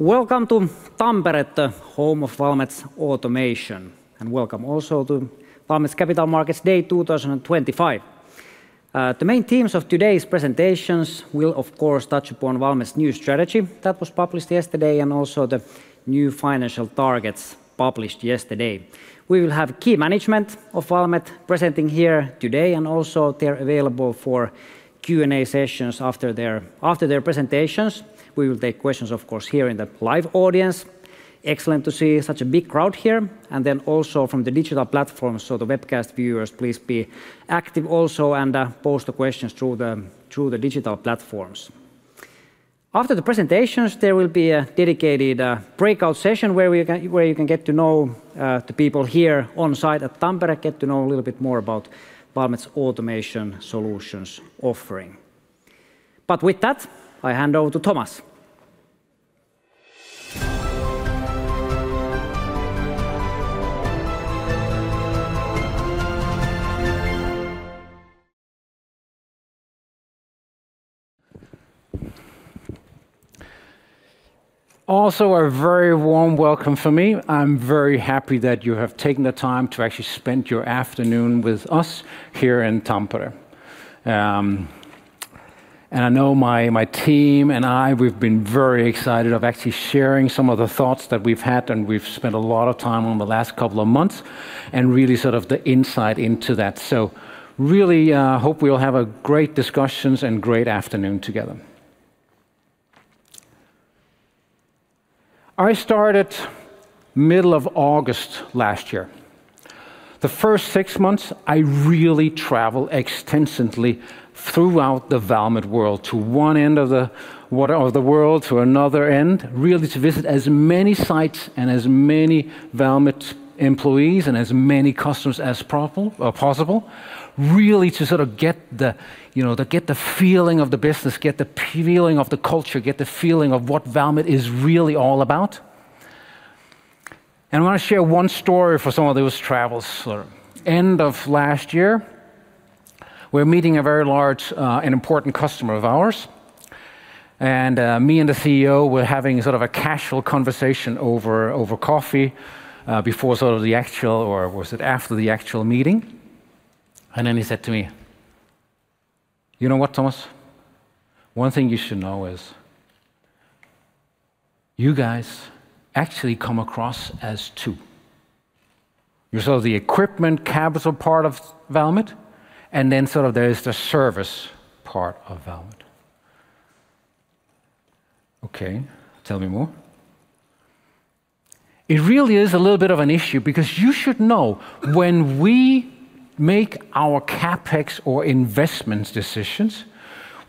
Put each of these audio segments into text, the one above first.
Welcome to Tampere, home of Valmet's automation, and welcome also to Valmet's Capital Markets Day 2025. The main themes of today's presentations will of course touch upon Valmet's new strategy that was published yesterday and also the new financial targets published yesterday. We will have key management of Valmet presenting here today and also they're available for Q&A sessions after their presentations. We will take questions, of course, here in the live audience. Excellent to see such a big crowd here and then also from the digital platforms. The webcast viewers, please be active also and post the questions through the digital platforms. After the presentations, there will be a dedicated breakout session where you can get to know the people here on site at Tampere, get to know a little bit more about Valmet's automation solutions offering. With that, I hand over to Thomas. Also a very warm welcome from me. I'm very happy that you have taken the time to actually spend your afternoon with us here in Tampere. I know my team and I, we've been very excited about actually sharing some of the thoughts that we've had and we've spent a lot of time on the last couple of months and really sort of the insight into that. I really hope we'll have great discussions and a great afternoon together. I started middle of August last year. The first six months, I really traveled extensively throughout the Valmet world. To one end of the world to another end, really to visit as many sites and as many Valmet employees and as many customers as possible, really to sort of get the, you know, get the feeling of the business, get the feeling of the culture, get the feeling of what Valmet is really all about. I want to share one story for some of those travels. End of last year, we were meeting a very large and important customer of ours and me and the CEO were having sort of a casual conversation over coffee before sort of the actual, or was it after the actual meeting? He said to me, you know what, Thomas, one thing you should know is you guys actually come across as two. You saw the equipment capital part of Valmet and then sort of there is the service part of Valmet. Okay, tell me more. It really is a little bit of an issue because you should know when we make our CapEx or investments decisions,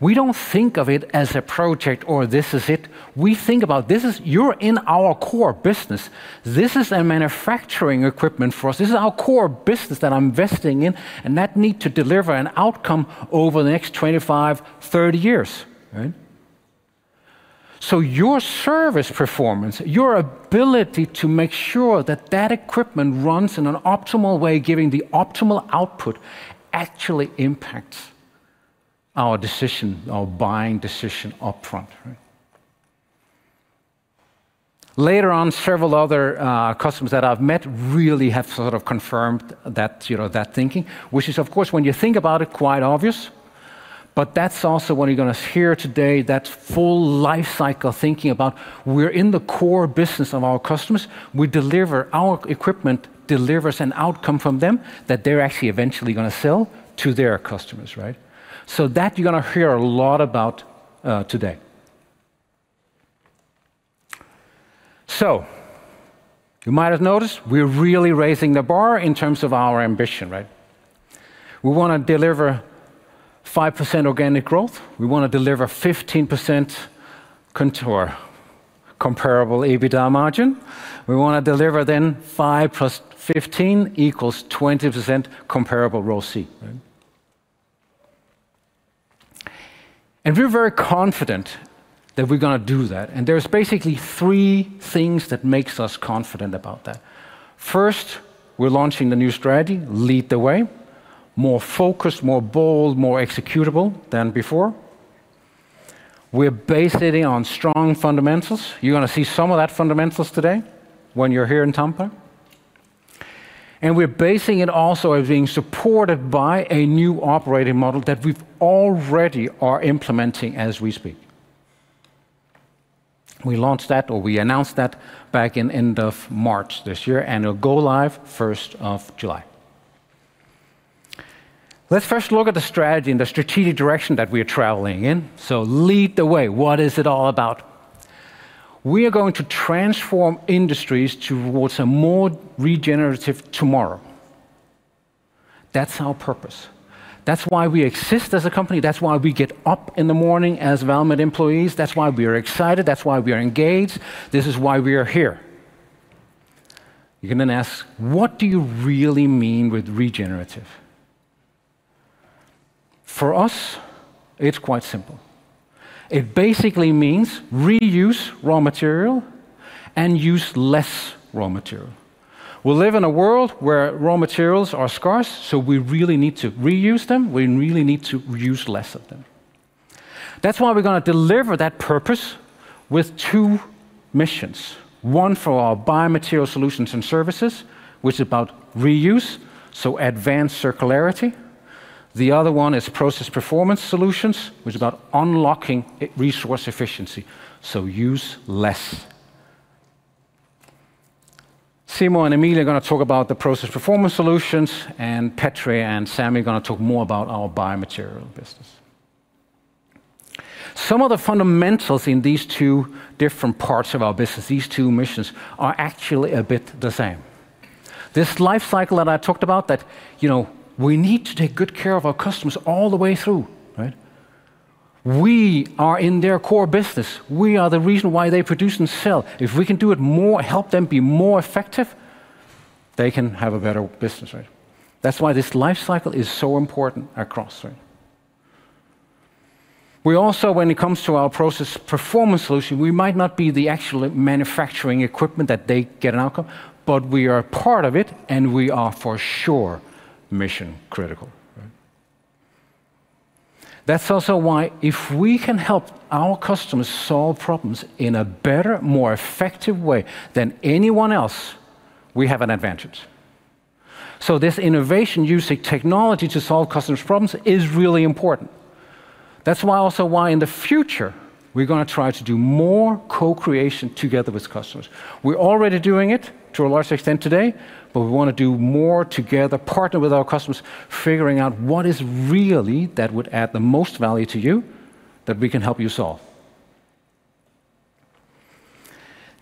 we don't think of it as a project or this is it. We think about this is you're in our core business. This is manufacturing equipment for us. This is our core business. That I'm investing in and that needs to deliver an outcome over the next 25, 30 years. Your service performance, your ability to make sure that that equipment runs in an optimal way, giving the optimal output actually impacts our decision, our buying decision upfront. Later on, several other customers that I've met really have sort of confirmed that, you know, that thinking, which is, of course, when you think about it, quite obvious. That is also what you're going to hear today. That full life cycle thinking about we're in the core business of our customers. We deliver our equipment, delivers an outcome for them that they're actually eventually going to sell to their customers, right? That you're going to hear a lot about today. You might have noticed we're really raising the bar in terms of our ambition, right? We want to deliver 5% organic growth. We want to deliver 15% comparable EBITDA margin. We want to deliver, then 5+15= 20% comparable ROCE. We're very confident that we're going to do that. There's basically three things that make us confident about that. First, we're launching the new strategy Lead the Way. More focused, more bold, more executable than before. We're basing on strong fundamentals. You're going to see some of that fundamentals today when you're here in Tampere. We're basing it also as being supported by a new operating model that we already are implementing as we speak. We announced that back in end of March this year, and it'll go live first of July. Let's first look at the strategy and the strategic direction that we are traveling in. Lead the Way. What is it all about? We are going to transform industries towards a more regenerative tomorrow. That's our purpose. That's why we exist as a company. That's why we get up in the morning as Valmet employees. That's why we are excited. That's why we are engaged. This is why we are here. You can then ask, what do you really mean with regenerative? For us, it's quite simple. It basically means reuse raw material and use less raw material. We live in a world where raw materials are scarce, so we really need to reuse them. We really need to use less of them. That's why we're going to deliver that purpose with two missions. One for our Biomaterial Solutions and Services, which is about reuse, so advanced circularity. The other one is Process Performance Solutions, which is about unlocking resource efficiency, so use less. Simo and Emilia are going to talk about the Process Performance Solutions and Petri and Sami are going to talk more about our biomaterial business. Some of the fundamentals in these two different parts of our business, these two missions are actually a bit the same. This life cycle that I talked about that, you know, we need to take good care of our customers all the way through, right? We are in their core business, we are the reason why they produce and sell. If we can do it more, help them be more effective, they can have a better business rate. That's why this life cycle is so important across. Also, when it comes to our Process Performance Solution, we might not be the actual manufacturing equipment that they get an outcome, but we are part of it and we are for sure mission critical. That's also why if we can help our customers solve problems in a better, more effective way than anyone else, we have an advantage. This innovation, using technology to solve customers' problems, is really important. That is also why in the future we are going to try to do more co-creation together with customers. We are already doing it to a large extent today, but we want to do more together, partner with our customers. Figuring out what is really that would add the most value to you that we can help you solve.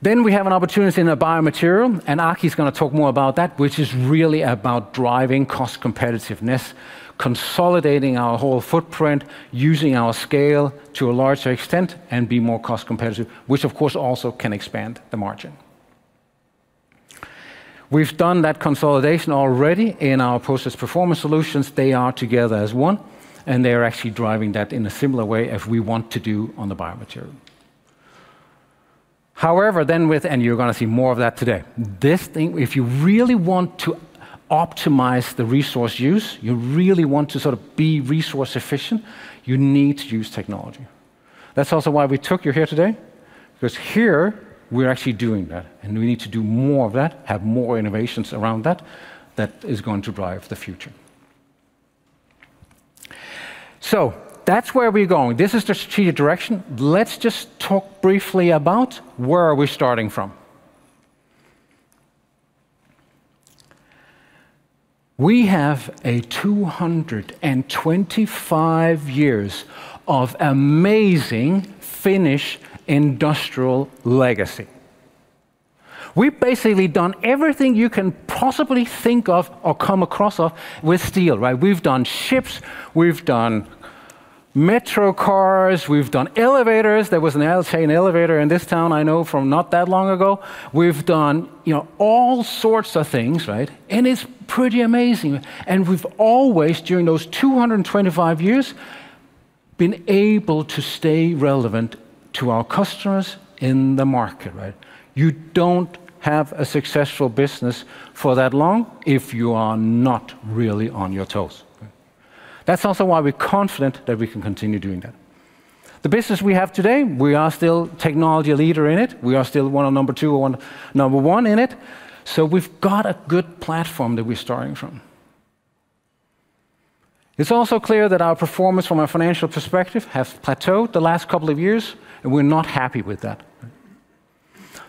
We have an opportunity in biomaterial, and Aki is going to talk more about that, which is really about driving cost competitiveness, consolidating our whole footprint, using our scale to a larger extent, and being more cost competitive, which of course also can expand the margin. We have done that consolidation already in our Process Performance Solutions. They are together as one, and they are actually driving that in a similar way as we want to do on the biomaterial. However, then with and you're gonna see more of that today. This thing, if you really want to optimize the resource use, you really want to sort of be resource efficient, you need to use technology. That's also why we took you here today, because here we're actually doing that and we need to do more of that, have more innovations around that that is going to drive the future. That is where we're going. This is the strategic direction. Let's just talk briefly about where are we starting from. We have a 225 years of amazing Finnish industrial legacy. We've basically done everything you can possibly think of or come across of with steel, right? We've done ships, we've done metro cars, we've done elevators. There was an L chain elevator in this town. I know from not that long ago, we've done all sorts of things and it's pretty amazing. We've always, during those 225 years, been able to stay relevant to our customers in the market. Right. You don't have a successful business for that long if you are not really on your toes. That's also why we're confident that we can continue doing that. The business we have today, we are still technology leader in it. We are still one of number two or number one in it. So we've got a good platform that we're starting from. It's also clear that our performance from a financial perspective has plateaued the last couple of years and we're not happy with that.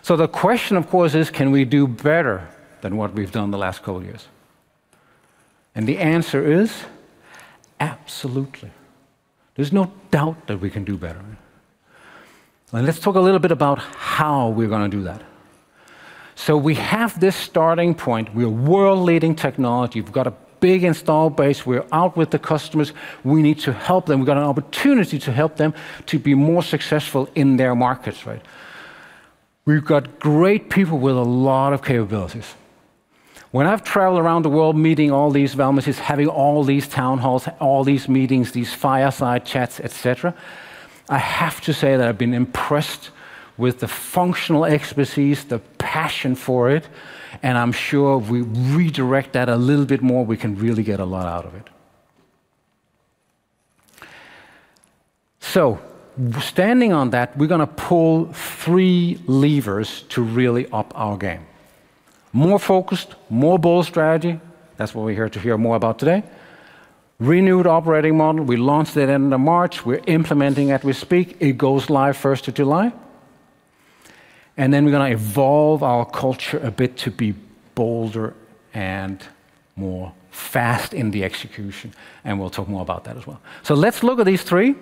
The question of course is, can we do better than what we've done the last couple years? The answer is absolutely, there's no doubt that we can do better. Let's talk a little bit about how we're going to do that. We have this starting point. We are world leading technology. We've got a big install base. We're out with the customers. We need to help them. We've got an opportunity to help them to be more successful in their markets. We've got great people with a lot of capabilities. When I've traveled around the world meeting all these, having all these town halls, all these meetings, these fireside chats, et cetera, I have to say that I've been impressed with the functional expertise, the passion for it. I'm sure if we redirect that a little bit more, we can really get a lot out of it. Standing on that, we're going to pull three levers to really up our game. More focused, more bold strategy. That is what we are here to hear more about today. Renewed operating model. We launched it in March, we are implementing as we speak, implementation. It goes live first of July. We are going to evolve our culture a bit to be bolder and more fast in the execution and we will talk more about that as well. Let us look at these three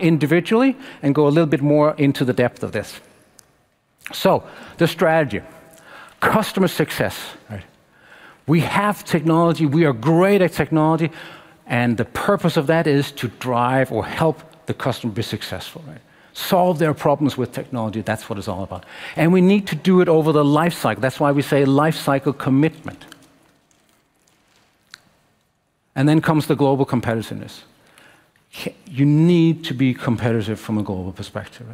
individually and go a little bit more into the depth of this. The strategy, customer success. We have technology. We are great at technology and the purpose of that is to drive or help the customer be successful, solve their problems with technology. That is what it is all about. We need to do it over the life cycle. That is why we say lifecycle commitment. Then comes the global competitiveness. You need to be competitive from a global perspective.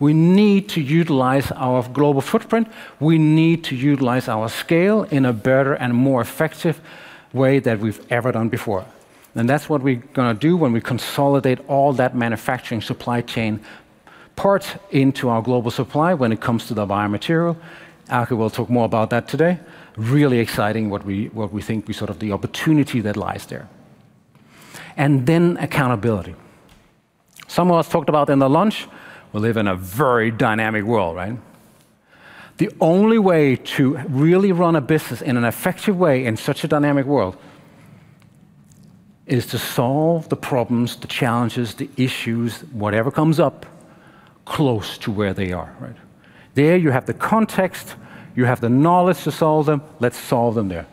We need to utilize our global footprint. We need to utilize our scale in a better and more effective way than we've ever done before. That is what we are gonna do when we consolidate all that manufacturing supply chain part into our global supply. When it comes to the biomaterial alcohol, we'll talk more about that today. Really exciting what we, what we think we sort of the opportunity that lies there. Accountability. Some of us talked about in the lunch. We live in a very dynamic world, right? The only way to really run a business in an effective way in such a dynamic world is to solve the problems, the challenges, the issues, whatever comes up close to where they are. You have the context, you have the knowledge to solve them. Let's solve them there.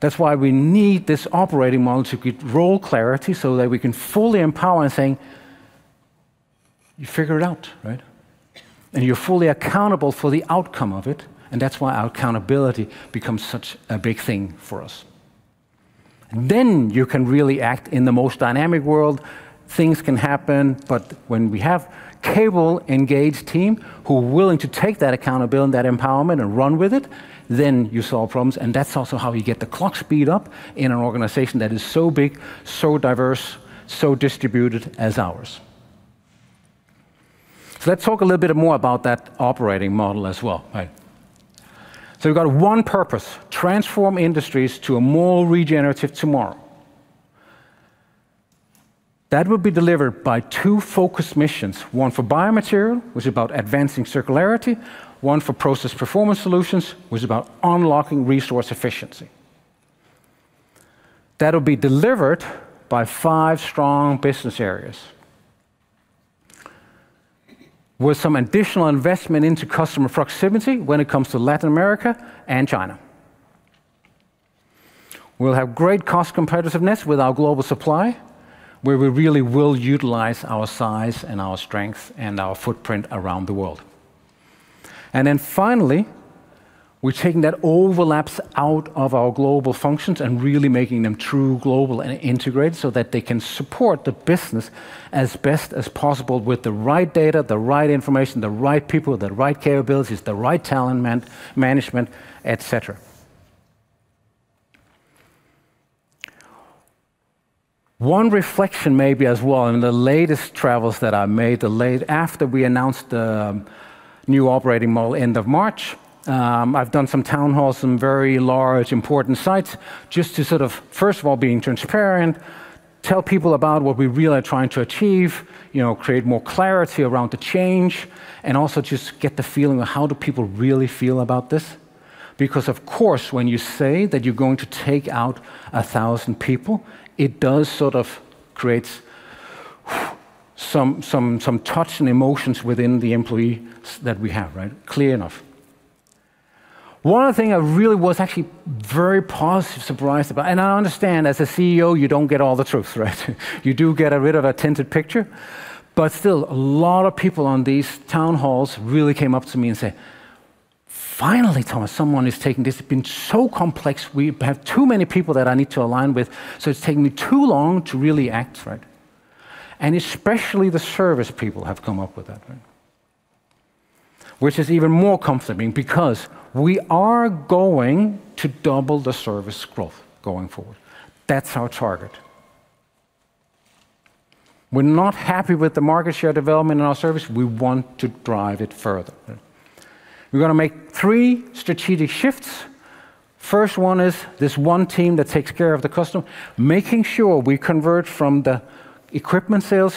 That's why we need this operating model to get role clarity so that we can fully empower and saying you figure it out, right? And you're fully accountable for the outcome of it. That's why our accountability becomes such a big thing for us. You can really act in the most dynamic world things can happen. When we have capable, engaged team who are willing to take that accountability, that empowerment and run with it, you solve problems. That's also how you get the clock speed up in an organization that is so big, so diverse, so distributed as ours. Let's talk a little bit more about that operating model as well. We've got one purpose, transform industries to a more regenerative tomorrow. That would be delivered by two focused missions. One for biomaterial, which is about advancing circularity. One for Process Performance Solutions which is about unlocking resource efficiency. That will be delivered by five strong business areas with some additional investment into customer proximity. When it comes to Latin America and China, we will have great cost competitiveness with our global supply where we really will utilize our size and our strength and our footprint around the world. Finally, we are taking that overlaps out of our global functions and really making them true global and integrated so that they can support the business as best as possible with the right data, the right information, the right people, the right capabilities, the right talent management, et cetera. One reflection maybe as well, in the latest travels that I made late after we announced the new operating model end of March. I've done some town halls, some very large important sites, just to sort of first of all being transparent, tell people about what we really are trying to achieve, create more clarity around the change and also just get the feeling of how do people really feel about this because of course when you say that you're going to take out 1,000 people, it does sort of create some touch and emotions within the employees that we have. Clear enough. One other thing I really was actually very positively surprised about and I understand as a CEO you don't get all the truth, right? You do get a bit of a tinted picture. Still, a lot of people on these town halls really came up to me and said finally Thomas, someone is taking this, been so complex. We have too many people that I need to align with. It's taken me too long to really act right. Especially the service people have come up with that, which is even more comforting because we are going to double the service growth going forward. That's our target. We're not happy with the market share development in our service. We want to drive it further. We're going to make three strategic shifts. First one is this one team that takes care of the customer, making sure we convert from the equipment sales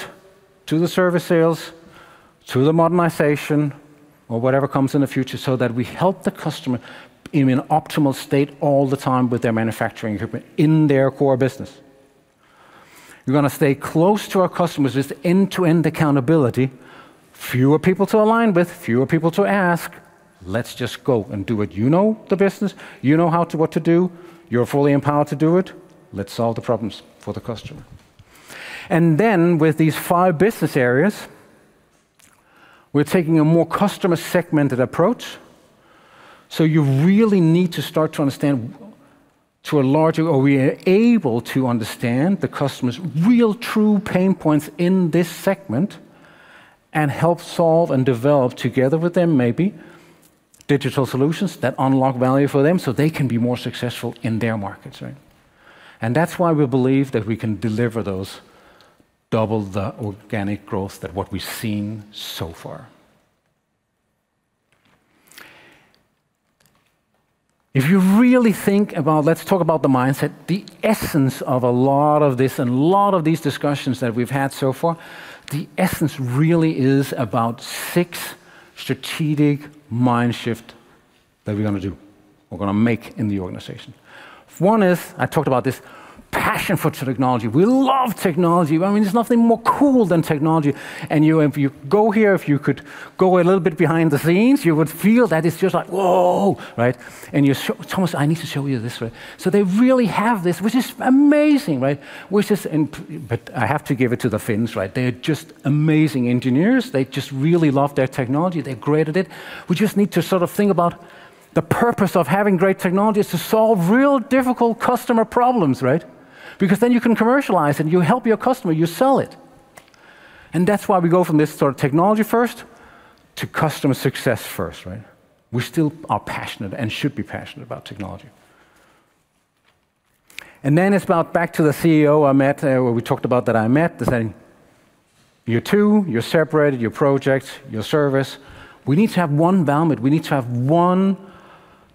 to the service sales to the modernization or whatever comes in the future so that we help the customer in an optimal state all the time with their manufacturing equipment in their core business. You're going to stay close to our customers with end-to-end accountability, fewer people to align with, fewer people to ask, let's just go and do it. You know the business, you know what to do, you're fully empowered to do it. Let's solve the problems for the customer. With these five business areas, we're taking a more customer-segmented approach. You really need to start to understand, or we are able to understand, the customer's real true pain points in this segment and help solve and develop together with them maybe digital solutions that unlock value for them so they can be more successful in their markets. Right. That is why we believe that we can deliver double the organic growth that we have seen so far. If you really think about it, let's talk about the mindset, the essence of a lot of this and a lot of these discussions that we have had so far. The essence really is about six strategic mind shifts that we are going to do, we are going to make in the organization. One is I talked about this passion for technology. We love technology. I mean there is nothing more cool than technology. If you go here, if you could go a little bit behind the scenes, you would feel that it is just like whoa, right. And you, Thomas, I need to show you this. Right. They really have this which is amazing, right? I have to give it to the Finns, right? They are just amazing engineers. They just really love their technology. They're great at it. We just need to sort of think about the purpose of having great technology is to solve real difficult customer problems, right? Because then you can commercialize and you help your customer, you sell it. That is why we go from this sort of technology first to customer success first. Right. We still are passionate and should be passionate about technology. Then it is about back to the CEO I met, where we talked about that I met, they said you are two, you are separated, your projects, your service. We need to have one. Valmet, we need to have one.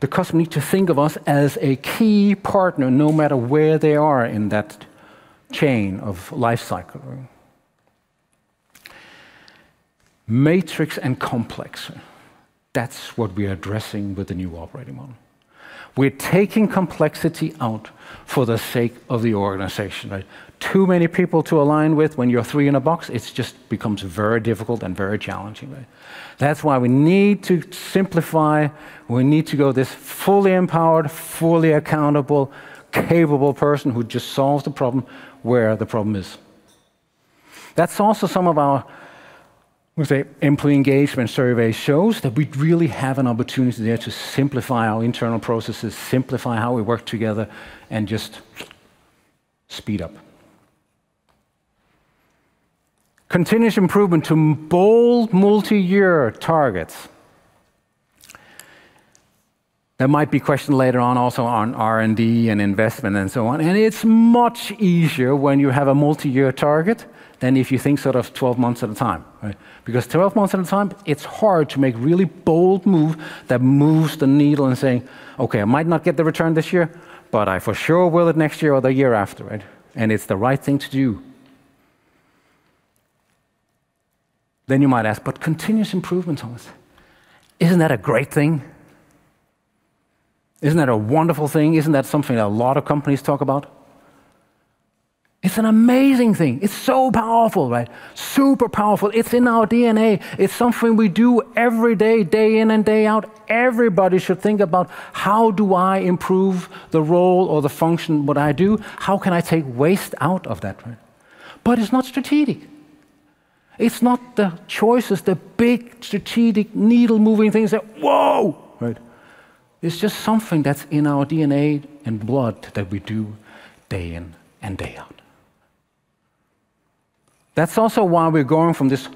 The customer need to think of us as a key partner no matter where they are in that chain of life cycle. Matrix and complex. That's what we are addressing with the new operating model. We're taking complexity out for the sake of the organization. Too many people to align with. When you're three in a box, it just becomes very difficult and very challenging. That's why we need to simplify. We need to go this fully empowered, fully accountable, capable person who just solves the problem where the problem is. That's also some of our employee engagement survey shows that we really have an opportunity there to simplify our internal processes, simplify how we work together and just speed up. Continuous improvement to bold multi-year targets. There might be question later on also on R&D and investment and so on. It is much easier when you have a multi-year target than if you think sort of 12 months at a time. Because 12 months at a time, it is hard to make a really bold move that moves the needle and saying, okay, I might not get the return this year, but I for sure will it next year or the year after. It is the right thing to do. You might ask, but continuous improvement, Thomas, is not that a great thing? Is not that a wonderful thing? Is not that something a lot of companies talk about? It is an amazing thing. It is so powerful, right? Super powerful. It is in our DNA. It is something we do every day, day in and day out. Everybody should think about how do I improve the role or the function, what I do, how can I take waste out of that? It is not strategic. It's not the choices. The big strategic needle moving things. Whoa. It's just something that's in our DNA and blood that we do day in and day out. That's also why we're going from this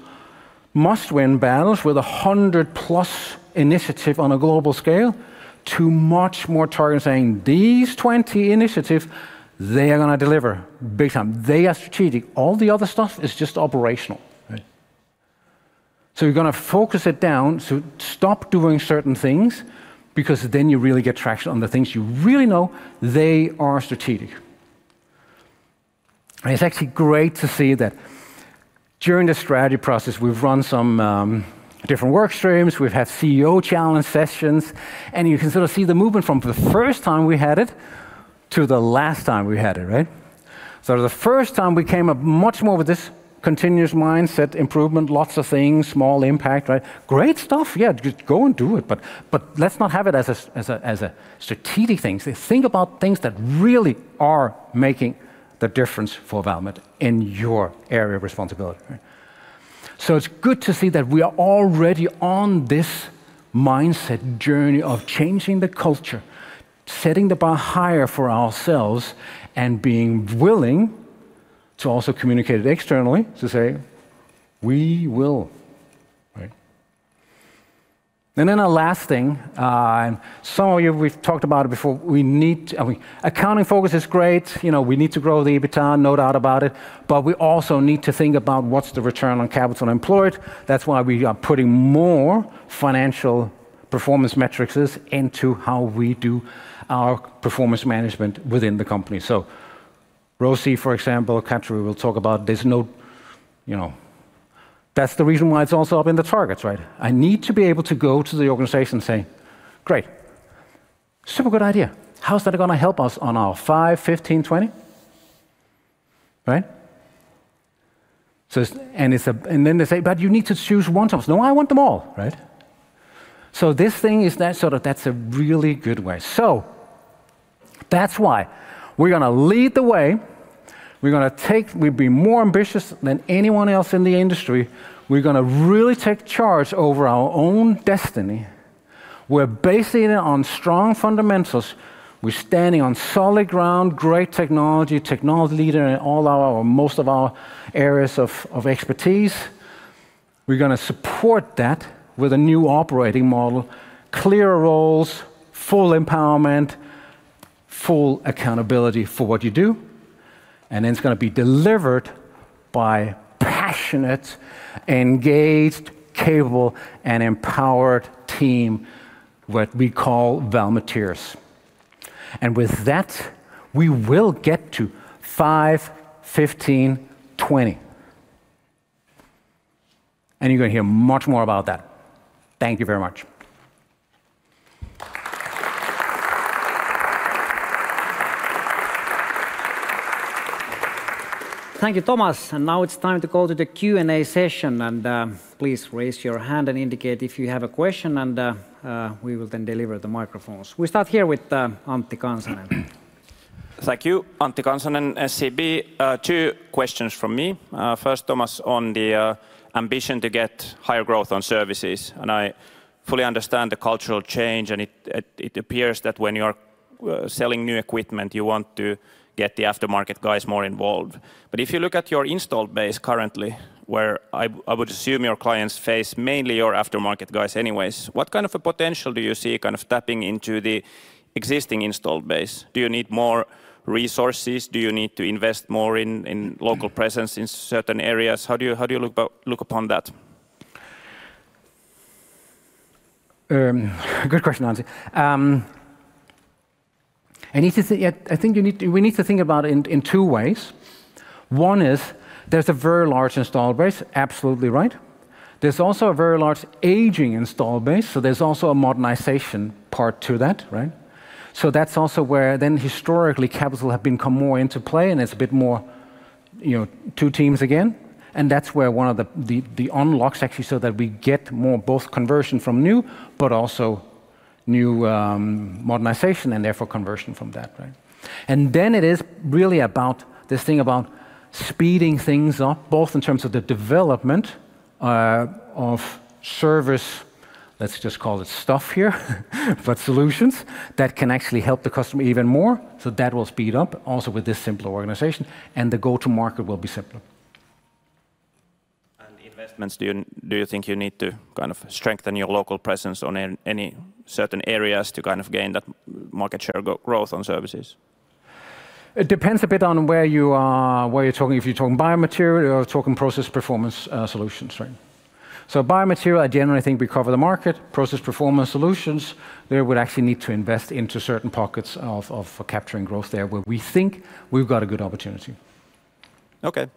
must win battles with 100+ initiative on a global scale to much more target saying these 20 initiative, they are going to deliver big time. They are strategic. All the other stuff is just operational. You're going to focus it down to stop doing certain things because then you really get traction on the things you really know they are strategic. It's actually great to see that. During the strategy process we've run some different work streams. We've had CEO challenge sessions, and you can sort of see the movement from the first time we had it to the last time we had it. Right. The first time we came up much more with this continuous mindset improvement. Lots of things, small impact, great stuff. Yeah, just go and do it. Let's not have it as a strategic thing. Think about things that really are making the difference for Valmet in your area of responsibility. It's good to see that we are already on this mindset journey of changing the culture, setting the bar higher for ourselves and being willing to also communicate it externally to say we will. The last thing, some of you, we've talked about it before. We need accounting focus, it's great. We need to grow the EBITDA, no doubt about it. We also need to think about what's the return on capital employed. That's why we are putting more financial performance metrics into how we do our performance management within the company. ROCE, for example, capture, we will talk about. There's no, you know, that's the reason why it's also up in the targets. Right. I need to be able to go to the organization, say great, super good idea. How's that going to help us on our five, 15, 20. Right. It's a, and then they say, but you need to choose one source. No, I want them all. This thing is that sort of, that's a really good way. That's why we're going to lead the way. We're going to take, we'd be more ambitious than anyone else in the industry. We're going to really take charge over our own destiny. We're basing it on strong fundamentals. We're standing on solid ground, great technology, technology leader in all our, most of our areas of expertise. We're going to support that with a new operating model, clearer roles, full empowerment, full accountability for what you do. It is going to be delivered by passionate, engaged, capable, and empowered team, what we call Valmeteers. With that we will get to five, 15, 20 and you are going to hear much more about that. Thank you very much. Thank you, Thomas. Now it is time to go to the Q&A session. Please raise your hand and indicate if you have a question. We will then deliver the microphones. We start here with Antti Kansanen. Thank you. Antti Kansanen, SEB. Two questions from me. First, Thomas, on the ambition to get higher growth on services. I fully understand the cultural change and it appears that when you are selling new equipment, you want to get the aftermarket guys more involved. If you look at your installed base currently, where I would assume your clients face mainly your aftermarket guys anyways, what kind of a potential do you see kind of tapping into the existing installed base? Do you need more resources? Do you need to invest more in local presence in certain areas? How do you look upon that? Good question. I think we need to think about it in two ways. One is there's a very large installed base. Absolutely right. There's also a very large aging installed base. There is also a modernization part to that. That is also where then historically capital have been come more into play and it's a bit more two teams again. That is where one of the unlocks actually so that we get more both conversion from new, but also new modernization and therefore conversion from that. It is really about this thing about speeding things up both in terms of the development of service, let's just call it stuff here, but solutions that can actually help the customer even more. That will speed up also with this simpler organization and the go to market will be simpler. Do you think you need to kind of strengthen your local presence on any certain areas to kind of gain that market share growth on services? It depends a bit on where you are, where you're talking. If you're talking biomaterial or talking Process Performance Solutions. Right. So biomaterial, I generally think we cover the market. Process Performance Solutions, they would actually need to invest into certain pockets of capturing growth there where we think we've got a good opportunity. Okay.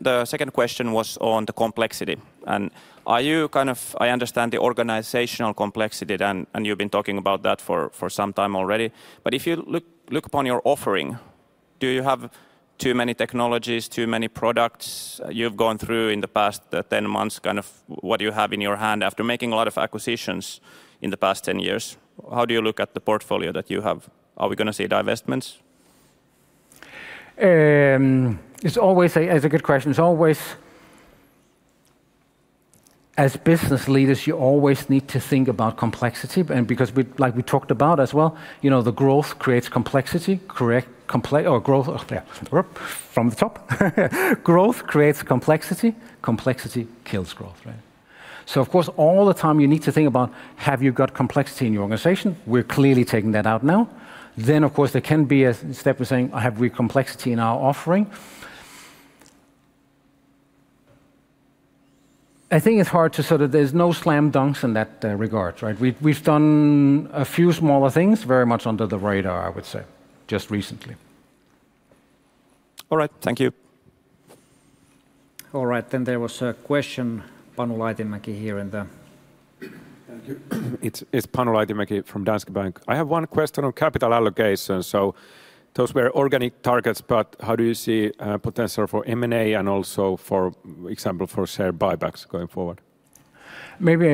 The second question was on the complexity and are you kind of, I understand the organizational complexity and you've been talking about that for some time already. If you look upon your offering, do you have too many technologies, too many products, you've gone through in the past 10 months, kind of what you have in your hand after making a lot of acquisitions in the past 10 years, how do you look at the portfolio that you have? Are we going to see divestments? It's always, a good question. It's always, as business leaders you always need to think about complexity and because like we talked about as well, you know, growth creates complexity. Correct. Complex or growth from the top. Growth creates complexity, complexity kills growth. Right. Of course all the time you need to think about have you got complexity in your organization? We're clearly taking that out now. Of course there can be a step of saying I have real complexity in our offering. I think it's hard to sort of. There's no slam dunks in that regard. Right. We've done a few smaller things very much under the radar, I would say, just recently. All right, thank you. All right. There was a question. Panu Laitinmäki here in the. Thank you. It's Panu Laitinmäki from Danske Bank. I have one question on capital allocation. Those were organic targets, but how do you see potential for M&A and also for example for share buybacks going forward? Maybe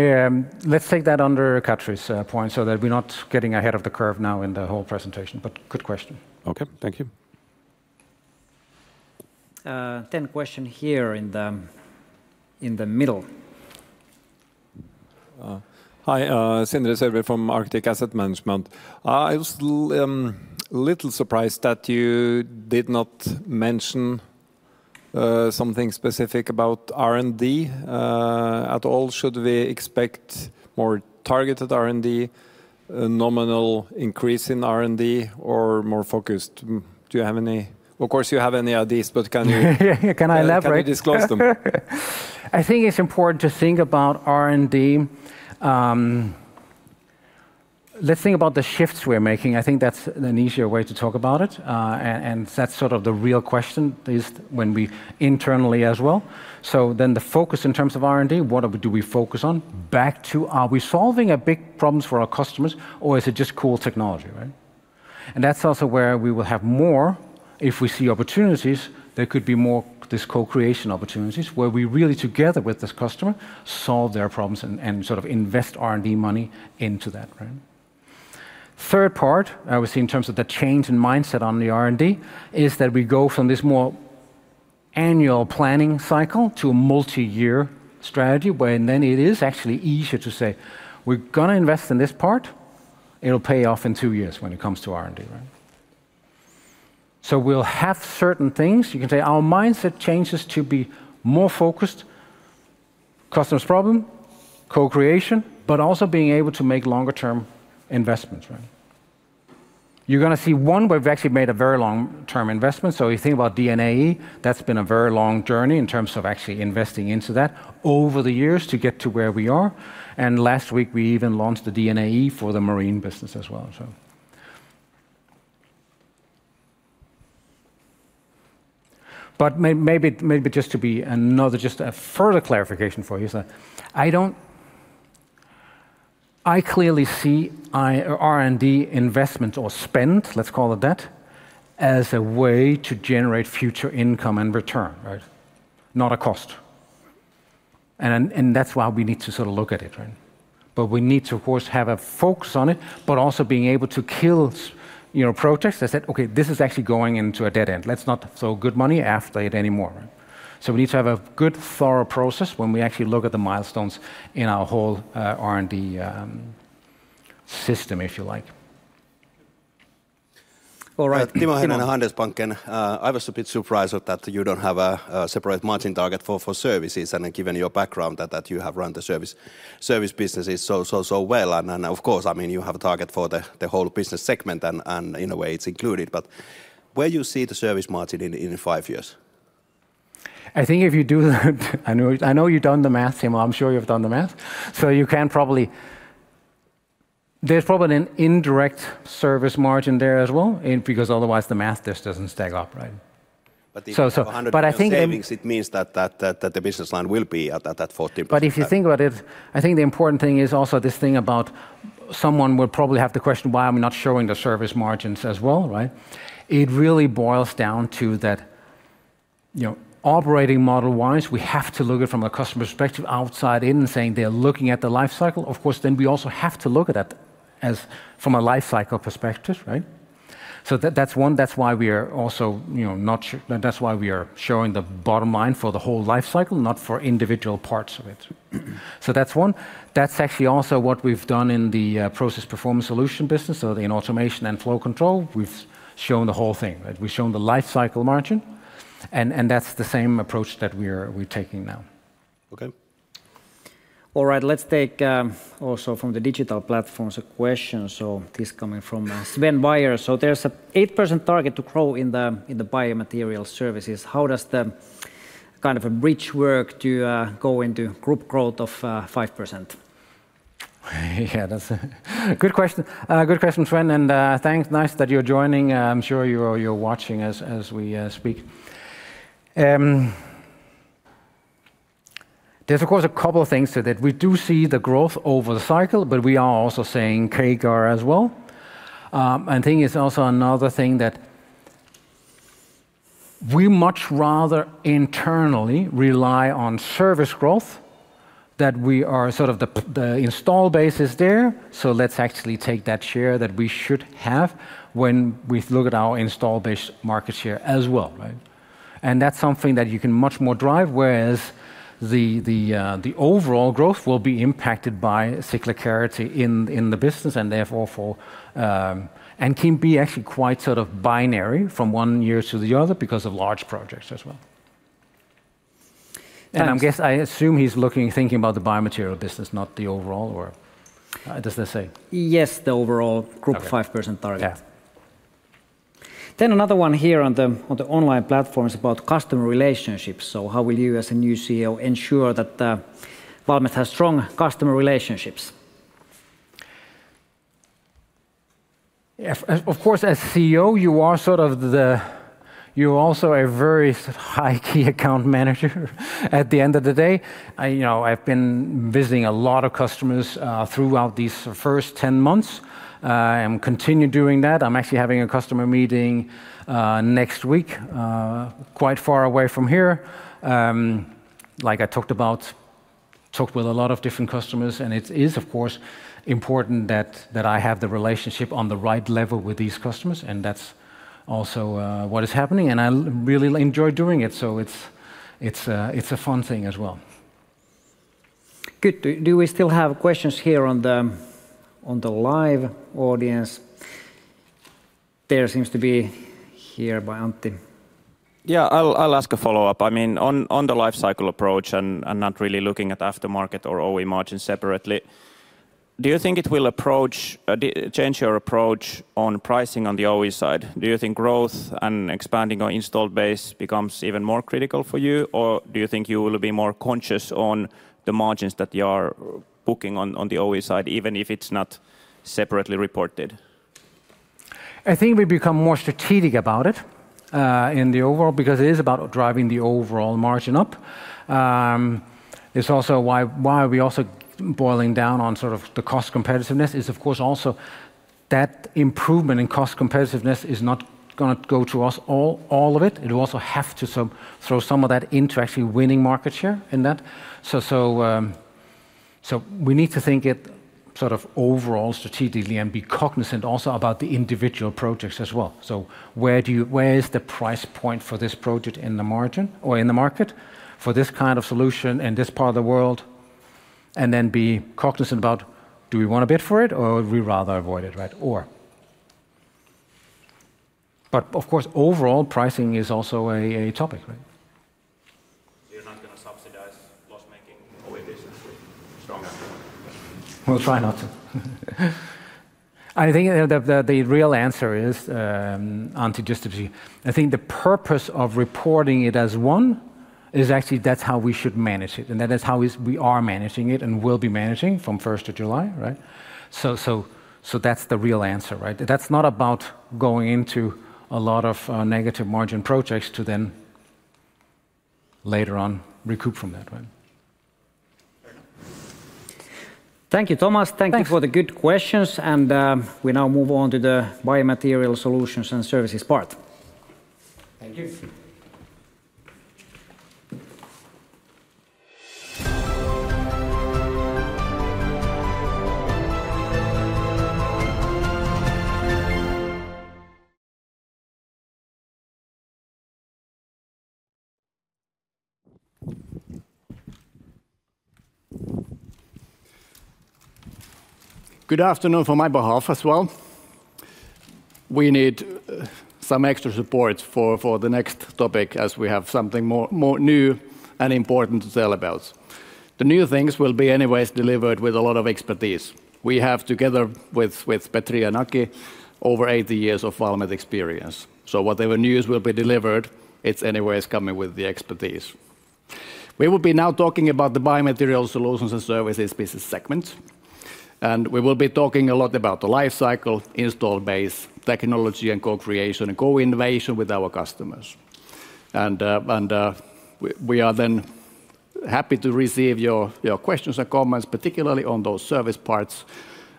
let's take that under Katri's point so that we're not getting ahead of the curve now in the whole presentation. Good question. Okay, thank you. Then question here in the, in the middle. Hi, Sindre Soerbye from Arctic Asset Management. I was a little surprised that you did not mention something specific about R&D at all. Should we expect more targeted R&D, nominal increase in R&D or more focused? Do you have any? Of course you have any ideas, but can you. Can I elaborate? Disclose them. I think it's important to think about R&D. Let's think about the shifts we're making. I think that's an easier way to talk about it. That is sort of the real question, is when we. Internally as well. Then the focus in terms of R&D, what do we focus on? Back to are we solving big problems for our customers or is it just cool technology? Right. That's also where we will have more. If we see opportunities, there could be more of these co-creation opportunities where we really together with this customer solve their problems and sort of invest R&D money into that. The third part we see in terms of the change in mindset on the R&D is that we go from this more annual planning cycle to a multi-year strategy where then it is actually easier to say we're going to invest in this part. It'll pay off in two years when it comes to R&D. We will have certain things. You can say our mindset changes to be more focused on customers, problem co-creation, but also being able to make longer term investments. Right. You're going to see one where we've actually made a very long-term investment. You think about DNAe, that's been a very long journey in terms of actually investing into that over the years to get to where we are. Last week we even launched the DNAe for the marine business as well. Maybe just to be another, just a further clarification for you, I clearly see R&D investments or spend, let's call it that, as a way to generate future income and return, not a cost. That's why we need to sort of look at it, right. We need to of course have a focus on it, but also be able to kill projects that said, okay, this is actually going into a dead end. Let's not throw good money after it anymore. We need to have a good thorough process when we actually look at the milestones in our whole R&D system, if you like. All right, Timo Heinonen, Handelsbanken. I was a bit surprised that you do not have a separate margin target for services and again given your background that you have run the service businesses so, so well. I mean you have a target for the whole business segment and in a way it is included. Where do you see the service margin in five years? I think if you do that, I know you've done the math, Timo, I'm sure you've done the math. You can probably, there's probably an indirect service margin there as well because otherwise the math just doesn't stack up. Right. Savings, it means that the business line will be at that 40%. If you think about it, I think the important thing is also this thing about someone will probably have the question why I'm not showing the service margins as well. Right. It really boils down to that operating model wise we have to look at from a customer perspective outside in and saying they're looking at the lifecycle, of course, then we also have to look at that from a lifecycle perspective. That's one. That's why we are also, you know, not that's why we are showing the bottom line for the whole lifecycle, not for individual parts of it. That's one. That's actually also what we've done in the Process Performance Solution business. In automation and flow control we've shown the whole thing, we've shown the lifecycle margin and that's the same approach that we are, we're taking now. Okay. All right, let's take a, also from the digital platforms, a question. This coming from Sven Weier. There's a 8% target to grow in the biomaterial services. How does the kind of a bridge work to go into group growth of 5%? Yeah, that's a good question. Good question, Sven. And thanks, nice that you're joining. I'm sure you're watching as we speak. There's of course a couple of things to that. We do see the growth over the cycle, but we are also saying CAGR as well. I think it's also another thing that we much rather internally rely on service growth, that we are, sort of, the install base is there. So let's actually take that share that we should have when we look at our install base markets here as well. Right. That's something that you can much more drive. The overall growth will be impacted by cyclicality in the business and therefore can be actually quite sort of binary from one year to the other because of large projects as well. I guess I assume he's looking, thinking about the biomaterial business, not the overall. Or does that say. Yes, the overall group 5% target. Then another one here on the online platform is about customer relationships. How will you as a new CEO ensure that Valmet has strong customer relationships? Of course as CEO you are sort of the, you're also a very high key account manager at the end of the day. I've been visiting a lot of customers throughout these first 10 months and continue doing that. I'm actually having a customer meeting next week quite far away from here. Like I talked about, talked with a lot of different customers and it is of course important that I have the relationship on the right level with these customers and that's also what is happening and I really enjoy doing it. It is a fun thing as well. Good. Do we still have questions here on the live audience? There seems to be here by Antti. Yeah, I'll ask a follow up. I mean on the lifecycle approach and not really looking at aftermarket or OE margins separately. Do you think it will change your approach on pricing on the OE side? Do you think growth and expanding our installed base becomes even more critical for you or do you think you will be more conscious on the margins that you are booking on the OE side even if it's not separately reported? I think we become more strategic about it overall because it is about driving the overall margin up. It's also why we are also boiling down on sort of the cost competitiveness. Of course, also that improvement in cost competitiveness is not going to go to us, all of it. It also has to throw some of that into actually winning market share in that. We need to think it overall strategically and be cognizant also about the individual projects as well. Where is the price point for this project in the margin or in the market for this kind of solution in this part of the world? Then be cognizant about do we want to bid for it or we rather avoid it. Of course, overall pricing is also a topic. You're not going to subsidize loss making stronger? We'll try not to. I think the real answer is Antti, I think the purpose of reporting it as one is actually that's how we should manage it and that is how we are managing it and will be managing from 1st of July. Right. That's the real answer. That's not about going into a lot of negative margin projects to then later on recoup from that. Right. Thank you, Thomas. Thank you for the good questions. We now move on to the Biomaterial Solutions and Services part. Thank you. Good afternoon for my behalf as well. We need some extra support for the next topic as we have something more new and important to tell about. The new things will be delivered with a lot of expertise. We have together with Petri and Aki over 80 years of Valmet experience. So whatever news will be delivered it's coming with the expertise. We will be now talking about the Biomaterial Solutions and Services business segment and we will be talking a lot about the lifecycle install base technology and co-creation and co-innovation with our customers and we are then happy to receive your questions and comments particularly on those service parts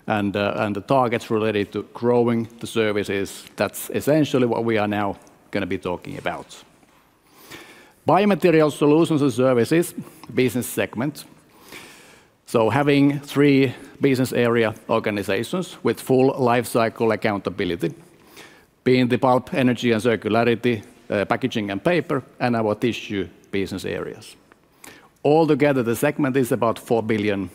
and the targets related to growing the services. That's essentially what we are now going to be talking about. Biomaterial Solutions and Services business segment. Having three business area organizations with full life cycle accountability being the Pulp, Energy and Circularity, Packaging and Paper, and our Tissue business areas. Altogether the segment is about 4 billion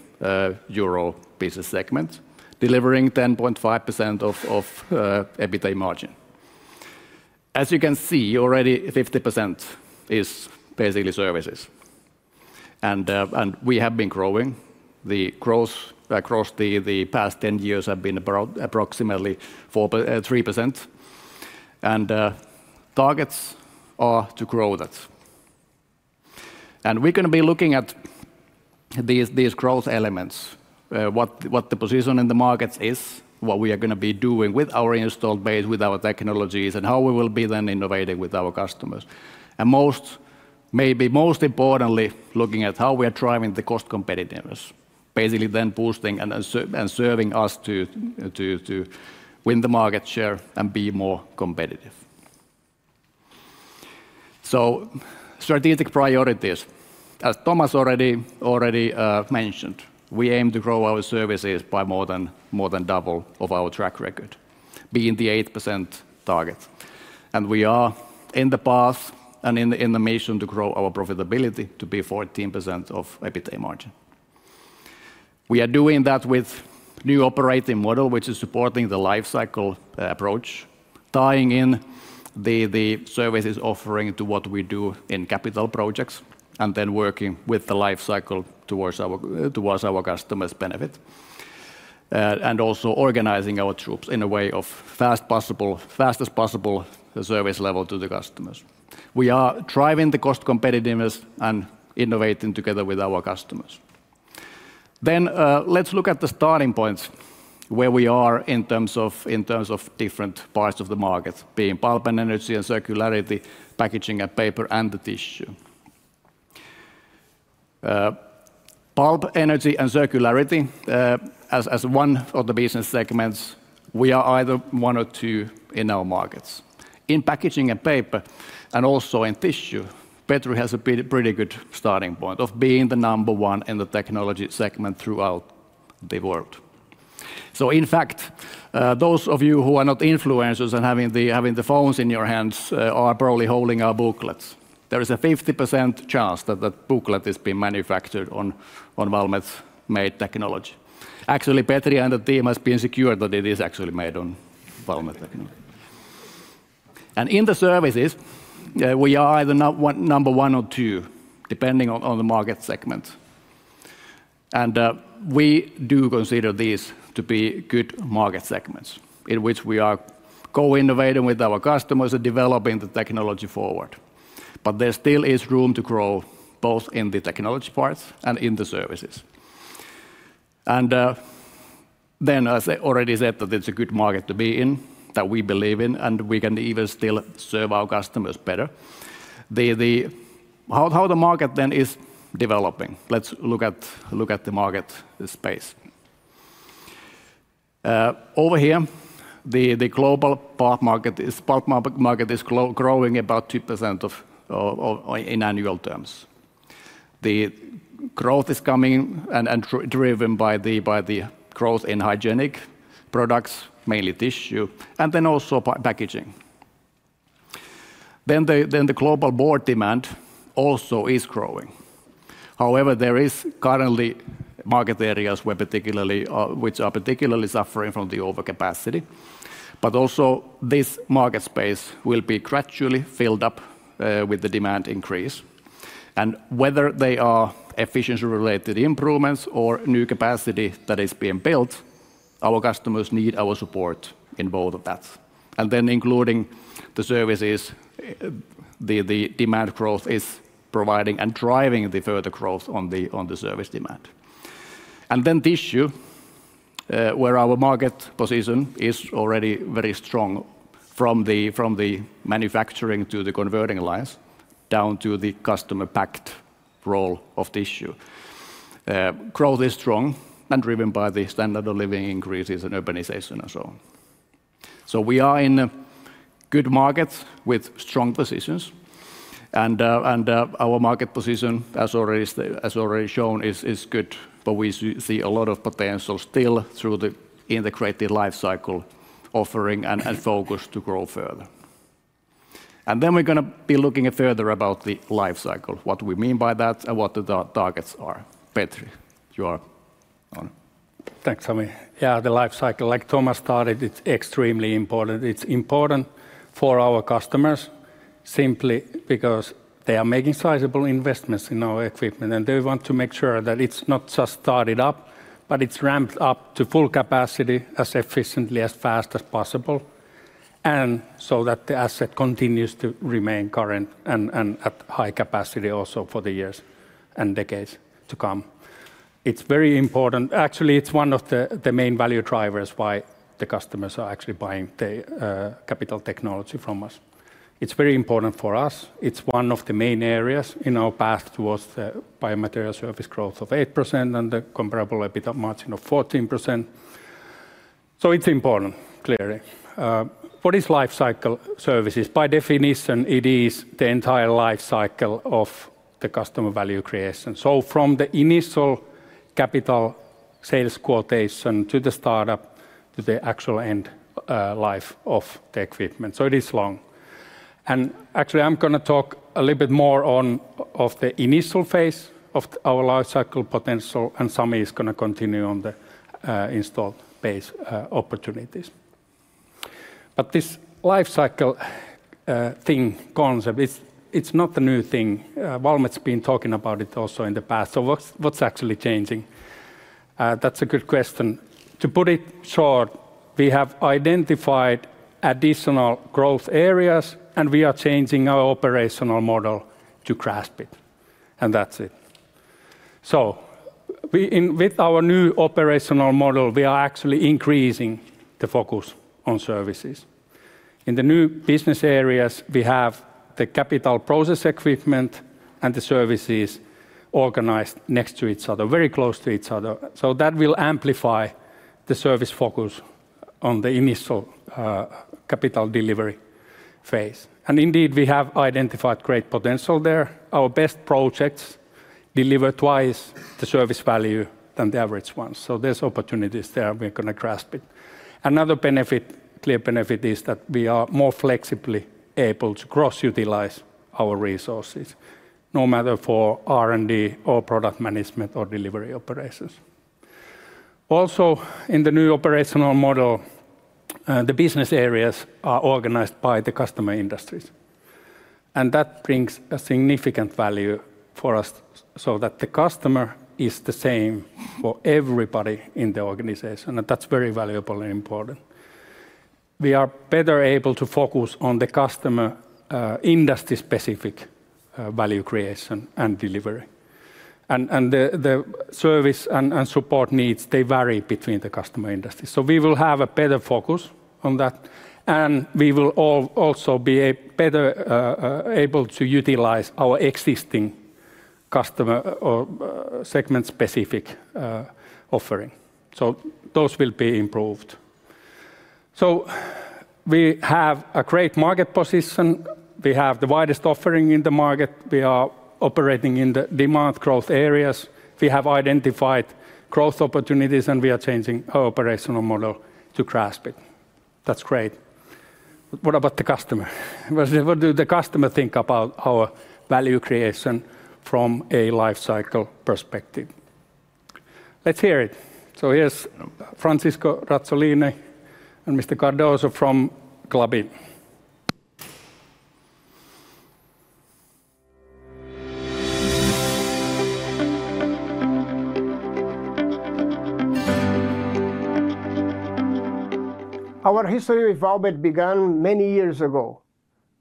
euro business segments delivering 10.5% of EBITDA margin. As you can see already 50% is basically services and we have been growing. The growth across the past 10 years has been approximately 3% and targets are to grow that and we are going to be looking at these growth elements, what the position in the market is, what we are going to be doing with our installed base, with our technologies and how we will be then innovating with our customers. Most importantly, looking at how we are driving the cost competitiveness, basically then boosting and serving us to win the market share and be more competitive. Strategic priorities. As Thomas already mentioned, we aim to grow our services by more than double of our track record being the 8% target. We are in the path and in the mission to grow our profitability to be 14% of EBITDA margin. We are doing that with new operating model which is supporting the lifecycle approach, tying in the services, offering to what we do in capital projects and then working with the lifecycle towards our customers' benefit. We are also organizing our troops in a way of fastest possible service level to the customers. We are driving the cost competitiveness and innovating together with our customers. Let's look at the starting points where we are in terms of different parts of the market being Pulp and Energy and Circularity, Packaging and Paper and the Tissue. Pulp, Energy and Circularity. As one of the business segments, we are either one or two in our markets. In Packaging and Paper and also in Tissue. Petri has a pretty good starting point of being the number one in the technology segment throughout the world. In fact, those of you who are not influencers and having the phones in your hands are only holding our booklets, there is a 50% chance that that booklet is being manufactured on Valmet's made technology. Actually, Petri and the team have been secured that it is actually made on Valmet technology. In the services. We are either number one or two depending on the market segment. We do consider these to be good market segments in which we are co-innovating with our customers and developing the technology forward. There still is room to grow both in the technology parts and in the services. As I already said, it's a good market to be in that we believe in, and we can even still serve our customers better. How the market then is developing? Let's look at the market space over here. The global part market is growing about 2% in annual terms. The growth is coming and driven by the growth in hygienic products, mainly tissue, and also packaging. The global board demands also is growing. However, there are currently market areas which are particularly suffering from the overcapacity. This market space will be gradually filled up with the demand increase and whether they are efficiency related improvements or new capacity that is being built. Our customers need our support in both of that and then including the service is the demand growth is providing and driving the further growth on the service demand, and then tissue where our market position is already very strong from the manufacturing to the converting lines down to the customer pact role of Tissue growth is strong and driven by the standard of living, increases in urbanization and so on. We are in good markets with strong positions and our market position as already shown is good. We see a lot of potential still through the integrated life cycle offering and focus to grow further. We are going to be looking at further about the life cycle, what we mean by that and what the targets are. Petri, you are on. Thanks, Sami. Yeah, the life cycle like Thomas started, it's extremely important. It's important for our customers simply because they are making sizable investments in our equipment and they want to make sure that it's not just started up, but it's ramped up to full capacity as efficiently as fast as possible and so that the asset continues to remain current and at high capacity also for the years and decades to come. It's very important actually. It's one of the main value drivers why the customers are actually buying the capital technology from us. It's very important for us. It's one of the main areas in our past was biomaterial service growth of 8% and the comparable EBITDA margin of 14%. It's important clearly what is life cycle services? By definition, it is the entire life cycle of the customer value creation. From the initial capital sales quotation to the startup to the actual end life of the equipment, it is long and actually I'm gonna talk a little bit more on the initial phase of our lifecycle potential and Sami is gonna continue on the installed base opportunities. This lifecycle thing concept, it's not a new thing. Valmet's been talking about it also in the past. What's actually changing? That's a good question. To put it short, we have identified additional growth areas and we are changing our operational model to grasp it. That's it. With our new operational model, we are actually increasing the focus on services in the new business areas. We have the capital process equipment and the services organized next to each other, very close to each other. That will amplify the service focus on the initial capital delivery phase. And indeed we have identified great potential there. Our best projects deliver twice the service value than the average one. There are opportunities there, we're gonna grasp it. Another benefit, clear benefit, is that we are more flexibly able to cross utilize our resources, no matter for R&D or product management or delivery operations. Also in the new operational model, the business areas are organized by the customer industries and that brings a significant value for us so that the customer is the same for everybody in the organization and that's very valuable and important. We are better able to focus on the customer industry specific value creation and delivery, and the service and support needs, they vary between the customer industry, so we will have a better focus on that, and we will also be better able to utilize our existing customer or segment specific offering. Those will be improved. We have a great market position. We have the widest offering in the market, we are operating in the demand growth areas, we have identified growth opportunities, and we are changing our operational model to grasp it. That's great. What about the customer? What do the customers think about our value creation from a lifecycle perspective? Let's hear it. Here is Francisco Razzolini and Mr. Cardoso from Klabin. Our history with Valmet began many years ago,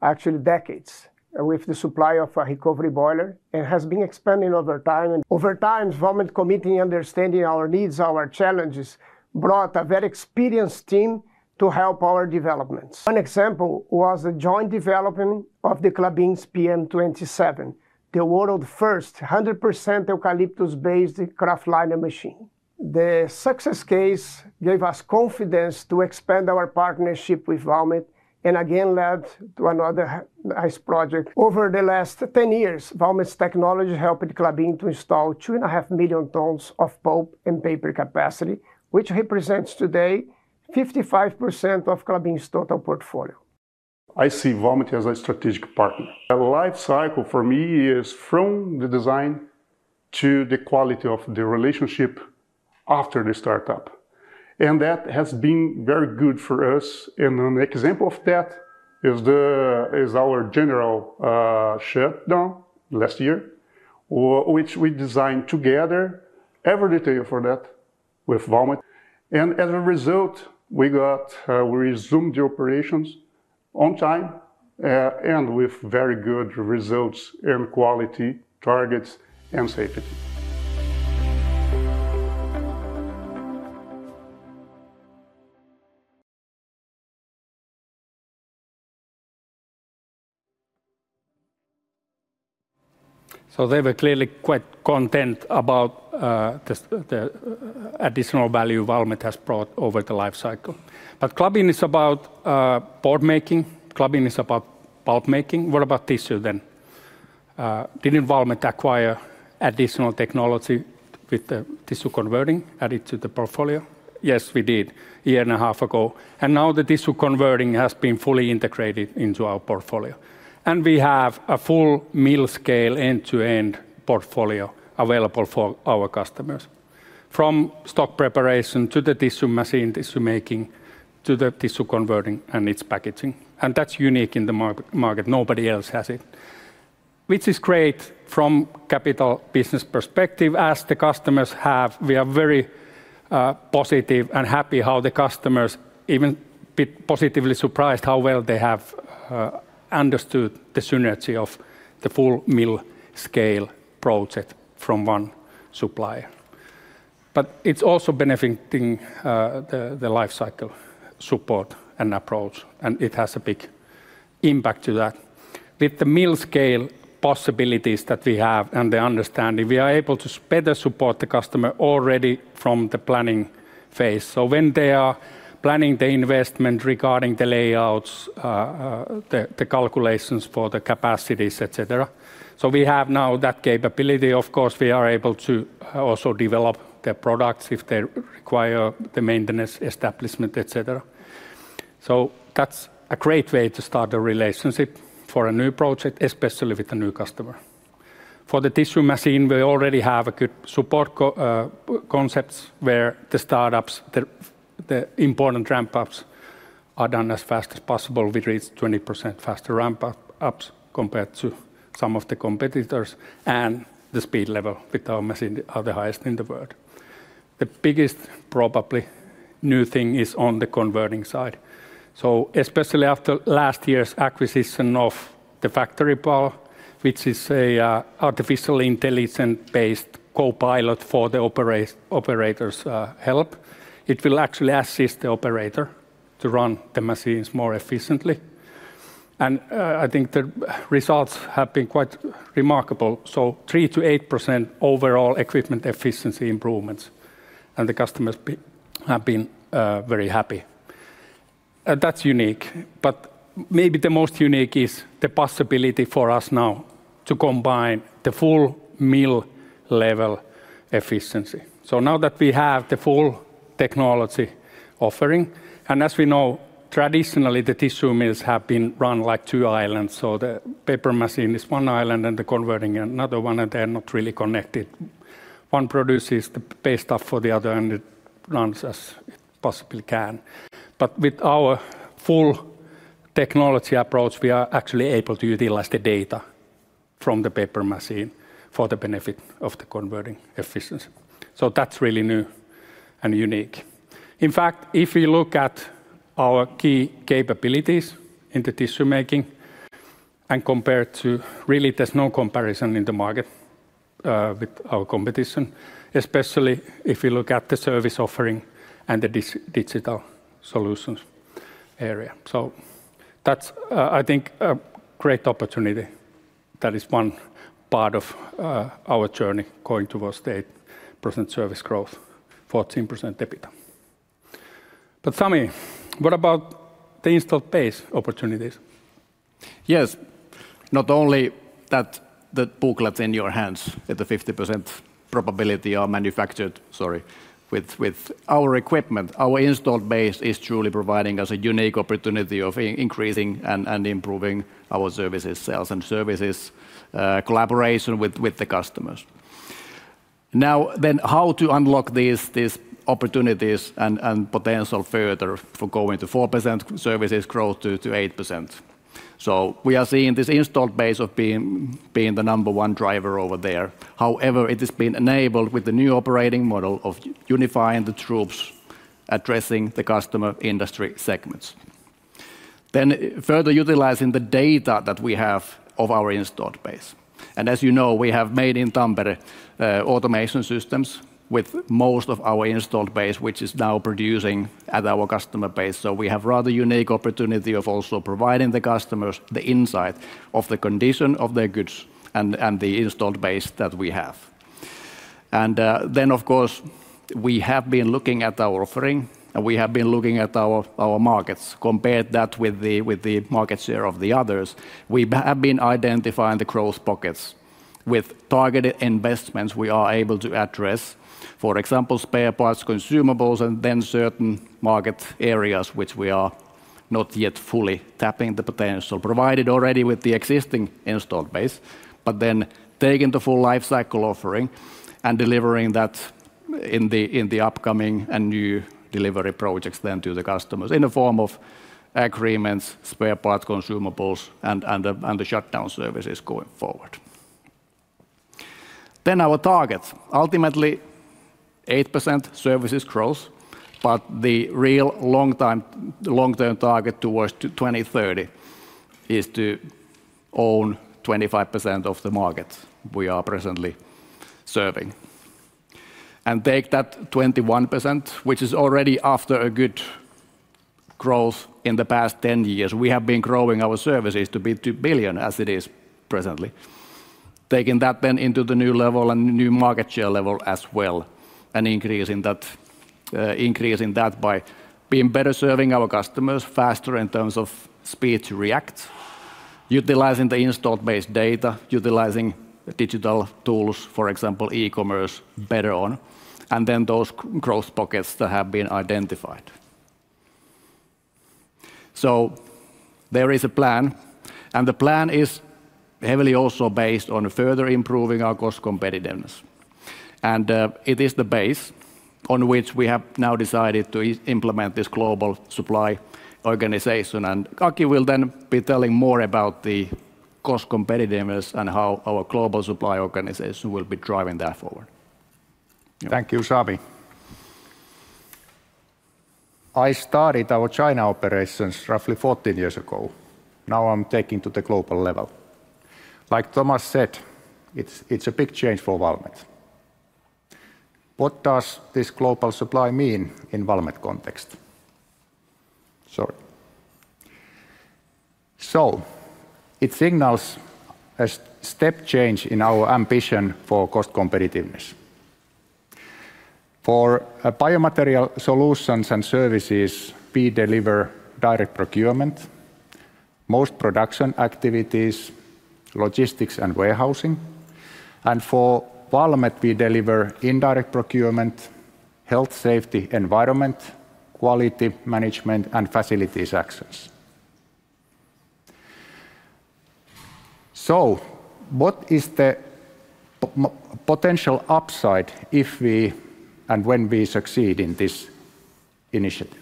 actually decades, with the supply of a recovery boiler and has been expanding over time. Over time, Valmet committing, understanding our needs, our challenges, brought a very experienced team to help our developments. One example was a joint development of the Klabin PM27, the world's first 100% eucalyptus-based kraft liner machine. The success case gave us confidence to expand our partnership with Valmet and again led to another nice project. Over the last 10 years, Valmet's technology helped Klabin to install 2.5 million tons of pulp and paper capacity. Which represents today 55% of Klabin's total portfolio. I see Valmet as a strategic partner. Our life cycle for me is from the design to the quality of the relationship after the startup. That has been very good for us. An example of that is our general shutdown last year which we designed together, every detail for that with Valmet. As a result, we resumed the operations on time and with very good results in quality targets and safety. They were clearly quite content about the additional value Valmet has brought over the lifecycle. Klabin is about board making, Klabin is about pulp making. What about tissue? Did Valmet acquire additional technology with the tissue converting, add it to the portfolio? Yes, we did, a year and a half ago. Now the tissue converting has been fully integrated into our portfolio and we have a full middle scale end-to-end portfolio available for our customers from stock preparation to the tissue machine, tissue making to the tissue converting and its packaging. That is unique in the market. Nobody else has it, which is great from a capital business perspective, as the customers are very positive. Happy how the customers even be positively surprised how well they have understood the synergy of the full mill scale project from one supplier. It is also benefiting the lifecycle support and approach and it has a big impact to that. With the mill scale possibilities that we have and the understanding we are able to better support the customer already from the planning phase. When they are planning the investment regarding the layouts, the calculations for the capacities, et cetera, we have now that capability. Of course, we are able to also develop the products if they require the maintenance establishment, et cetera. That is a great way to start a relationship for a new project, especially with a new customer. For the tissue machine we already have good support concepts where the startups, the important ramp ups are done as fast as possible. We reach 20% faster ramp ups compared to some of the competitors and the speed level with our machine are the highest in the world. The biggest probably new thing is on the converting side. Especially after last year's acquisition of the FactoryPal, which is an artificial intelligence-based copilot for the operator's help, it will actually assist the operator to run the machines more efficiently. I think the results have been quite remarkable. 3%-8% overall equipment efficiency improvements and the customers have been very happy. That's unique. Maybe the most unique is the possibility for us now to combine the full mill level efficiency. Now that we have the full technology offering and as we know traditionally the tissue mills have been run like two islands. The paper machine is one island and the converting another one. They're not really connected. One produces the pay stuff for the other end. It runs as it possibly can. With our full technology approach, we are actually able to utilize the data from the paper machine for the benefit of the converting efficiency. That is really new and unique. In fact, if we look at our key capabilities in the tissue making and compare to really there's no comparison in the market with our competition. Especially if you look at the service offering and the digital solutions area. I think that's a great opportunity. That is one part of our journey going towards the 8% service growth, 14% EBITDA. Sami, what about the installed base opportunities? Yes, not only that, the booklets in your hands at the 50% probability are manufactured. Sorry. With our equipment our installed base is truly providing us a unique opportunity of increasing and improving our services sales and services collaboration with the customers. Now then how to unlock these opportunities and potential further for going to 4% services growth to 8%. We are seeing this installed base of being the number one driver over there. However, it has been enabled with the new operating model of unifying the troops, addressing the customer industry segments. Further utilizing the data that we have of our installed base. As you know we have made in Tampere automation systems with most of our installed base which is now producing at our customer base. We have rather unique opportunity of also providing the customers the insight of the condition of their goods and the installed base that we have. Of course we have been looking at our offering, we have been looking at our markets, compared that with the market share of the others. We have been identifying the growth pockets with targeted investments. We are able to address for example spare parts consumables and then certain market areas which we are not yet fully tapping the potential provided already with the existing installed base but then taking the full lifecycle offering and delivering that in the upcoming and new delivery projects to the customers in the form of agreements, spare parts consumables and the shutdown services. Going forward our targets ultimately 8% services growth. The real long term target towards 2030 is to own 25% of the market we are presently serving and take that 21% which is already after a good growth. In the past 10 years we have been growing our services to be 2 billion as it is presently, taking that then into the new level and new market share level as well and increasing that by being better serving our customers faster in terms of speed, react, utilizing the installed base data, utilizing digital tools, e.g. e-commerce, better on, and then those growth pockets that have been identified. There is a plan and the plan is heavily also based on further improving our cost competitiveness. It is the base on which we have now decided to implement this global supply organization. Aki will then be telling more about the cost competitiveness and how our Global Supply organization will be driving that forward. Thank you, Sami. I started our China operations roughly 14 years ago. Now I'm taking to the global level. Like Thomas said, it's a big change for Valmet. What does this global supply mean in Valmet context. Sorry. It signals a step change in our ambition for cost competitiveness. For Biomaterial Solutions and Services we deliver direct procurement, most production activities, logistics, and warehousing. For Valmet we deliver indirect procurement, health, safety, environment, quality management, and facilities access. What is the potential upside if we and when we succeed in this initiative?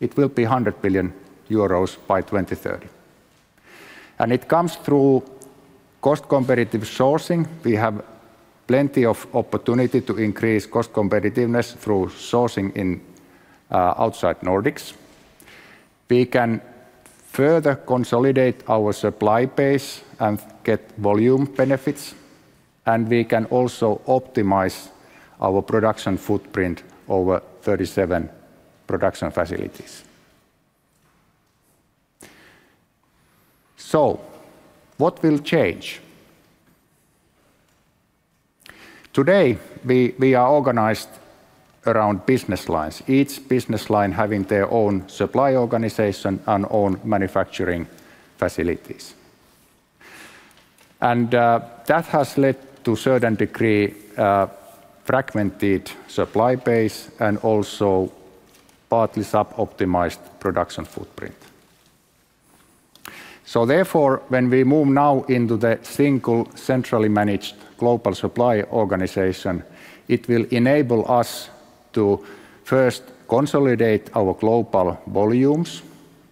It will be 100 billion euros by 2030. It comes through cost competitive sourcing. We have plenty of opportunity to increase cost competitiveness through sourcing. Outside Nordics, we can further consolidate our supply base and get volume benefits. We can also optimize our production footprint over 37 production facilities. What will change? Today we are organized around business lines, each business line having their own supply organization and own manufacturing facilities. That has led to a certain degree of fragmented supply base and also partly sub-optimized production footprint. Therefore, when we move now into that single centrally managed Global Supply organization, it will enable us to first consolidate our global volumes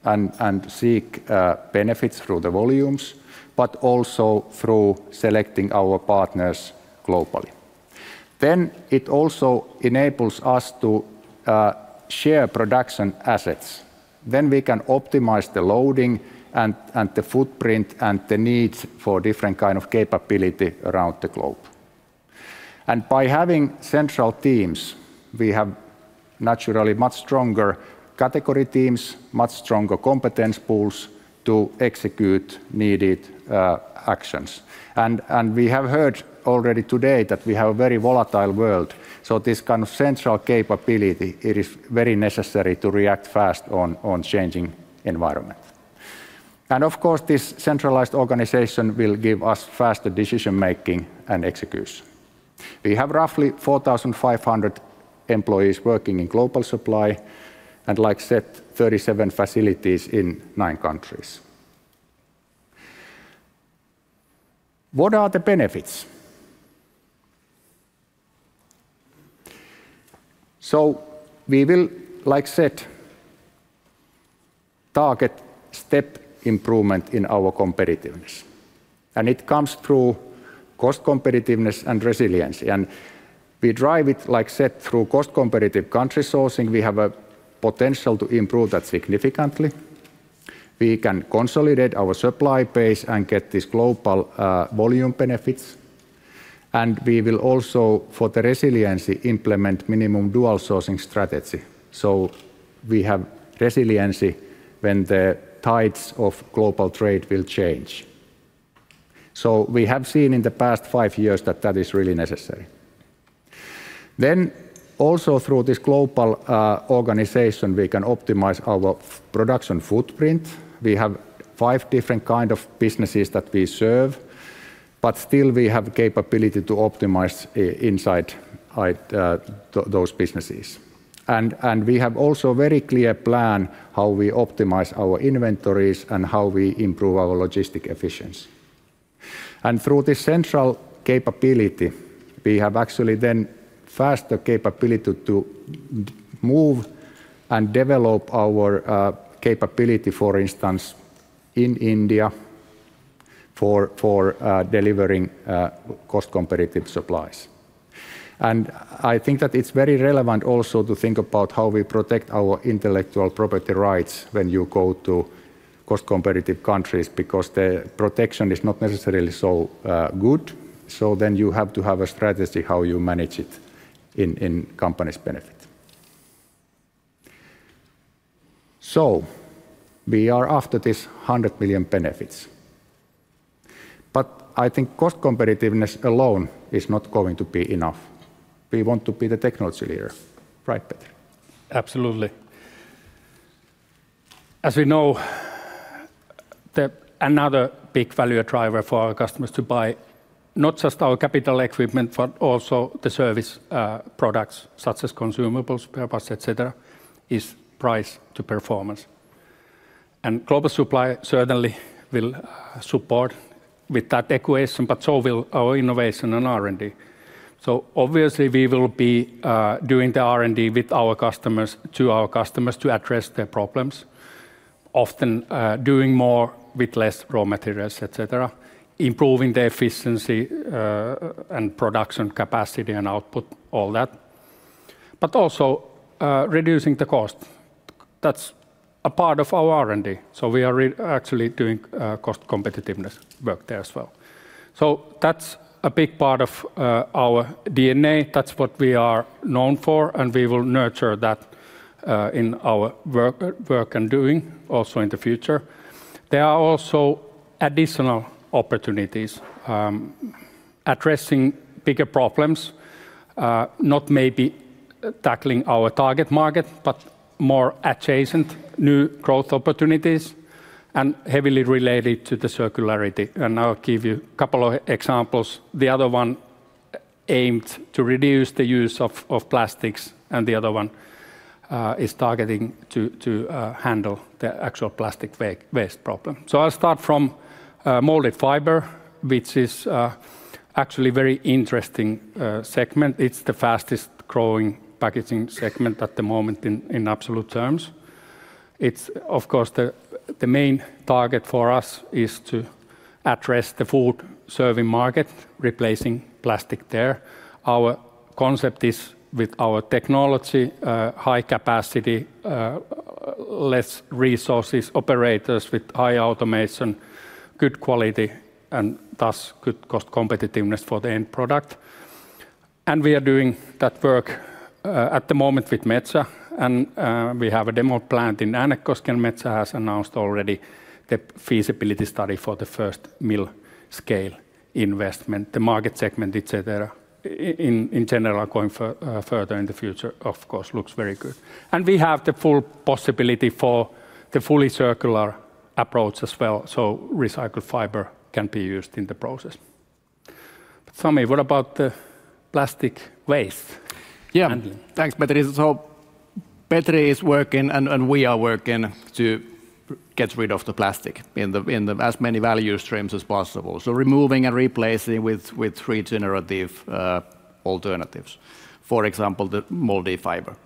and seek benefits through the volumes, but also through selecting our partners globally. It also enables us to share production assets. We can optimize the loading and the footprint and the needs for different kind of capability around the globe. By having central teams, we have naturally much stronger category teams, much stronger competence pools to execute needed actions. We have heard already today that we have a very volatile world. This kind of central capability is very necessary to react fast on changing environment. Of course, this centralized organization will give us faster decision making and execution. We have roughly 4,500 employees working in Global Supply and, like said, 37 facilities in nine countries. What are the benefits? We will, like said, target step improvement in our competitiveness. It comes through cost competitiveness and resiliency. We drive it, like said, through cost competitive country sourcing. We have a potential to improve that significantly. We can consolidate our supply base and get this global volume benefits. We will also, for the resiliency, implement minimum dual sourcing strategy. We have resiliency when the tides of global trade will change. We have seen in the past five years that that is really necessary. Also, through this global organization, we can optimize our production footprint. We have five different kind of businesses that we serve, but still we have capability to optimize inside those businesses. We have also very clear plan how we optimize our inventories and how we improve our logistic efficiency. Through this central capability, we have actually then faster capability to move and develop our capability, for instance in India, for delivering cost competitive supplies. I think that it is very relevant also to think about how we protect our intellectual property rights when you go to cost competitive countries, because the protection is not necessarily so good. You have to have a strategy, how you manage it in company's benefit. We are after this 100 million benefits, but I think cost competitiveness alone is not going to be enough. We want to be the technology leader, right? Better, absolutely. As we know, another big value driver for our customers to buy not just our capital equipment, but also the service products such as consumables, purpose, etc., is price to performance. Global Supply certainly will support with that equation, but so will our innovation on R&D. Obviously, we will be doing the R&D with our customers, to our customers, to address their problems, often doing more with less raw materials, et cetera, improving the efficiency and production capacity and output, all that, but also reducing the cost. That is a part of our R&D. We are actually doing cost competitiveness work there as well. That is a big part of our DNA. That is what we are known for and we will nurture that in our work and doing also in the future. There are also additional opportunities addressing bigger problems, not maybe tackling our target market, but more adjacent new growth opportunities and heavily related to the circularity. I'll give you a couple of examples. The other one aimed to reduce the use of plastics and the other one is targeting to handle the actual plastic waste problem. I'll start from molded fiber, which is actually a very interesting segment. It's the fastest growing packaging segment at the moment in absolute terms. Of course, the main target for us is to address the food serving market, replacing plastic there. Our concept is with our technology, high capacity, less resources, operators with high automation, good quality, and thus good cost competitiveness for the end product. We are doing that work at the moment with Metsä and we have a demo plant in Äänekoski and Metsä has announced already the feasibility study for the first mill scale investment. The market segment, et cetera, in general are going further in the future of course looks very good and we have the full possibility for the fully circular approach as well. Recycled fiber can be used in the process. Sami, what about the plastic waste? Thanks, Petri. Petri is working and we are working to get rid of the plastic in as many value streams as possible. Removing and replacing with regenerative alternatives, for example the molded fiber.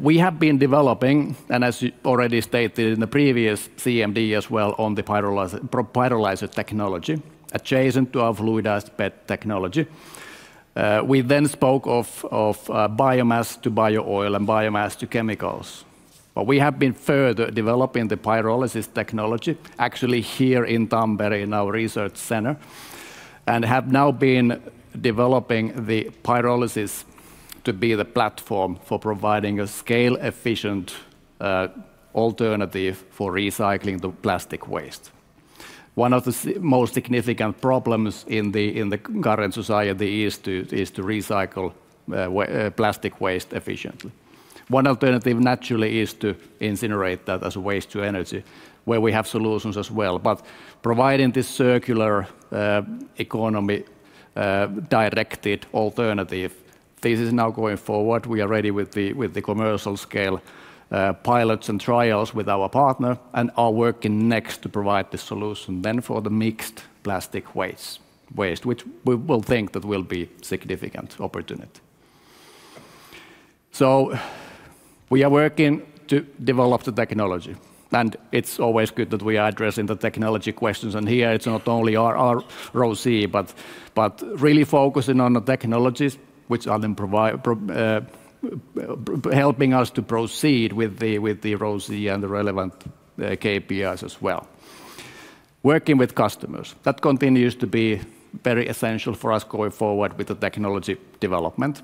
We have been developing and as already stated in the previous CMD as well on the pyrolysis technology adjacent to our fluidized bed technology. We spoke of biomass to bio oil and biomass to chemicals. We have been further developing the pyrolysis technology actually here in Tampere in our research center and have now been developing the pyrolysis to be the platform for providing us scale efficient alternative for recycling the plastic waste. One of the most significant problems in the current society is to recycle plastic waste efficiently. One alternative naturally is to incinerate that as waste to energy where we have solutions as well. Providing this circular economy directed alternative, this is now going forward. We are ready with the commercial scale pilots and trials with our partner and are working next to provide the solution for the mixed plastic waste, which we think will be a significant opportunity. We are working to develop the technology, and it's always good that we are addressing the technology questions. Here, it's not only ROCE, but really focusing on the technologies which are helping us to proceed with the ROCE and the relevant KPIs as well. Working with customers. That continues to be very essential for us going forward with the technology development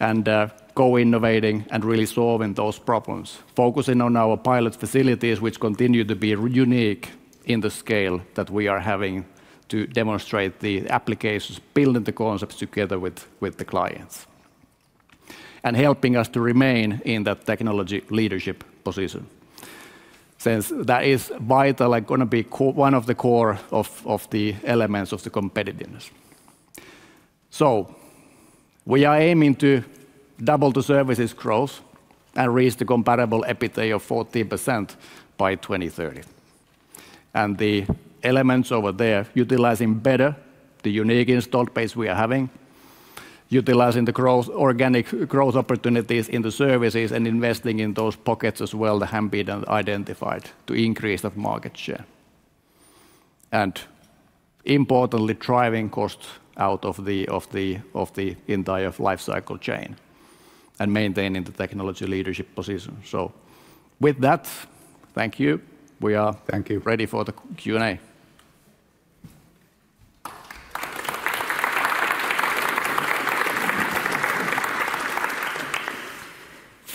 and co-innovating and really solving those problems, focusing on our pilot facilities which continue to be unique in the scale that we are having to demonstrate the applications, building the concepts together with the clients and helping us to remain in that technology leadership position, since that is vital and going to be one of the core elements of the competitiveness. We are aiming to double the services growth and raise the comparable EBITDA to 40% by 2030. The elements over there are utilizing better the unique installed base we are having, utilizing the organic growth opportunities in the services, and investing in those pockets as well that have been identified to increase market share and, importantly, driving cost out of the entire lifecycle chain and maintaining the technology leadership position. With that, thank you. We are ready for the Q&A.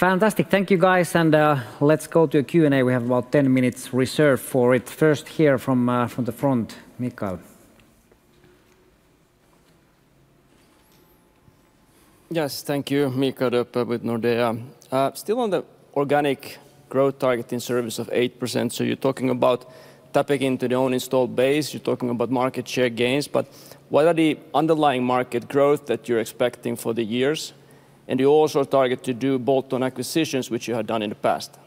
Fantastic. Thank you guys. Let's go to a Q&A. We have about 10 minutes reserved for it. First here from the front. Mikael. Yes, thank you Mikael Doepel with Nordea, still on the organic growth target in service of 8%. So you're talking about tapping into the own installed base, you're talking about market share gains, but what are the underlying market growth that you're expecting for the years, and you also target to do bolt-on acquisitions, which you had done in the past?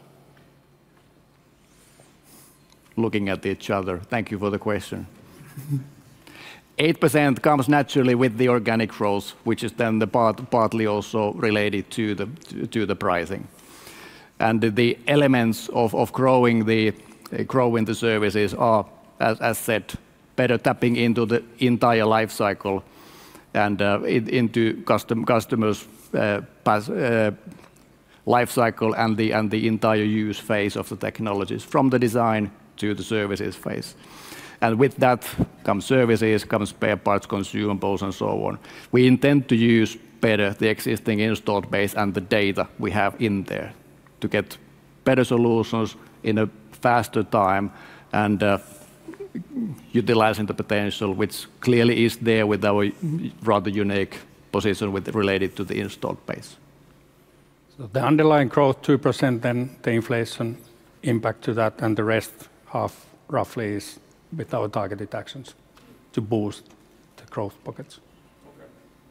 Looking at each other. Thank you for the question. 8% comes naturally with the organic growth, which is then partly also related to the pricing and the elements of growing. The services are, as said, better tapping into the entire life cycle and into customers' lifecycle and the entire use phase of the technologies from the design to the services phase. With that comes services, comes spare parts, consumables, and so on. We intend to use better the existing installed base and the data we have in there to get better solutions in a faster time and utilizing the potential which clearly is there with our rather unique position related to the installed base. The underlying growth 2% then the inflation impact to that and the rest half roughly is with our targeted actions to boost the growth pockets.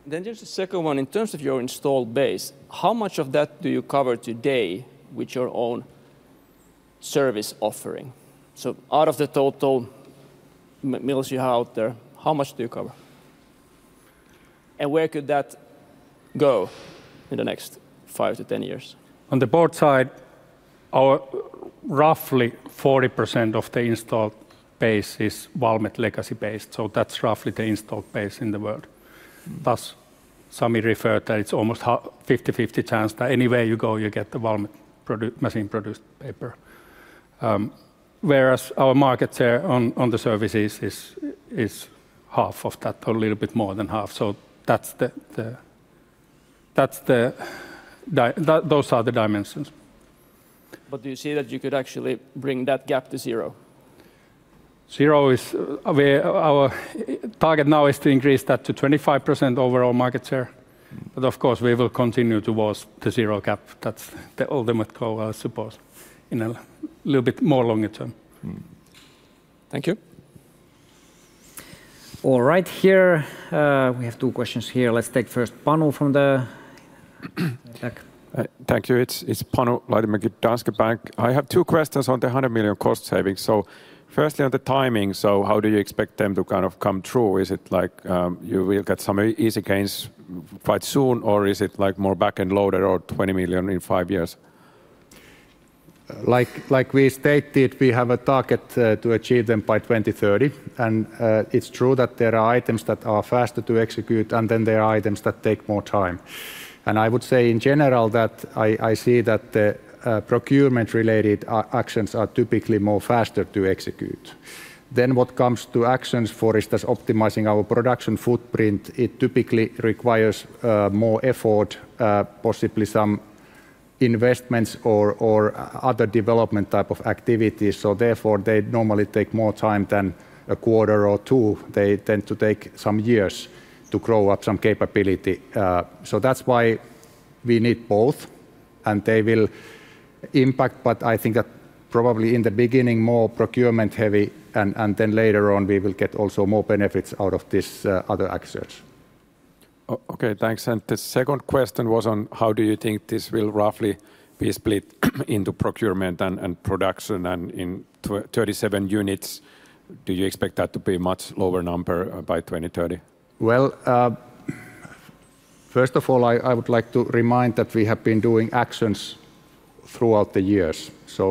There is a second one. In terms of your installed base, how much of that do you cover today with your own service offering? Out of the total mills you have out there, how much do you cover and where could that go in the next five to 10 years? On the board side, roughly 40% of the installed base is Valmet legacy based. So that's roughly the installed base in the world. Thus Sami referred that it's almost 50/50 chance that anywhere you go you get the Valmet machine produced paper. Whereas our market share on the services is half of that or a little bit more than half. So that's the, that's the, those are the dimensions. Do you see that you could actually bring that gap to zero? Zero is our target. Now it is to increase that to 25% overall market share. Of course, we will continue towards the zero gap. That is the ultimate goal, I suppose, in a little bit more longer term. Thank you. All right, here we have two questions here. Let's take first Panu from Danske Bank. Thank you. It's Panu Laitinmäki, Danske Bank. I have two questions on the 100 million cost savings. Firstly on the timing. How do you expect them to kind of come true? Is it like you will get some easy gains quite soon or is it like more back end loaded or 20 million in five years? Like we stated, we have a target to achieve them by 2030. It is true that there are items that are faster to execute and then there are items that take more time. I would say in general that I see that the procurement related actions are typically more faster to execute. What comes to actions, for instance optimizing our production footprint, it typically requires more effort, possibly some investments or other development type of activities. Therefore they normally take more time than a quarter or two. They tend to take some years to grow up some capability. That is why we need both and they will impact. I think that probably in the beginning more procurement heavy and then later on we will get also more benefits out of this other access. Okay, thanks. The second question was on how do you think this will roughly be split into procurement and production? And in 37 units, do you expect that to be a much lower number by 2030? Well, first of all, I would like to remind that we have been doing actions throughout the years.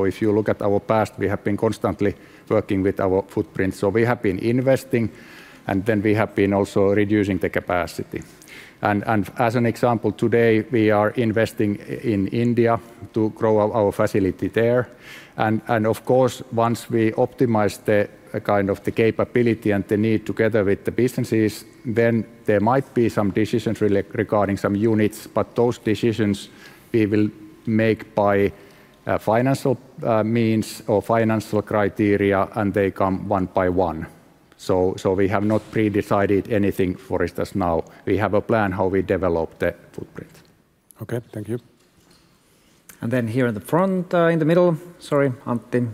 If you look at our past, we have been constantly working with our footprint. We have been investing and then we have been also reducing the capacity. As an example, today we are investing in India to grow our facility there. Of course, once we optimize the capability and the need together with the businesses, there might be some decisions regarding some units. Those decisions we will make by financial means or financial criteria and they come one by one. We have not pre decided anything. For instance, now we have a plan how we develop the footprint. Okay, thank you. Here in the front, in the middle. Sorry, Antti?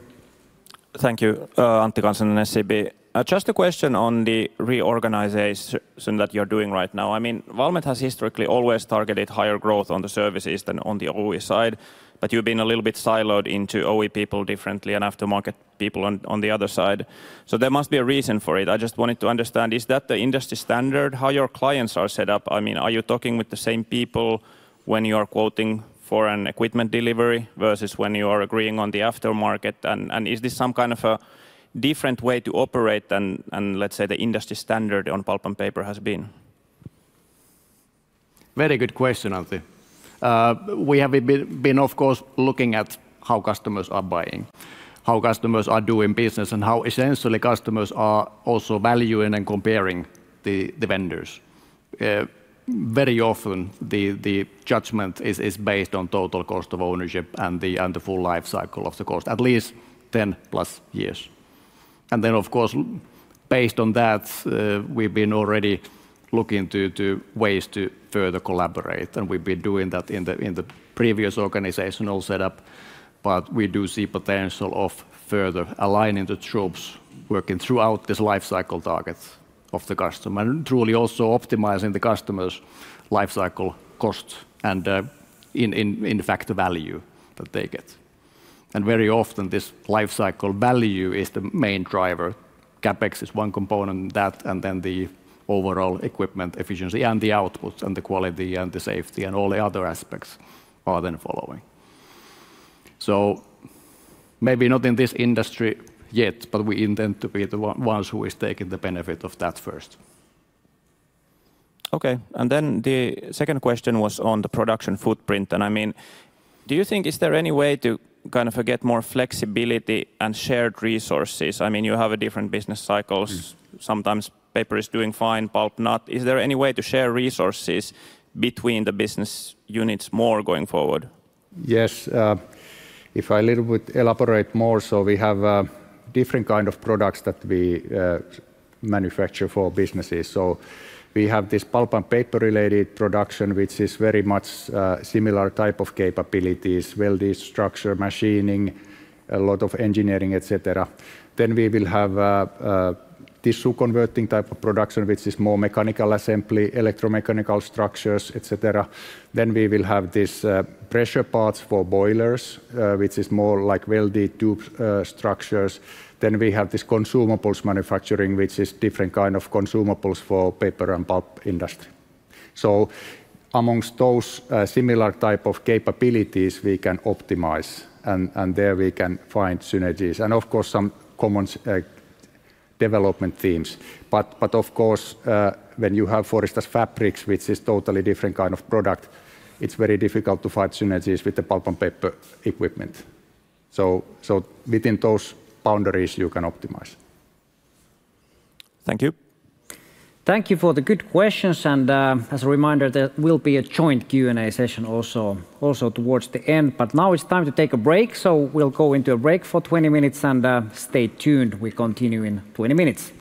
Thank you. Antti Kansanen SEB, just a question on the reorganization that you're doing right now. I mean Valmet has historically always targeted higher growth on the services than on the OE side, but you've been a little bit siloed into OE people differently and aftermarket people on the other side. There must be a reason for it. I just wanted to understand, is that the industry standard, how your clients are set up? I mean, are you talking with the same people when you are quoting for an equipment delivery versus when you are agreeing on the aftermarket? Is this some kind of a different way to operate than let's say the industry standard on pulp and paper has been? Very good question, Antti. We have been of course looking at how customers are buying, how customers are doing business, and how essentially customers are also valuing and comparing the vendors. Very often the judgment is based on total cost of ownership and the full life cycle of the cost at least 10+ years. Of course, based on that, we've been already looking to ways to further collaborate and we've been doing that in the previous organizational setup. We do see potential of further aligning the tropes working throughout this lifecycle targets of the customer and truly also optimizing the customer's life cycle cost and in fact the value that they get. Very often this lifecycle value is the main driver. CapEx is one component that, and then the overall equipment efficiency and the outputs and the quality and the safety and all the other aspects are then following. Maybe not in this industry yet, but we intend to be the ones who are taking the benefit of that first. Okay. The second question was on the production footprint and I mean, do you think is there any way to kind of get more flexibility and shared resources? I mean, you have different business cycles, sometimes paper is doing fine, pulp not. Is there any way to share resources between the business units more going forward? Yes, if I little bit elaborate more. We have different kind of products that we manufacture for businesses. We have this pulp and paper related production which is very much similar type of capabilities, welded structure, machining, a lot of engineering, etc. We have tissue converting type of production which is more mechanical assembly, electromechanical structures, etc. We have this pressure parts for boilers which is more like welded tube structures. We have this consumables manufacturing which is different kind of consumables for paper and pulp industry. Amongst those similar type of capabilities we can optimize and there we can find synergies and of course some common development themes. Of course when you have for instance fabrics, which is totally different kind of product, it's very difficult to find synergies with the pulp and paper equipment. Within those boundaries you can optimize. Thank you. Thank you for the good questions. As a reminder, there will be a joint Q&A session also towards the end. Now it is time to take a break. We will go into a break for 20 minutes and stay tuned. We continue in 20 minutes.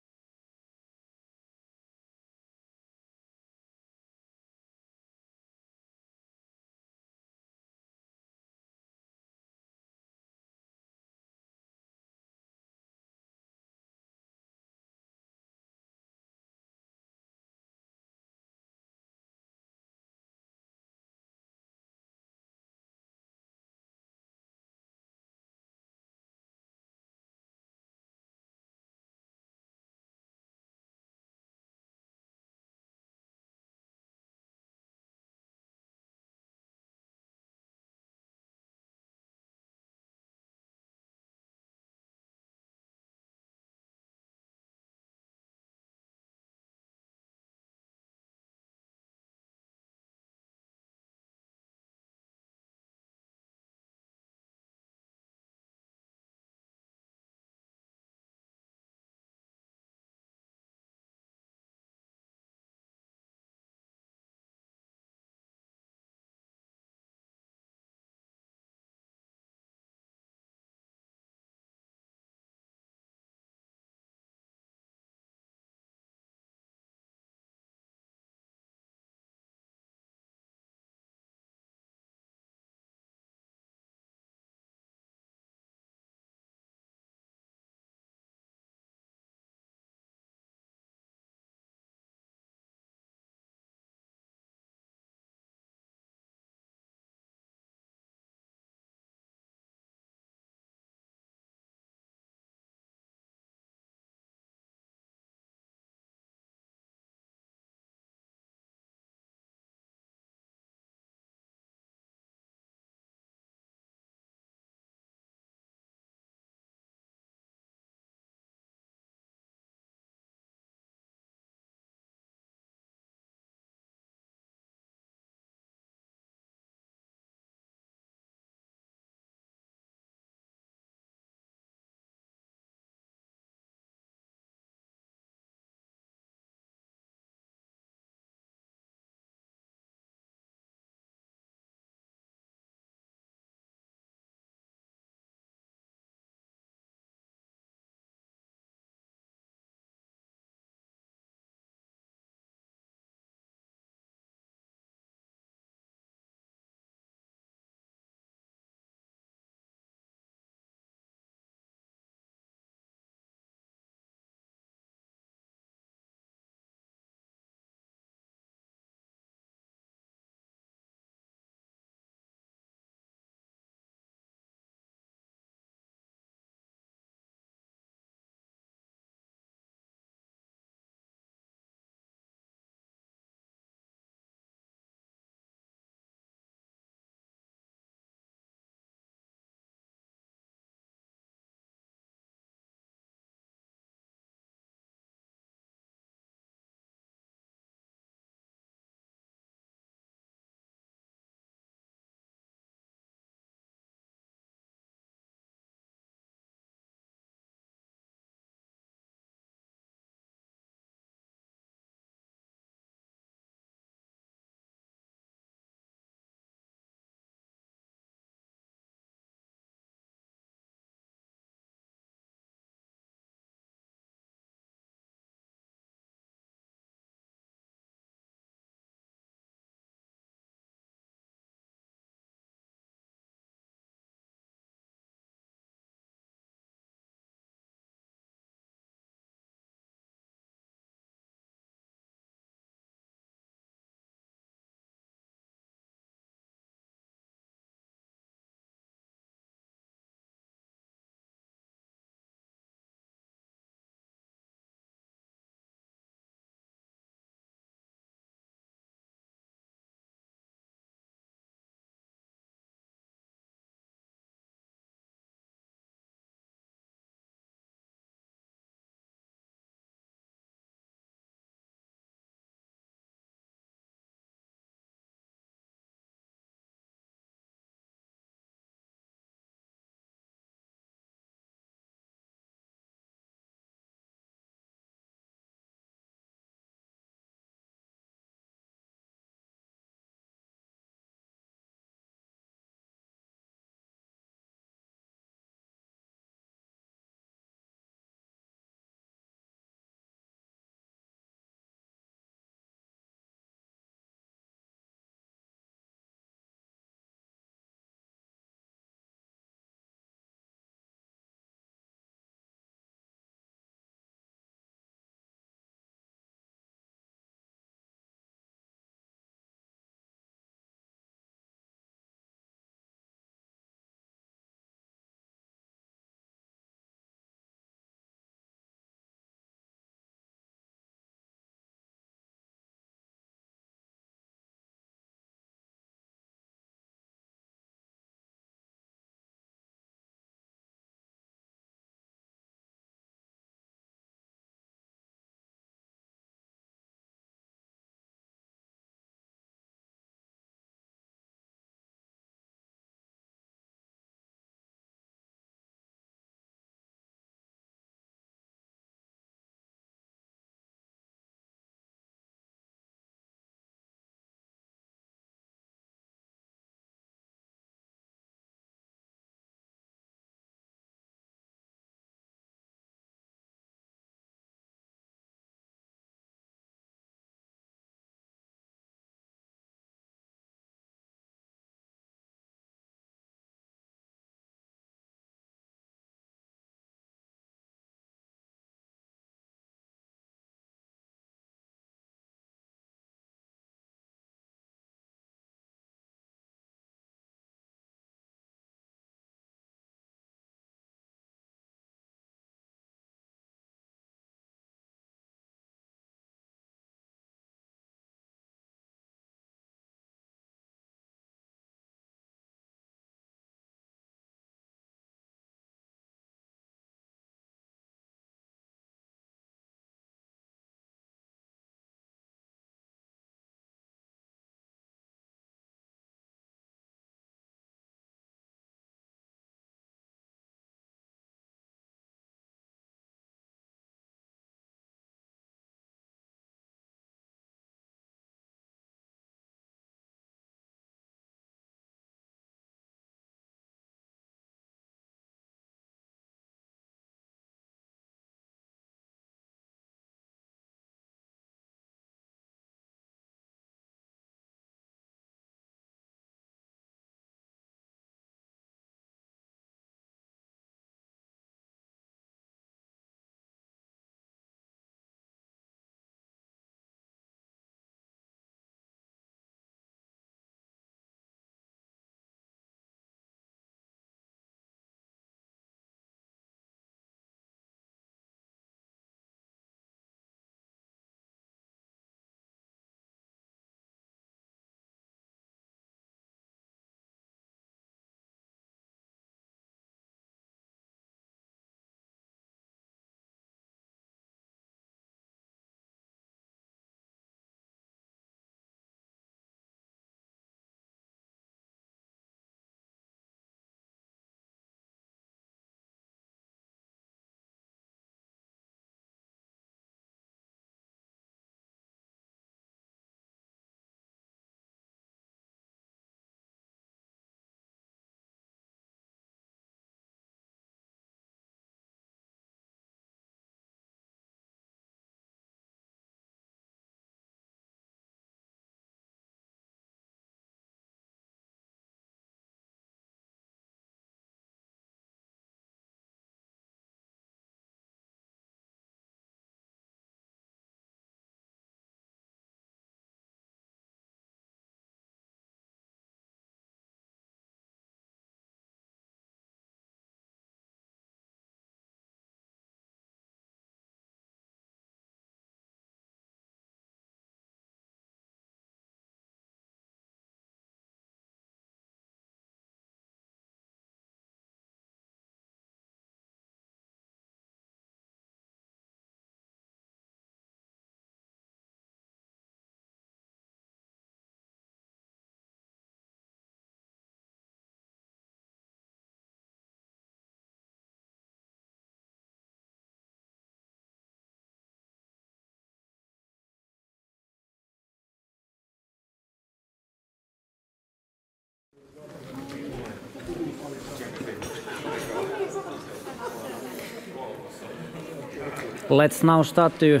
Let's now start to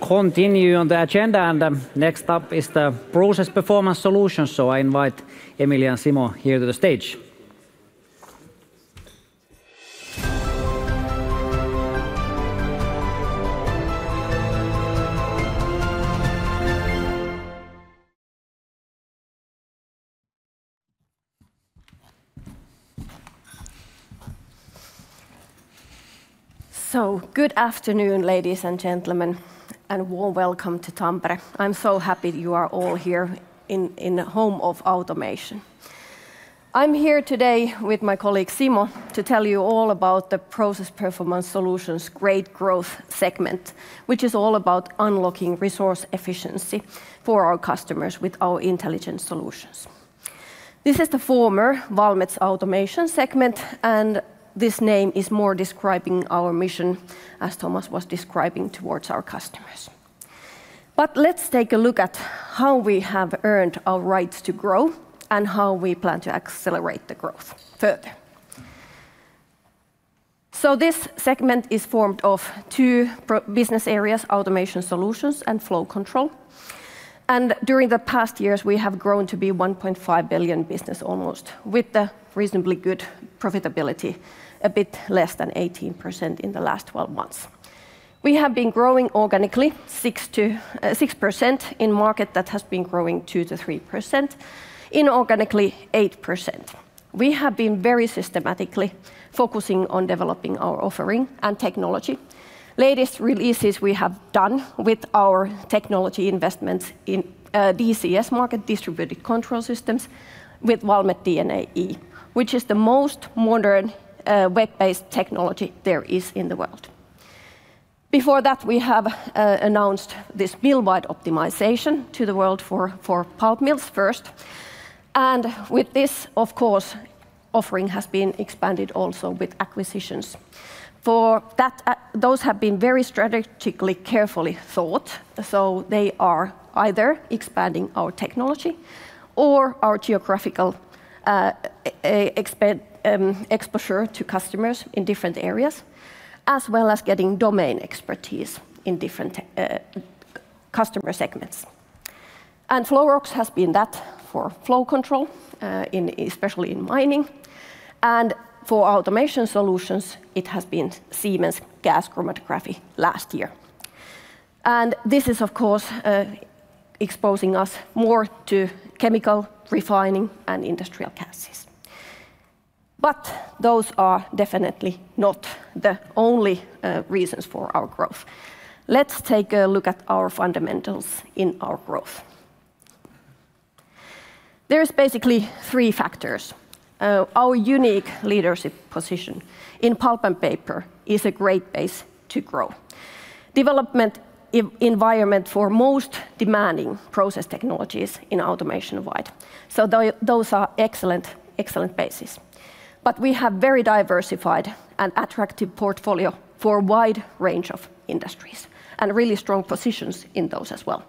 continue on the agenda and next up is the Process Performance Solutions. I invite Emilia and Simo here to the stage. Good afternoon ladies and gentlemen and warm welcome to Tampere. I'm so happy you are all here in the home of automation. I'm here today with my colleague Simo to tell you all about the Process Performance Solutions great growth segment which is all about unlocking resource efficiency for our customers with our intelligent solutions. This is the former Valmet's automation segment and this name is more describing our mission as Thomas was describing towards our customers. Let's take a look at how we have earned our rights to grow and how we plan to accelerate the growth further. This segment is formed of two business areas, automation solutions and flow control. During the past years we have grown to be 1.5 billion business almost with reasonably good profitability. A bit less than 18% in the last 12 months we have been growing organically 6% in a market that has been growing 2%-3%, inorganically 8%. We have been very systematically focusing on developing our offering and technology. Latest releases we have done with our technology investments in the DCS market, distributed control systems, with Valmet DNAe, which is the most modern web-based technology there is in the world. Before that we have announced this Mill-Wide Optimization to the world for pulp mills first, and with this, of course, offering has been expanded also with acquisitions. For that, those have been very strategically carefully thought. They are either expanding our technology or our geographical exposure to customers in different areas, as well as getting domain expertise in different customer segments. Flowrox has been that for flow control, especially in mining. For Automation Solutions, it has been Siemens Gas Chromatography last year. This is of course exposing us more to chemical refining and industrial gases. Those are definitely not the only reasons for our growth. Let's take a look at our fundamentals. In our growth, there are basically three factors. Our unique leadership position in pulp and paper is a great base to grow, development environment for most demanding process technologies in automation wide. Those are excellent, excellent bases. We have a very diversified and attractive portfolio for a wide range of industries and really strong positions in those as well.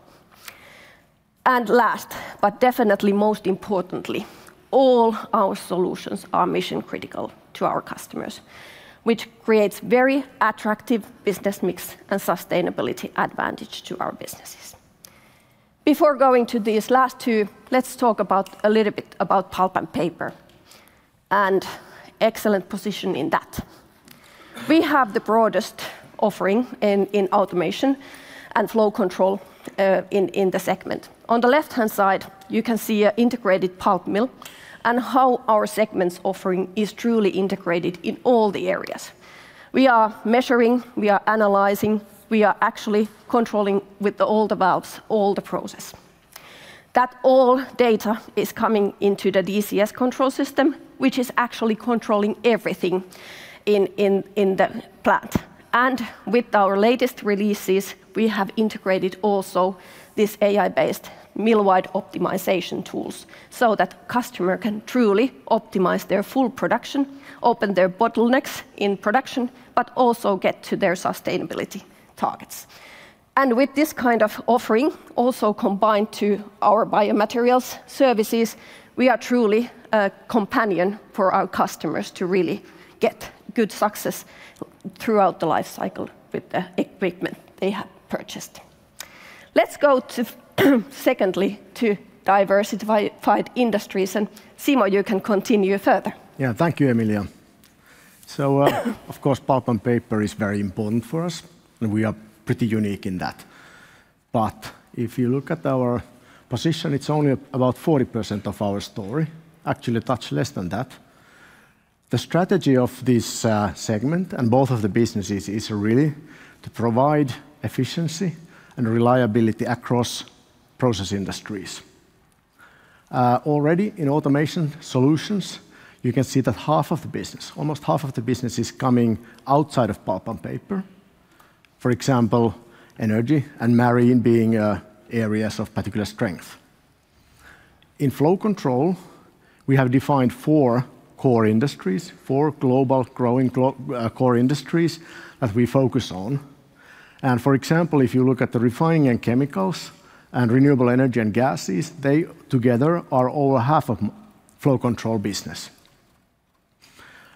Last, but definitely most importantly, all our solutions are mission critical to our customers, which creates a very attractive business mix and sustainability advantage to our businesses. Before going to these last two, let's talk a little bit about pulp and paper and excellent position in that we have the broadest offering in automation and flow control. In the segment on the left hand side you can see an integrated pulp mill and how our segments offering is truly integrated in all the areas we are measuring, we are analyzing. We are actually controlling with all the valves, all the process that all data is coming into the DCS control system which is actually controlling everything in the plant. With our latest releases we have integrated also this AI-based Mill-Wide Optimization tools so that customer can truly optimize their full production, open their bottlenecks in production, but also get to their sustainability targets. With this kind of offering also combined to our biomaterials services, we are truly a companion for our customers to really get good success throughout the life cycle with the equipment they have purchased. Let's go to secondly to diversified industries. Simo, you can continue further. Yeah, thank you Emilia. Of course pulp and paper is very important for us and we are pretty unique in that. If you look at our position, it's only about 40% of our story, actually less than that. The strategy of this segment and both of the businesses is really to provide efficiency and reliability across process industries. Already in Automation Solutions you can see that half of the business, almost half of the business, is coming outside of pulp and paper, for example, energy and marine being areas of particular strength. In Flow Control, we have defined four core industries, four global growing core industries that we focus on. For example, if you look at the refining and chemicals and renewable energy and gases, they together are over half of Flow Control business.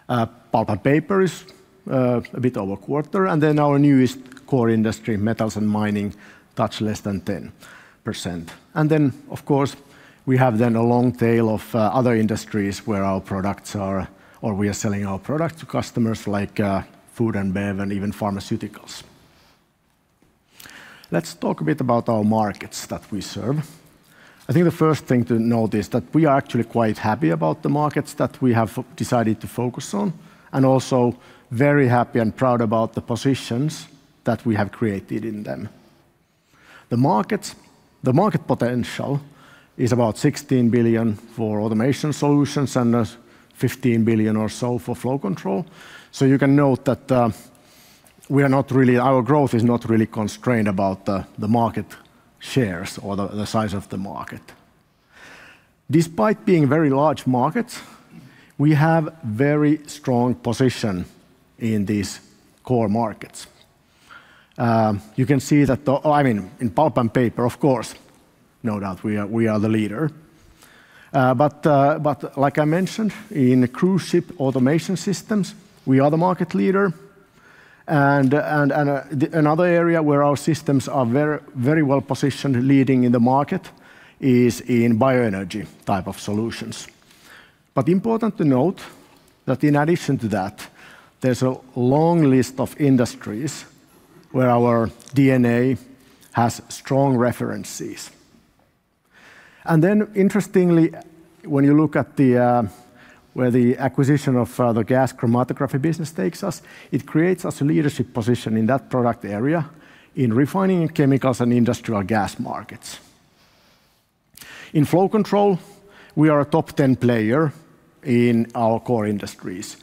Pulp and paper is a bit over a quarter. Then our newest core industry, metals and mining, touch less than 10%. Of course, we have a long tail of other industries where our products are or we are selling our products to customers like food and bev and even pharmaceuticals. Let's talk a bit about our markets that we serve. I think the first thing to note is that we are actually quite happy about the markets that we have decided to focus on and also very happy and proud about the positions that we have created in them. The market potential is about 16 billion for Automation Solutions and 15 billion or so for Flow Control. You can note that we are not really. Our growth is not really constrained about the market shares or the size of the market. Despite being very large markets, we have very strong position in these core markets. You can see that. I mean in pulp and paper, of course, no doubt we are the leader. Like I mentioned, in cruise ship automation systems, we are the market leader. Another area where our systems are very well positioned leading in the market is in bioenergy type of solutions. Important to note that in addition to that, there's a long list of industries where our DNA has strong references. Interestingly, when you look at where the acquisition of the gas chromatography business takes us, it creates us a leadership position in that product area in refining, chemicals, and industrial gas markets. In Flow Control we are a top 10 player in our core industries.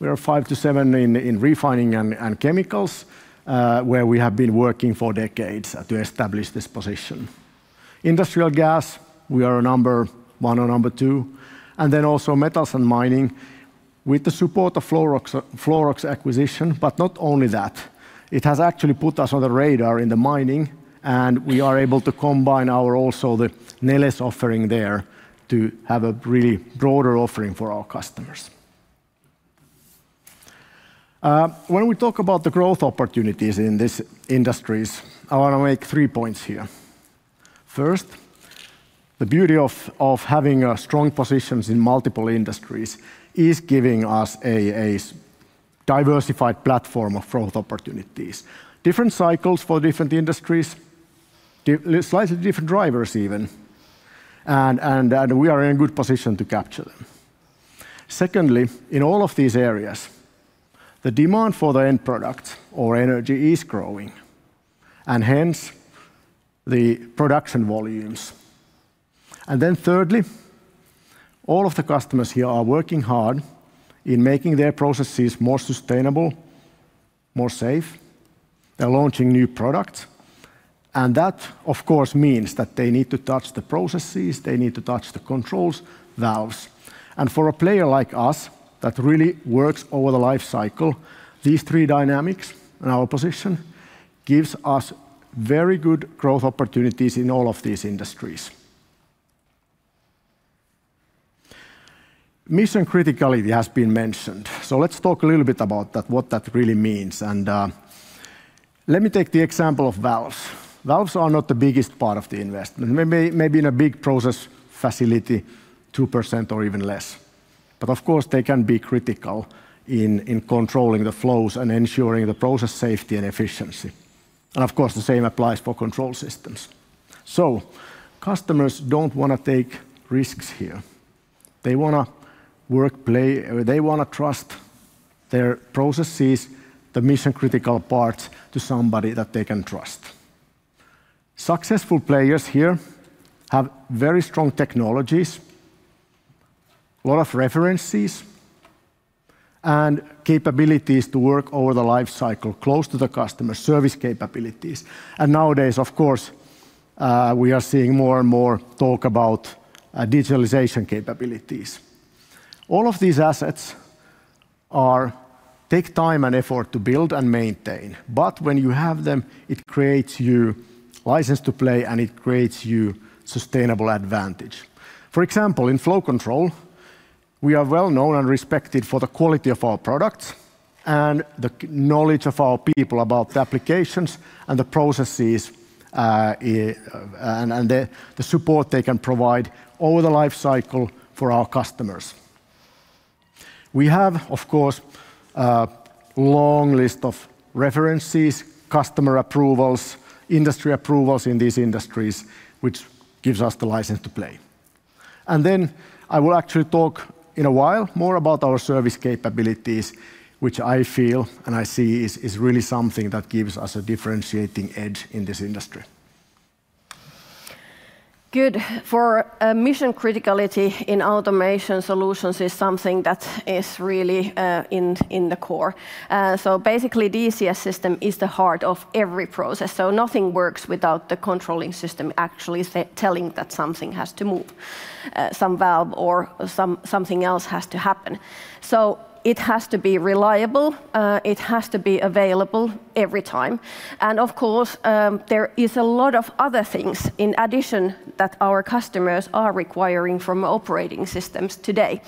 We are five to seven in refining and chemicals, where we have been working for decades to establish this position. Industrial gas, we are a number one or number two. Also, metals and mining with the support of Flowrox acquisition. Not only that, it has actually put us on the radar in mining and we are able to combine also the Neles offering there to have a really broader offering for our customers. When we talk about the growth opportunities in these industries, I want to make three points here. First, the beauty of having strong positions in multiple industries is giving us a diversified platform of growth opportunities. Different cycles for different industries, slightly different drivers even, and we are in a good position to capture them. Secondly, in all of these areas, the demand for the end product or energy is growing and hence the production volumes. Thirdly, all of the customers here are working hard in making their processes more sustainable, more safe. They're launching new products. That of course means that they need to touch the processes, they need to touch the controls, valves. For a player like us, that really works over the lifecycle. These three dynamics and our position give us very good growth opportunities in all of these industries. Mission criticality has been mentioned. Let's talk a little bit about what that really means. Let me take the example of valves. Valves are not the biggest part of the investment. Maybe in a big process facility, 2% or even less. Of course they can be critical in controlling the flows and ensuring the process safety and efficiency. Of course the same applies for control systems. Customers do not want to take risks here. They want to work, play, they want to trust their processes, the mission critical parts to somebody that they can trust. Successful players here have very strong technologies, a lot of references and capabilities to work over the life cycle, close to the customer service capabilities. Nowadays of course we are seeing more and more talk about digitalization capabilities. All of these assets take time and effort to build and maintain. When you have them, it creates you license to play and it creates you sustainable advantage. For example, in Flow Control. We are well known and respected for the quality of our products and the knowledge of our people about the applications and the processes and the support they can provide over the lifecycle for our customers. We have of course long list of references, customer approvals, industry approvals in these industries, which gives us the license to play. I will actually talk in a while more about our service capabilities, which I feel and I see is really something that gives us a differentiating edge in this industry. Good for mission criticality in Automation Solutions is something that is really in the core. Basically the DCS system is the heart of every process. Nothing works without the controlling system actually telling that something has to move, some valve or something else has to happen. It has to be reliable, it has to be available every time. Of course there is a lot of other things in addition that our customers are requiring from operating systems. Today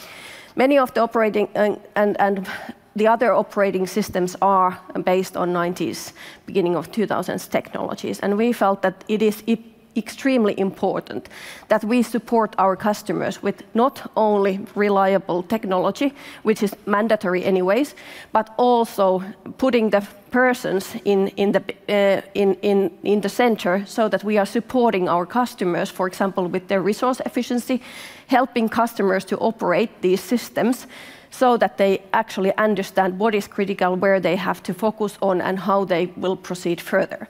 many of the operating and the other operating systems are based on 1990s, beginning of 2000s technologies. We felt that it is extremely important that we support our customers with not only reliable technology, which is mandatory anyways, but also putting the persons in the center so that we are supporting our customers, for example, with their resource efficiency, helping customers to operate these systems so that they actually understand what is critical, where they have to focus on, and how they will proceed further.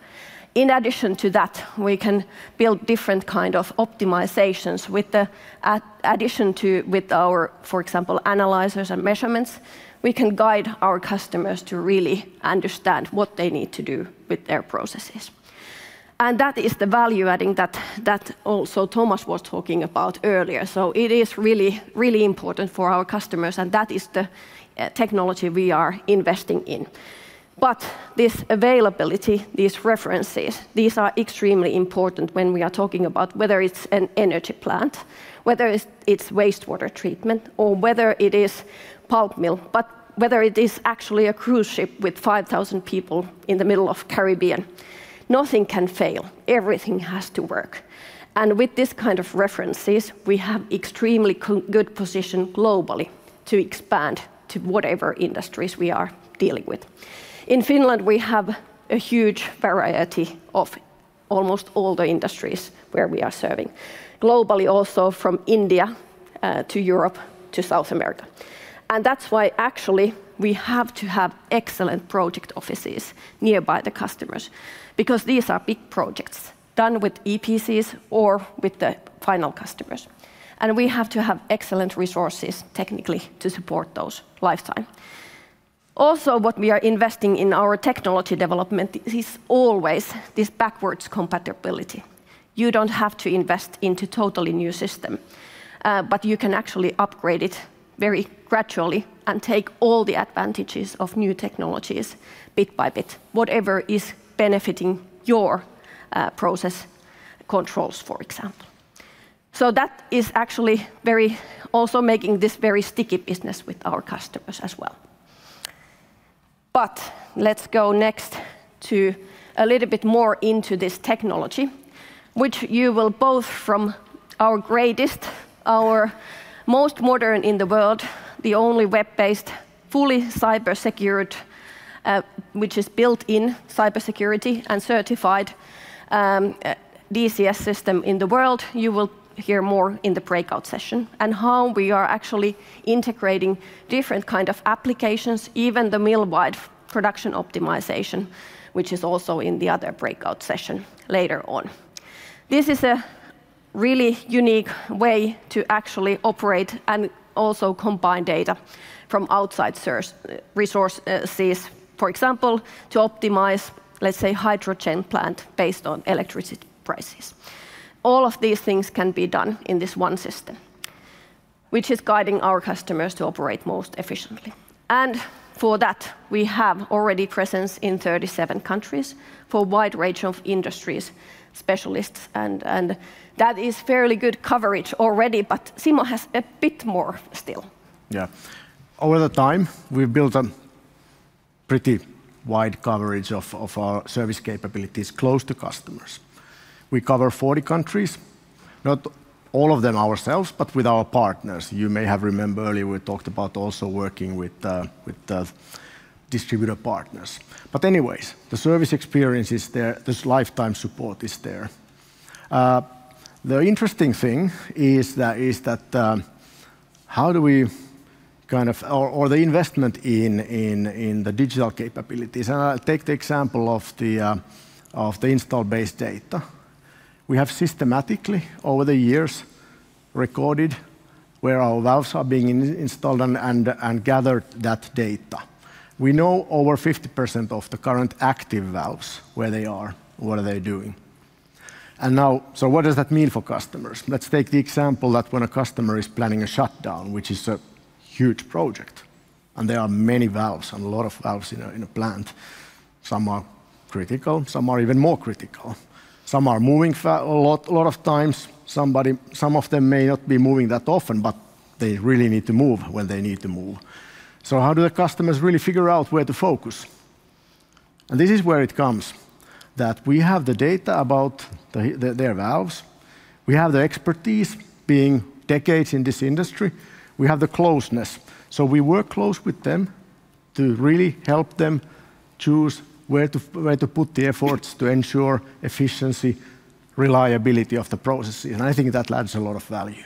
In addition to that, we can build different kinds of optimizations. With our, for example, analyzers and measurements, we can guide our customers to really understand what they need to do with their processes. That is the value adding that also Thomas was talking about earlier. It is really, really important for our customers, and that is the technology we are investing in. This availability, these references, these are extremely important. When we are talking about whether it's an energy plant, whether it's wastewater treatment or whether it is pulp mill, whether it is actually a cruise ship with 5,000 people in the middle of Caribbean. Nothing can fail. Everything has to work. With this kind of references we have extremely good position globally to expand to whatever industries we are dealing with. In Finland we have a huge variety of almost all the industries where we are serving globally. Also from India to Europe to South America. That's why actually we have to have excellent project offices nearby the customers. Because these are big projects done with EPCs or with the final customers. We have to have excellent resources technically to support those lifetime. Also what we are investing in our technology development is always this backwards compatibility. You don't have to invest into a totally new system, but you can actually upgrade it very gradually and take all the advantages of new technologies bit by bit. Whatever is benefiting your process controls, for example. That is actually also making this a very sticky business with our customers as well. Let's go next a little bit more into this technology, which you will see both from our greatest, our most modern in the world. The only web-based, fully cyber secured, which is built-in cybersecurity and certified DCS system in the world. You will hear more in the breakout session and how we are actually integrating different kinds of applications. Even the mill-wide production optimization, which is also in the other breakout session later on. This is a really unique way to actually operate and also combine data from outside resources, for example to optimize let's say hydrogen plant based on electricity prices. All of these things can be done in this one system which is guiding our customers to operate most efficiently. For that we have already presence in 37 countries for a wide range of industries specialists. That is fairly good coverage already. Simo has a bit more still. Yeah, over the time we've built a pretty wide coverage of our service capabilities close to customers. We cover 40 countries, not all of them ourselves, but with our partners. You may have remembered earlier we talked about also working with distributor partners. Anyways, the service experience is there, this lifetime support is there. The interesting thing is how do we kind of, or the investment in the digital capabilities. I'll take the example of the install base data. We have systematically over the years recorded where our valves are being installed and gathered that data. We know over 50% of the current active valves, where they are, what are they doing, and now so what does that mean for customers? Let's take the example that when a customer is planning a shutdown, which is a huge project and there are many valves and a lot of valves in a plant, some are critical, some are even more critical, some are moving a lot of times, some of them may not be moving that often, but they really need to move when they need to move. How do the customers really figure out where to focus? This is where it comes that we have the data about their valves, we have their expertise being decades in this industry, we have the closeness so we work close with them to really help them choose where to put the efforts to ensure efficiency, reliability of the process. I think that adds a lot of value.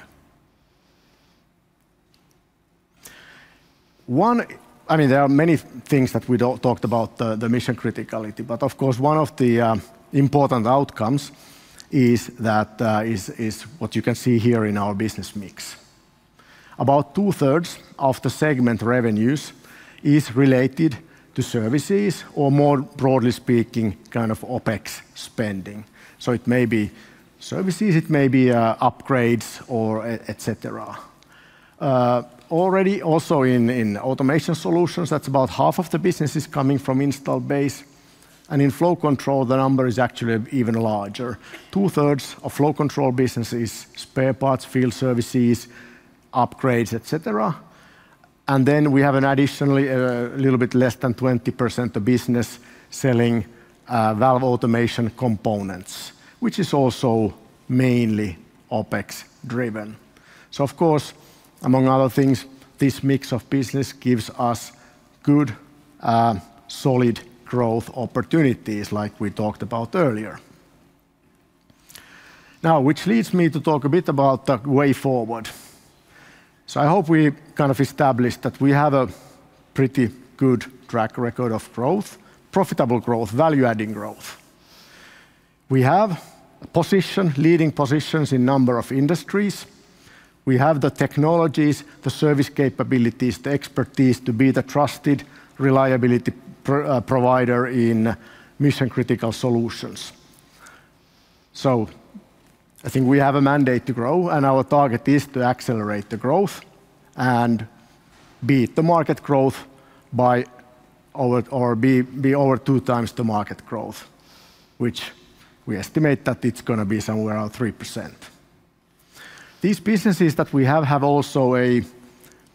One, I mean there are many things that we talked about the mission criticality. Of course one of the important outcomes is that is what you can see here. In our business mix, about 2/3 of the segment revenues is related to services or more broadly speaking kind of OpEx spending. It may be services, it may be upgrades or et cetera. Already also in automation solutions, that's about half of the business is coming from install base and in Flow Control the number is actually even larger. 2/3 of Flow Control business is spare parts, field services, upgrades, et cetera. We have additionally a little bit less than 20% of business selling valve automation components, which is also mainly OpEx driven. Of course among other things this mix of business gives us good solid growth opportunities like we talked about earlier now, which leads me to talk a bit about the way forward. I hope we kind of established that we have a pretty good track record of growth, profitable growth, value adding growth. We have leading positions in a number of industries. We have the technologies, the service capabilities, the expertise to be the trusted reliability provider in mission critical solutions. I think we have a mandate to grow and our target is to accelerate the growth and beat the market growth by or be over two times the market growth, which we estimate that it's going to be somewhere around 3%. These businesses that we have have also a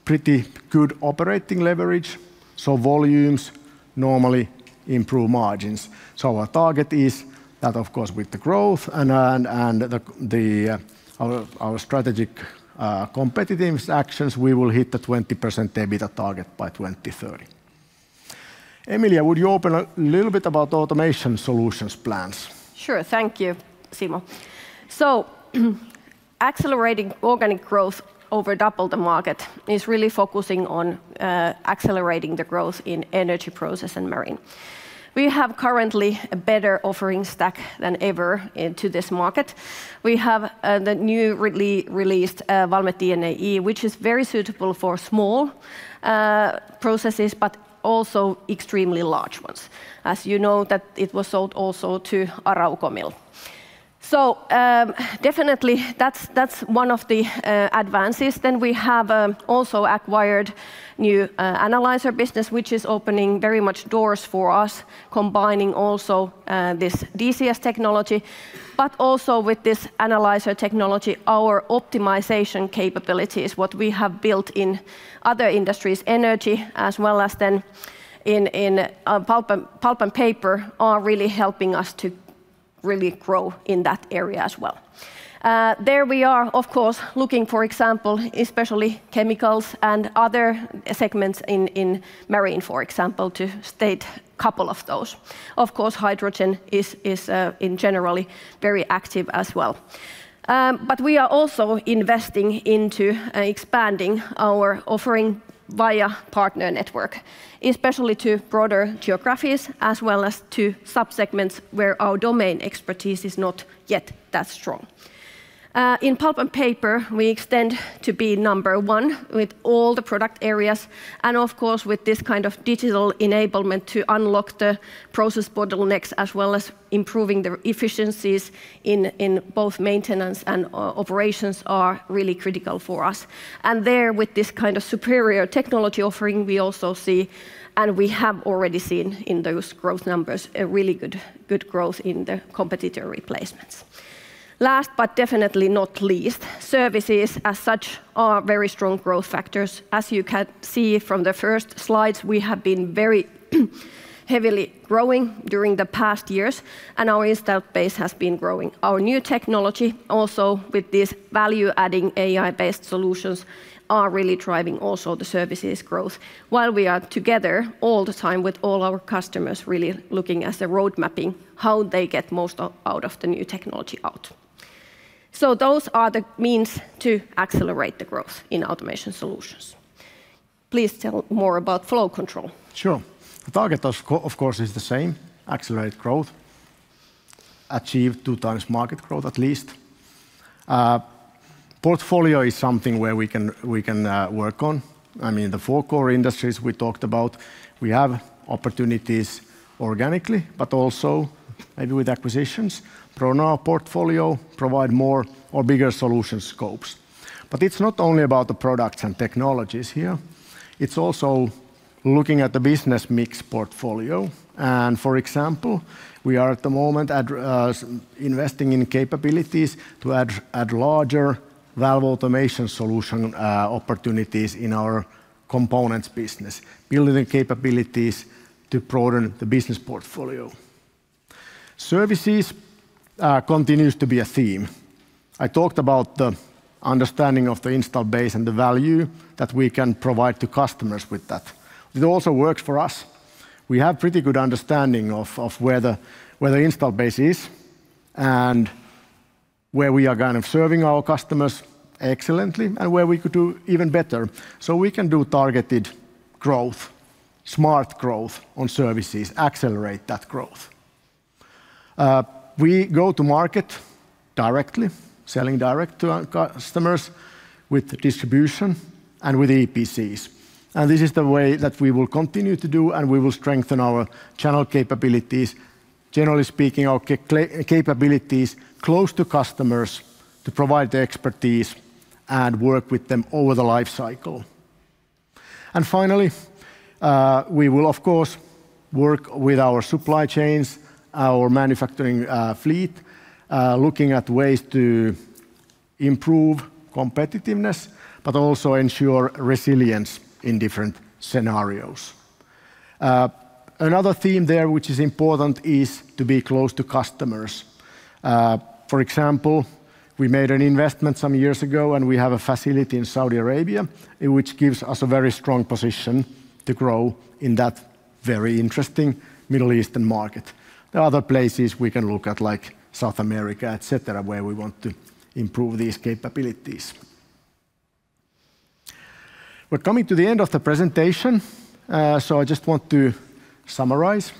pretty good operating leverage. Volumes normally improve margins. Our target is that of course with the growth and our strategic competitive actions, we will hit the 20% EBITDA target by 2030. Emilia, would you open a little bit about Automation Solutions plans? Sure. Thank you, Simo. Accelerating organic growth over double. The market is really focusing on accelerating the growth in energy, process, and marine. We have currently a better offering stack than ever to this market. We have the newly released Valmet DNAe, which is very suitable for small processes but also extremely large ones. As you know, it was sold also to Arauco Mill. That is definitely one of the advances. We have also acquired new analyzer business, which is opening very much doors for us, combining also this DCS technology. Also, with this analyzer technology, our optimization capabilities, what we have built in other industries, energy as well as in pulp and paper, are really helping us to really grow in that area as well. There we are of course looking for example especially chemicals and other segments in marine for example to state a couple of those. Of course hydrogen is in general very active as well. We are also investing into expanding our offering via partner network especially to broader geographies as well as to subsegments where our domain expertise is not yet that strong. In pulp and paper we extend to be number one with all the product areas. With this kind of digital enablement to unlock the process bottlenecks as well as improving the efficiencies in both maintenance and operations are really critical for us. There with this kind of superior technology offering we also see and we have already seen in those growth numbers a really good growth in the competitor replacements. Last but definitely not least, services as such are very strong growth factors. As you can see from the first slides. We have been very heavily growing during the past years and our installed base has been growing. Our new technology also with this value adding AI-based solutions are really driving also the services growth. While we are together all the time with all our customers really looking at the roadmapping how they get most out of the new technology out. Those are the means to accelerate the growth in automation solutions. Please tell more about Flow Control. Sure. The target of course is the same. Accelerate growth, achieve two times market growth. At least portfolio is something where we can work on. I mean the four core industries we talked about. We have opportunities organically but also maybe with acquisitions prone. Our portfolio provide more or bigger solution scopes. It is not only about the products and technologies here. It is also looking at the business mix portfolio and for example we are at the moment, investing in capabilities to add larger valve automation solution opportunities in our components business, building the capabilities to broaden the business portfolio. Services continues to be a theme. I talked about the understanding of the install base and the value that we can provide to customers with that. It also works for us. We have pretty good understanding of where the install base is and where we are kind of serving our customers excellently and where we could do even better. We can do targeted growth, smart growth on services, accelerate that growth. We go to market directly, selling direct to our customers with distribution and with EPCs. This is the way that we will continue to do. We will strengthen our channel capabilities, generally speaking, our capabilities close to customers to provide the expertise and work with them over the lifecycle. Finally, we will of course work with our supply chains, our manufacturing fleet, looking at ways to improve competitiveness but also ensure resilience in different scenarios. Another theme there which is important is to be close to customers. For example, we made an investment some years ago and we have a facility in Saudi Arabia which gives us a very strong position to grow in that very interesting Middle Eastern market. There are other places we can look at, like South America, etc. where we want to improve these capabilities. We're coming to the end of the presentation, so I just want to summarize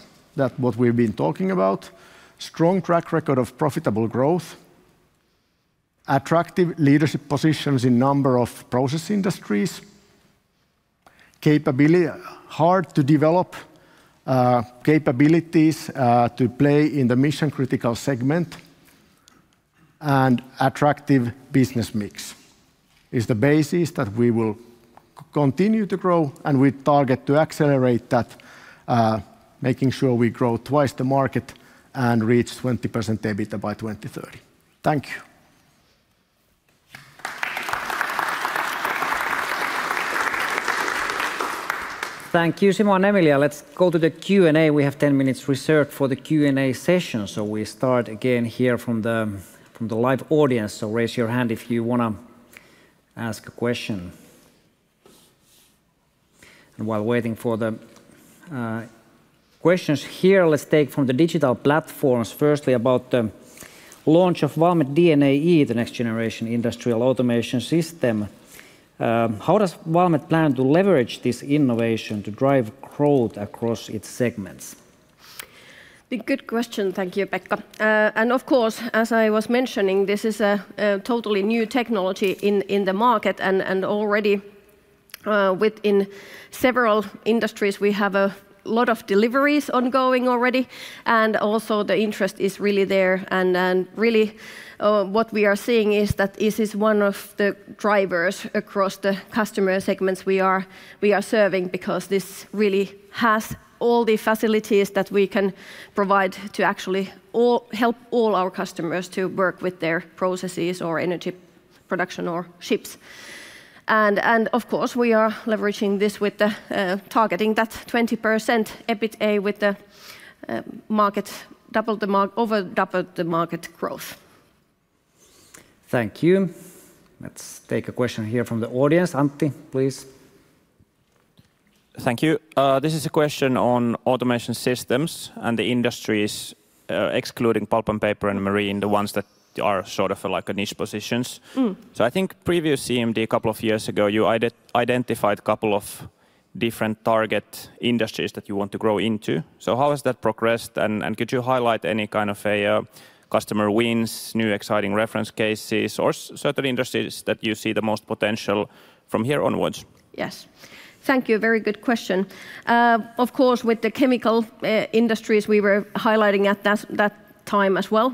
what we've been talking about. Strong track record of profitable growth, attractive leadership positions in number of process industries, capability hard to develop, capabilities to play in the mission critical segment and attractive business mix is the basis that we will continue to grow. We target to accelerate that, making sure we grow twice the market and reach 20% EBITDA by 2030. Thank you. Thank you, Simo. Emilia, let's go to the Q&A. We have 10 minutes reserved for the Q&A session. We start again here, hear from the live audience. Raise your hand if you want to ask a question. While waiting for the questions here, let's take from the digital platforms. Firstly, about the launch of Valmet DNAe, the next generation industrial automation system. How does Valmet plan to leverage this innovation to drive growth across its segments? Good question. Thank you, Pekka. As I was mentioning, this is a totally new technology in the market and already within several industries we have a lot of deliveries ongoing already. Also, the interest is really there and really what we are seeing is that this is one of the drivers across the customer segments we are serving because this really has all the facilities that we can provide to actually help all our customers to work with their processes or energy production or ships. Of course, we are leveraging this with the targeting that 20% EBITDA with the market over double the market growth. Thank you. Let's take a question here from the audience, Antti, please. Thank you. This is a question on automation systems and the industries excluding pulp and paper and marine, the ones that are sort of like niche positions. I think previous CMD a couple of years ago you identified a couple of different target industries that you want to grow into. How has that progressed and could you highlight any kind of customer wins, new exciting reference cases or certain industries that you see the most potential from here onwards? Yes, thank you. Very good question. Of course with the chemical industries we were highlighting at that time as well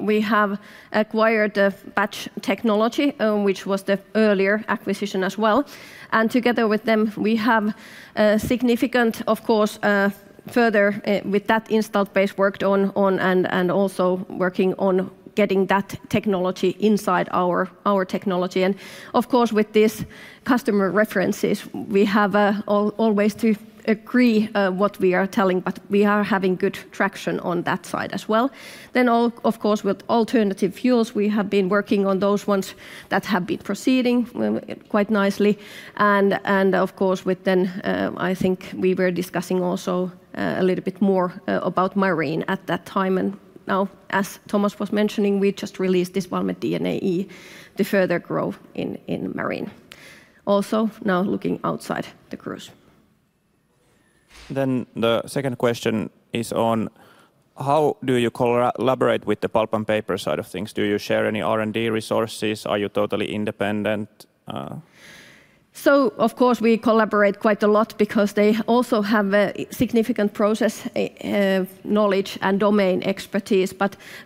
we have acquired the batch technology, which was the earlier acquisition as well, and together with them we have significant, of course, further with that installed base, worked on and also working on getting that technology inside our technology. Of course with these customer references we have always to agree what we are telling, but we are having good traction on that side as well. All of course with alternative fuels we have been working on those ones that have been proceeding quite nicely, and of course I think we were discussing also a little bit more about marine at that time. Now, as Thomas was mentioning, we just released this one with DNAe to further grow in marine, also now looking outside the cruise. Then the second question is on how do you collaborate with the pulp and paper side of things. Do you share any R&D resources? Are you totally independent? Of course we collaborate quite a lot because they also have significant process knowledge and domain expertise.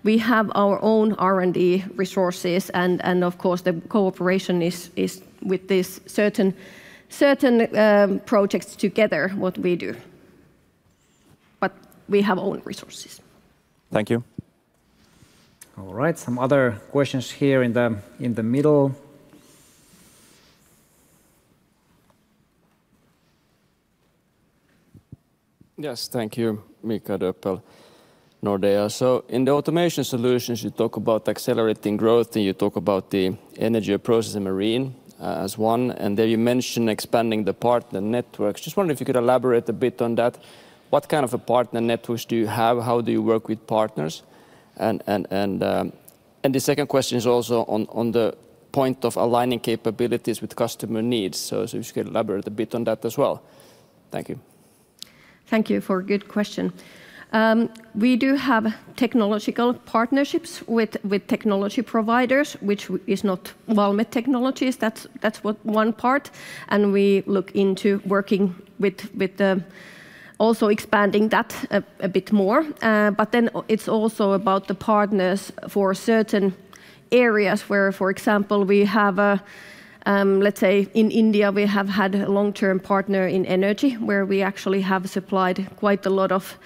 We have our own R&D resources and of course the cooperation is with these certain projects together, what we do, but we have own resources. Thank you. All right, some other questions here in the middle. Yes, thank you. Mikael Doepel, Nordea. In the Automation Solutions, you talk about accelerating growth and you talk about the energy process in marine as one, and there you mentioned expanding the partner networks. Just wondering if you could elaborate a bit on that. What kind of a partner networks do you have? How do you work with partners? The second question is also on the point of aligning capabilities with customer needs. If you could elaborate a bit on that as well. Thank you. Thank you for a good question. We do have technological partnerships with technology providers, which is not Valmet technologies. That's one part, and we look into working with also expanding that a bit more. It is also about the partners for certain areas where, for example, we have, let's say, in India, we have had a long-term partner in energy where we actually have supplied quite a lot of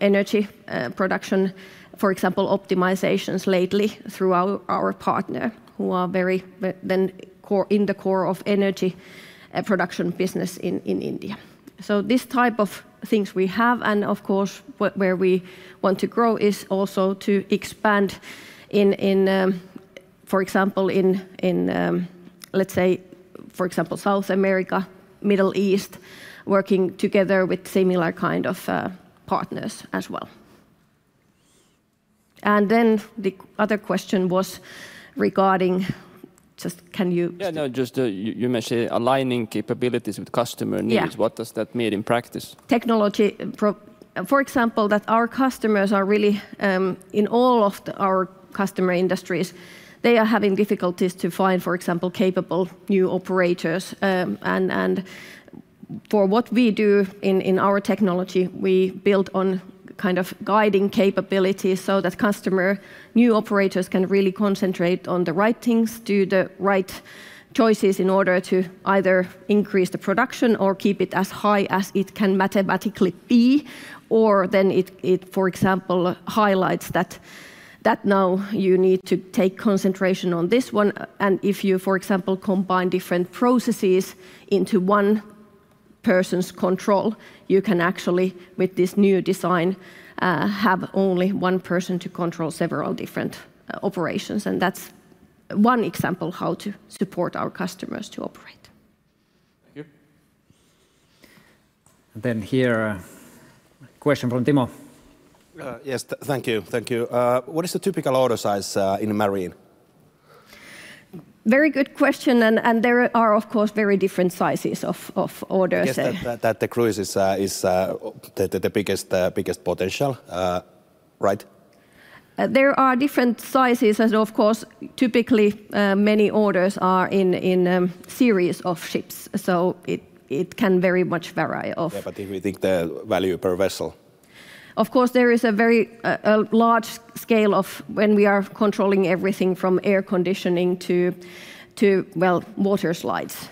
energy production, for example, optimizations lately through our partner who are very then in the core of energy production business in India. This type of things we have, and of course where we want to grow is also to expand in, for example, in, let's say, for example, South America, Middle East, working together with similar kind of partners as well. The other question was regarding just can you just. You mentioned aligning capabilities with customer needs. What does that mean in practice? Technology, for example, our customers are really in all of our customer industries, they are having difficulties to find, for example, capable new operators. For what we do in our technology, we build on kind of guiding capabilities so that customer new operators can really concentrate on the right things, do the right choices in order to either increase the production or keep it as high as it can mathematically be. It, for example, highlights that now you need to take concentration on this one. If you, for example, combine different processes into one person's control, you can actually with this new design have only one person to control several different operations. That is one example how to support our customers to operate. Thank you. Here a question from Timo. Yes, thank you. Thank you. What is the typical auto size in marine? Very good question. There are of course very different sizes of order. that the cruise is the biggest potential. Right? There are different sizes as of course typically many orders are in series of ships. It can very much vary. If you think the value per vessel? Of course there is a very large scale of when we are controlling everything from air conditioning to, to well, water slides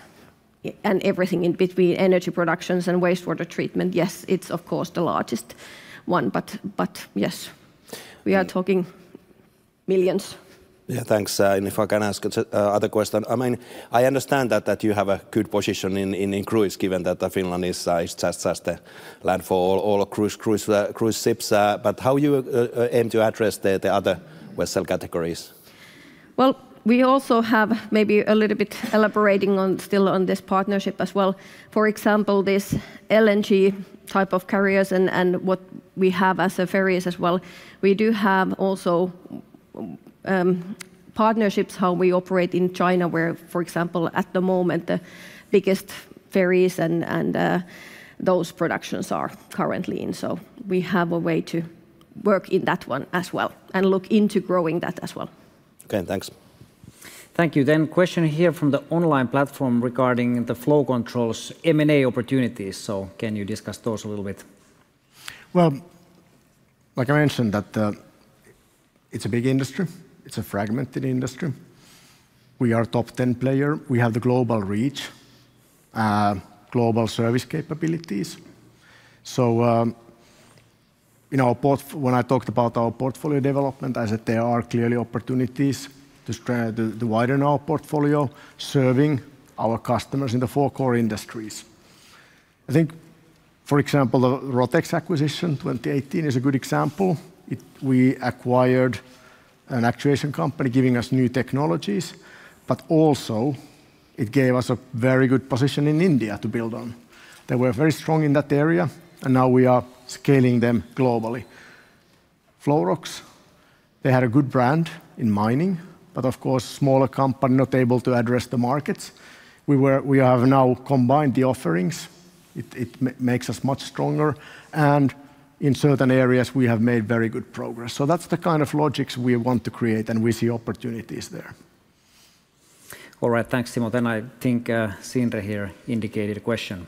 and everything in between, energy productions and wastewater treatment. Yes, it's of course the largest one. Yes, we are talking millions. Yeah, thanks. If I can ask other question. I mean I understand that you have a good position in cruise given that Finland is just landfall all cruise ships. How do you aim to address the other Western categories? We also have maybe a little bit elaborating on still on this partnership as well. For example, this LNG type of carriers and what we have as ferries as well. We do have also partnerships how we operate in China where, for example, at the moment the biggest ferries and those productions are currently in. We have a way to work in that one as well and look into growing that as well. Okay, thanks. Thank you. Question here from the online platform regarding the Flow Control. M&A opportunity. Can you discuss those a little bit? Like I mentioned that it's a big industry, it's a fragmented industry, we are a top 10 player, we have the global reach, global service capabilities. You know, when I talked about our portfolio development, I said there are clearly opportunities to widen our portfolio serving our customers in the four core industries. I think for example, the Rotex acquisition in 2018 is a good example. We acquired an actuation company giving us new technologies, but also it gave us a very good position in India to build on. They were very strong in that area and now we are scaling them globally. Flowrox, they had a good brand in mining, but of course a smaller company, not able to address the markets. We have now combined the offerings. It makes us much stronger and in certain areas we have made very good progress. That's the kind of logics we want to create and we see operations opportunities there. All right, thanks, Thomas. I think Sindre here indicated a question.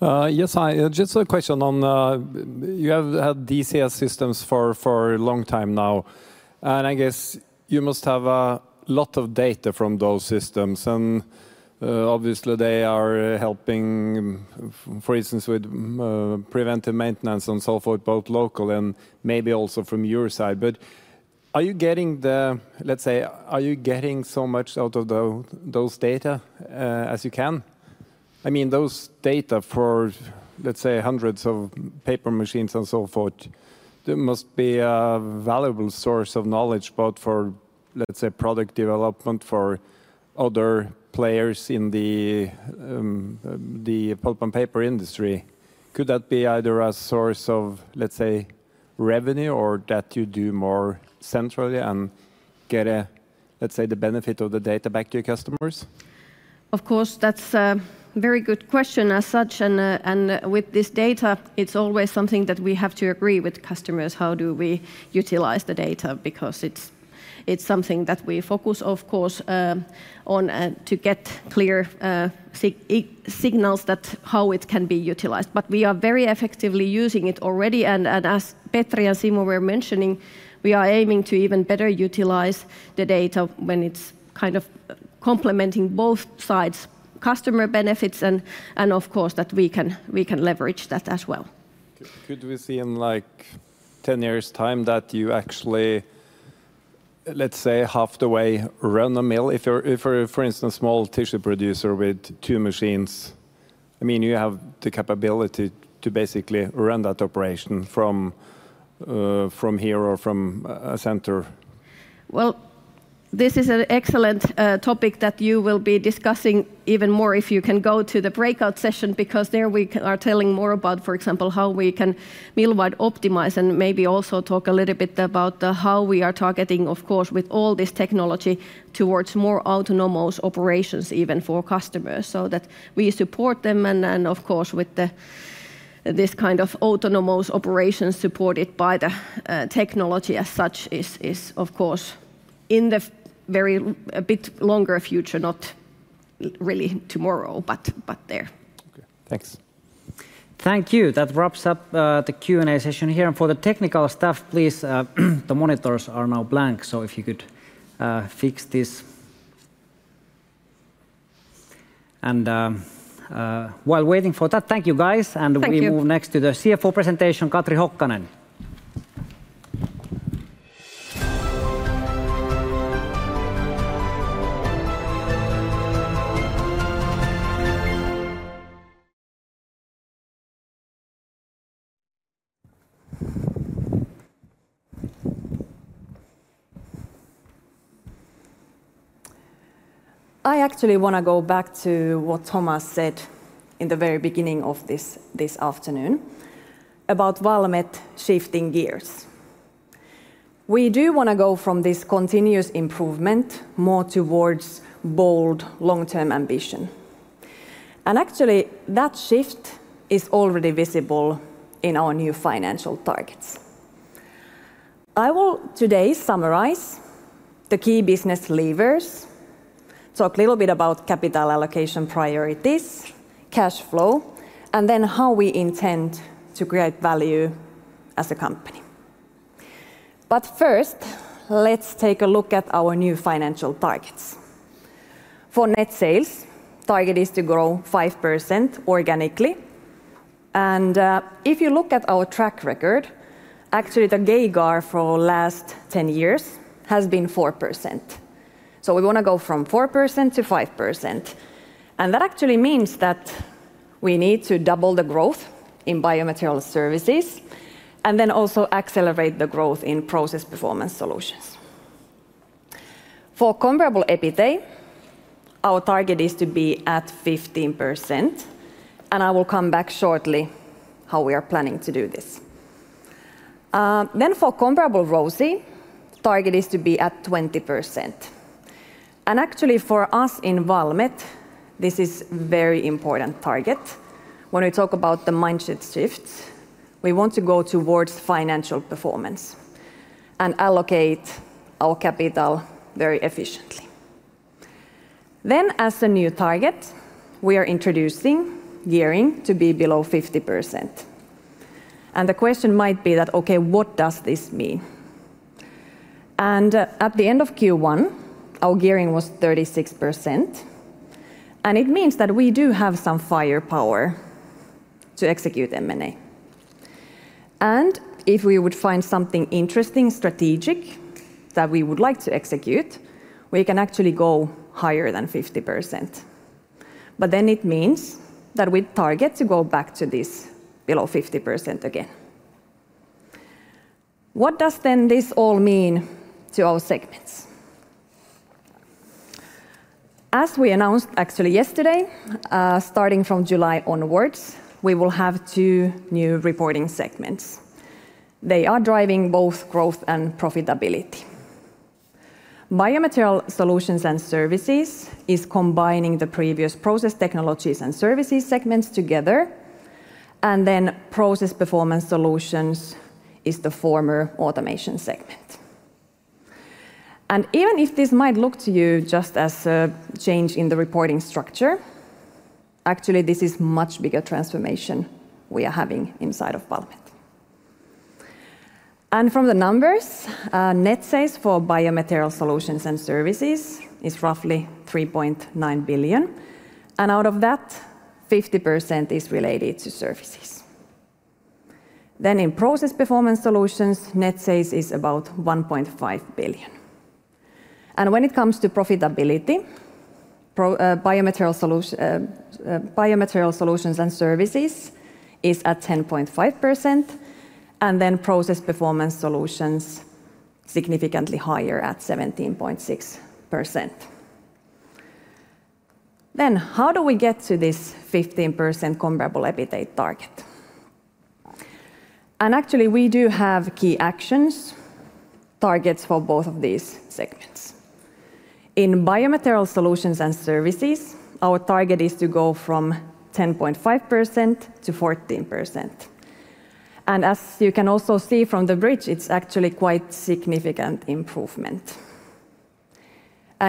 Yes, just a question on you have had DCS systems for a long time now and I guess you must have a lot of data from those systems and obviously they are helping for instance with preventive maintenance and so forth, both local and maybe also from your side. Are you getting the, let's say, are you getting so much out of those data as you can? I mean those data for let's say hundreds of paper machines and so forth, that must be a valuable source of knowledge both for, let's say, product development for other players in the pulp and paper industry. Could that be either a source of, let's say, revenue or that you do more centrally and get, let's say, the benefit of the data back to your customers? Of course, that's a very good question as such. With this data, it's always something that we have to agree with customers. How do we utilize the data? Because it's something that we focus, of course, on to get clear signals that how it can be utilized. We are very effectively using it already. As Petri and Simo were mentioning, we are aiming to even better utilize the data when it's kind of complementing both sides, customer benefits and, of course, that we can leverage that as well. Could we see in like 10 years time that you actually say half the way around the mill, if for instance small tissue producer with two machines, I mean you have the capability to basically run that operation from here or from a center. This is an excellent topic that you will be discussing even more if you can go to the breakout session, because there we are telling more about, for example, how we can optimize and maybe also talk a little bit about how we are targeting, of course, with all this technology towards more autonomous operations even for customers so that we support them. Of course, with this kind of autonomous operations supported by the technology as such, it is of course in the very, a bit longer future, not really tomorrow, but there. Thanks. Thank you. That wraps up the Q&A session here. For the technical stuff, please, the monitors are now blank. If you could fix this, and while waiting for that, thank you, guys. We move next to the CFO presentation. Katri Hokkanen. I actually want to go back to what Thomas said in the very beginning of this afternoon about Valmet shifting gears. We do want to go from this continuous improvement more towards bold long term ambition. Actually, that shift is already visible in our new financial targets. I will today summarize the key business levers, talk a little bit about capital allocation priorities, cash flow, and then how we intend to create value as a company. First, let's take a look at our new financial targets. For net sales, target is to grow 5% organically. If you look at our track record, actually the CAGR for last 10 years has been 4%. We want to go from 4% to 5%, and that actually means that we need to double the growth in biomaterial services and then also accelerate the growth in process performance solutions. For comparable EBITDA, our target is to be at 15% and I will come back shortly how we are planning to do this. Then for comparable ROCE, target is to be at 20% and actually for us in Valmet this is very important target. When we talk about the mindset shifts, we want to go towards financial performance and allocate our capital very efficiently. As a new target we are introducing gearing to be below 50% and the question might be that okay, what does this mean and at the end of Q1 our gearing was 36% and it means that we do have some firepower to execute M&A. If we would find something interesting strategic that we would like to execute, we can actually go higher than 50%. It means that we target to go back to this below 50% again. What does then this all mean to our segments? As we announced actually yesterday, starting from July onwards we will have two new reporting segments. They are driving both growth and profitability. Biomaterial Solutions and Services is combining the previous process technologies and services segments together. Process Performance Solutions is the former automation segment. Even if this might look to you just as a change in the reporting structure, actually this is much bigger transformation we are having inside of Valmet. From the numbers, net sales for Biomaterial Solutions and Services is roughly 3.9 billion. Out of that, 50% is related to services. In Process Performance Solutions, net sales is about 1.5 billion. When it comes to profitability, Biomaterial Solutions and Services is at 10.5% and Process Performance Solutions significantly higher at 17.6%. How do we get to this 15% comparable EBITDA target? Actually, we do have key actions targets for both of these segments. In Biomaterial Solutions and Services, our target is to go from 10.5% to 14%. As you can also see from the bridge, it is quite a significant improvement.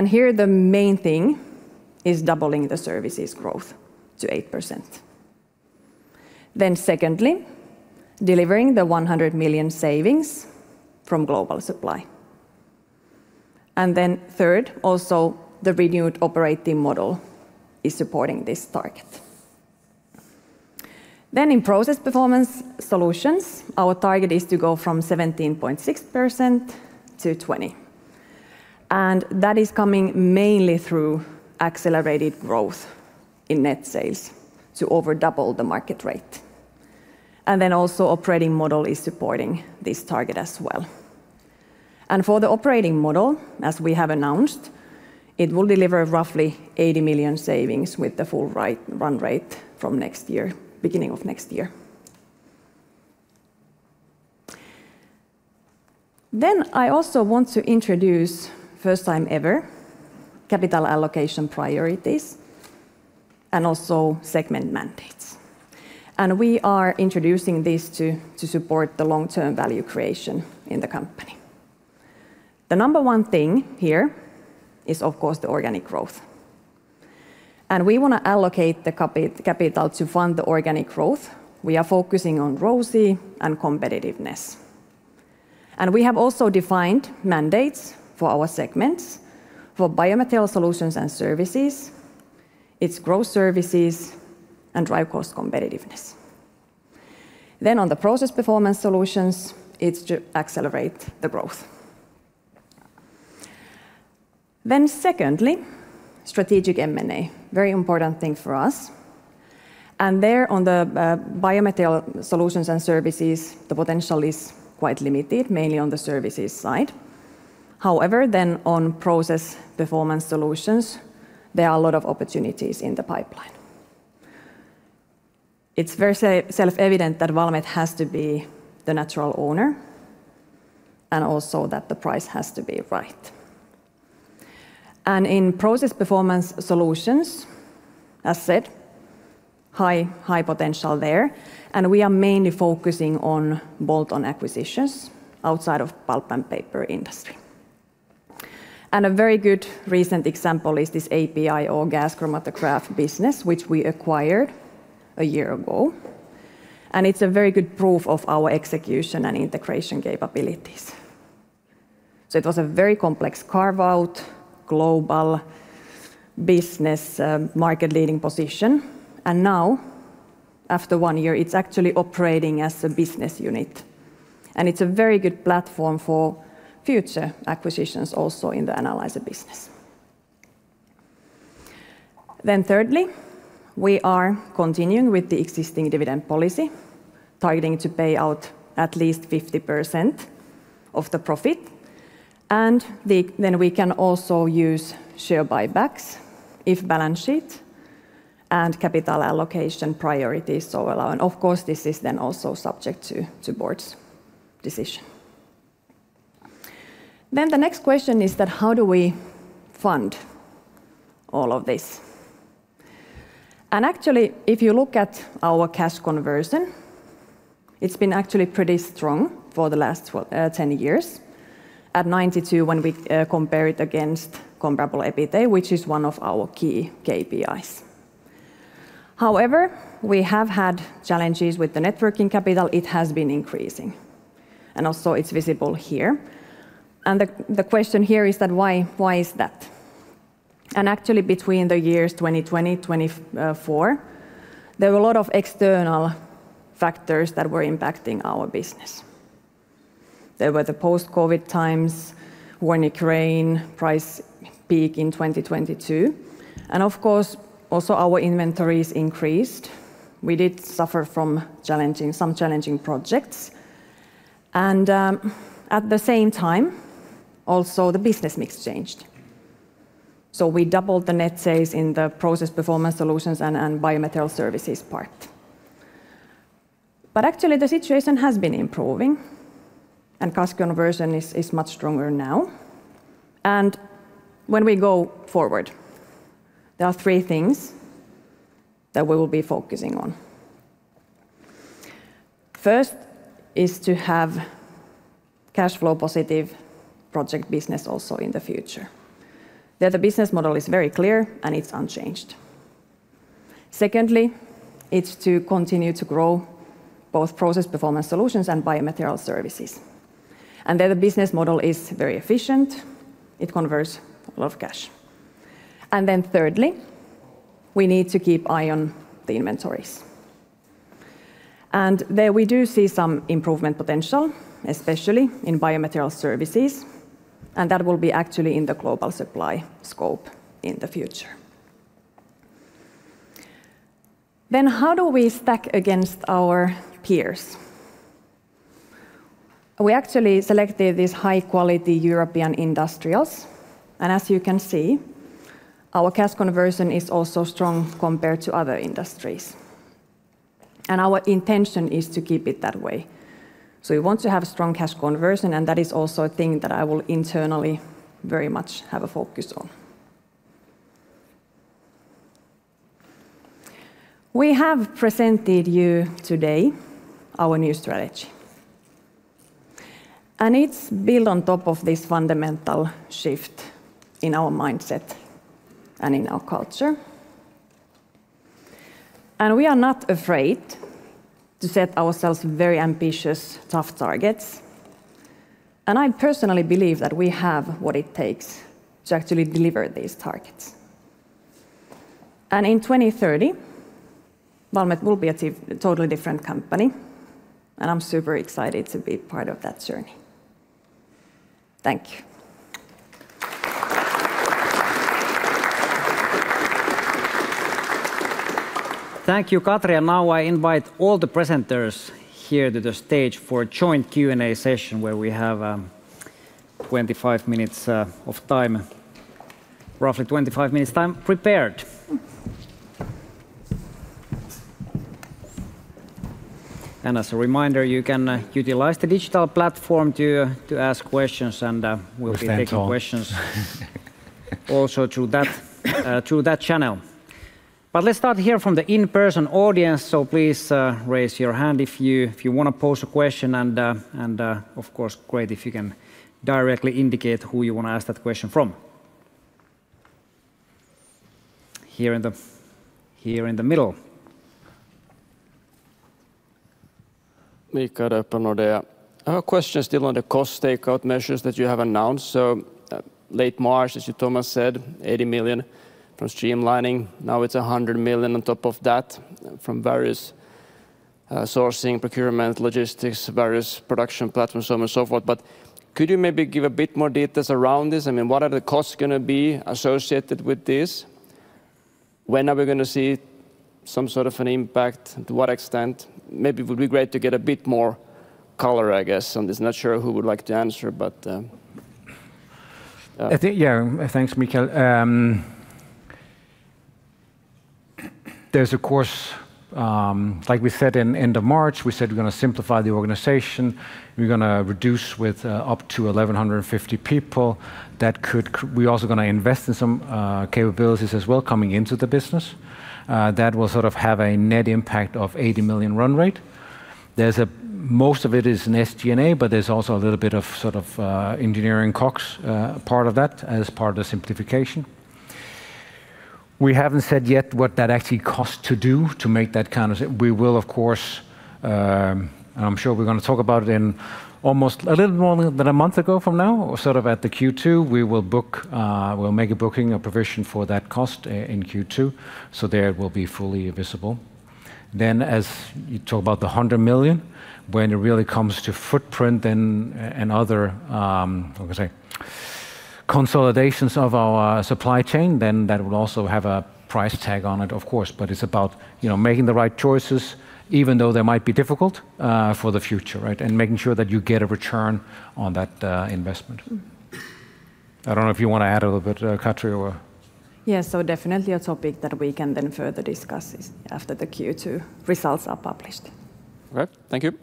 Here, the main thing is doubling the services growth to 8%. Secondly, delivering the 100 million savings from Global Supply. Third, the renewed operating model is supporting this target. In Process Performance Solutions, our target is to go from 17.6% to 20%, and that is coming mainly through accelerated growth in net sales to over double the market rate. Also, the operating model is supporting this target as well. For the operating model as we have announced, it will deliver roughly 80 million savings with the full run rate from next year, beginning of next year. I also want to introduce first time ever capital allocation priorities and also segment mandates. We are introducing this to support the long term value creation in the company. The number one thing here is of course the organic growth and we want to allocate the capital to fund the organic growth. We are focusing on ROCE and competitiveness and we have also defined mandates for our segments. For Biomaterial Solutions and Services, it is growth, services, and dry cost competitiveness. On the Process Performance Solutions, it is to accelerate the growth. Secondly, strategic M&A is a very important thing for us. There, on the Biomaterial Solutions and Services, the potential is quite limited, mainly on the services side. However, then on Process Performance Solutions there are a lot of opportunities, opportunities in the pipeline. It's very self-evident that Valmet has to be the natural owner and also that the price has to be right. In Process Performance Solutions, as said, high, high potential there. We are mainly focusing on bolt-on acquisitions outside of pulp and paper industry. A very good recent example is this API or gas chromatography business which we acquired a year ago. It's a very good proof of our execution and integration capabilities. It was a very complex carve-out global business, market leading position, and now after one year it's actually operating as a business unit and it's a very good platform for future acquisitions. Also in the analyzer business. Thirdly, we are continuing with the existing dividend policy targeting to pay out at least 50% of the profit. We can also use share buybacks if balance sheet and capital allocation priorities. Of course, this is then also subject to the board's decision. The next question is how do we fund all of this? Actually, if you look at our cash conversion, it's been actually pretty strong for the last 10 years at 92% when we compare it against comparable EBITDA, which is one of our key KPIs. However, we have had challenges with the net working capital. It has been increasing and also it's visible here and the question here is why is that? Actually, between the years 2020-2024 there were a lot of external factors that were impacting our business. There were the post-COVID times, war in Ukraine, prices peak in 2022 and of course also our inventories increased. We did suffer from some challenging projects and at the same time also the business mix changed. We doubled the net sales in the Process Performance Solutions and biomaterial services part. Actually the situation has been improving and cost conversion is much stronger now. When we go forward there are three things that we will be focusing on. First is to have cash flow positive project business also in the future, that the business model is very clear and it's unchanged. Secondly, it's to continue to grow both Process Performance Solutions and biomaterial services and that the business model is very efficient, it converts a lot of cash. Thirdly, we need to keep eye on the inventories and there we do see some improvement potential especially in biomaterial services. That will be actually in the global supply scope in the future. How do we stack against our peers? We actually selected these high quality European industrials and as you can see our cash conversion is also strong compared to other industries and our intention is to keep it that way. We want to have strong cash conversion and that is also a thing that I will internally very much have a focus on. We have presented you today our new strategy and it is built on top of this fundamental shift in our mindset and in our culture. We are not afraid to set ourselves very ambitious, tough targets. I personally believe that we have what it takes to actually deliver these targets. In 2030 Valmet will be a totally different company and I'm super excited to be part of that journey. Thank you. Thank you, Katri. Now I invite all the presenters here to the stage for joint Q&A session where we have 25 minutes of time, roughly 25 minutes time prepared. As a reminder you can utilize the digital platform to ask questions and we'll be taking questions also through that channel. Let's start here from the in person audience. Please raise your hand if you want to pose a question and of course great if you can directly indicate who you want to ask that question from. Here in the middle. Question still on the cost takeout measures that you have announced so late March. As Thomas said, 80 million from streamlining, now it is 100 million on top of that from various sourcing, procurement, logistics, various production platforms, so on and so forth. Could you maybe give a bit more details around this? I mean, what are the costs going to be associated with this? When are we going to see some sort of an impact, to what extent? Maybe would be great to get a bit more color, I guess, on this. Not sure who would like to answer, but. I think yeah, thanks Mikael. There's of course like we said in end of March we said we're going to simplify the organization. We're going to reduce with up to 1,150 people that could we're also going to invest in some capabilities as well coming into the business that will sort of have a net impact of 80 million run rate. Most of it is NEST DNA, but there's also a little bit of sort of engineering cogs part of that as part of the simplification. We haven't said yet what that actually costs to do to make that kind of. We will of course, I'm sure we're going to talk about it in almost a little more than a month ago from now, sort of at the Q2. We will book, we'll make a booking, a provision for that cost in Q2, so there it will be fully visible then as you talk about the 100 million. When it really comes to footprint and other consolidations of our supply chain, then that will also have a price tag on it of course, but it's about making the right choices even though they might be difficult for the future and making sure that you get a return on that investment. I don't know if you want to. Add a little bit, Katri, or? Yes. Definitely a topic that we can then further discuss after the Q2 results are published. Okay, thank you.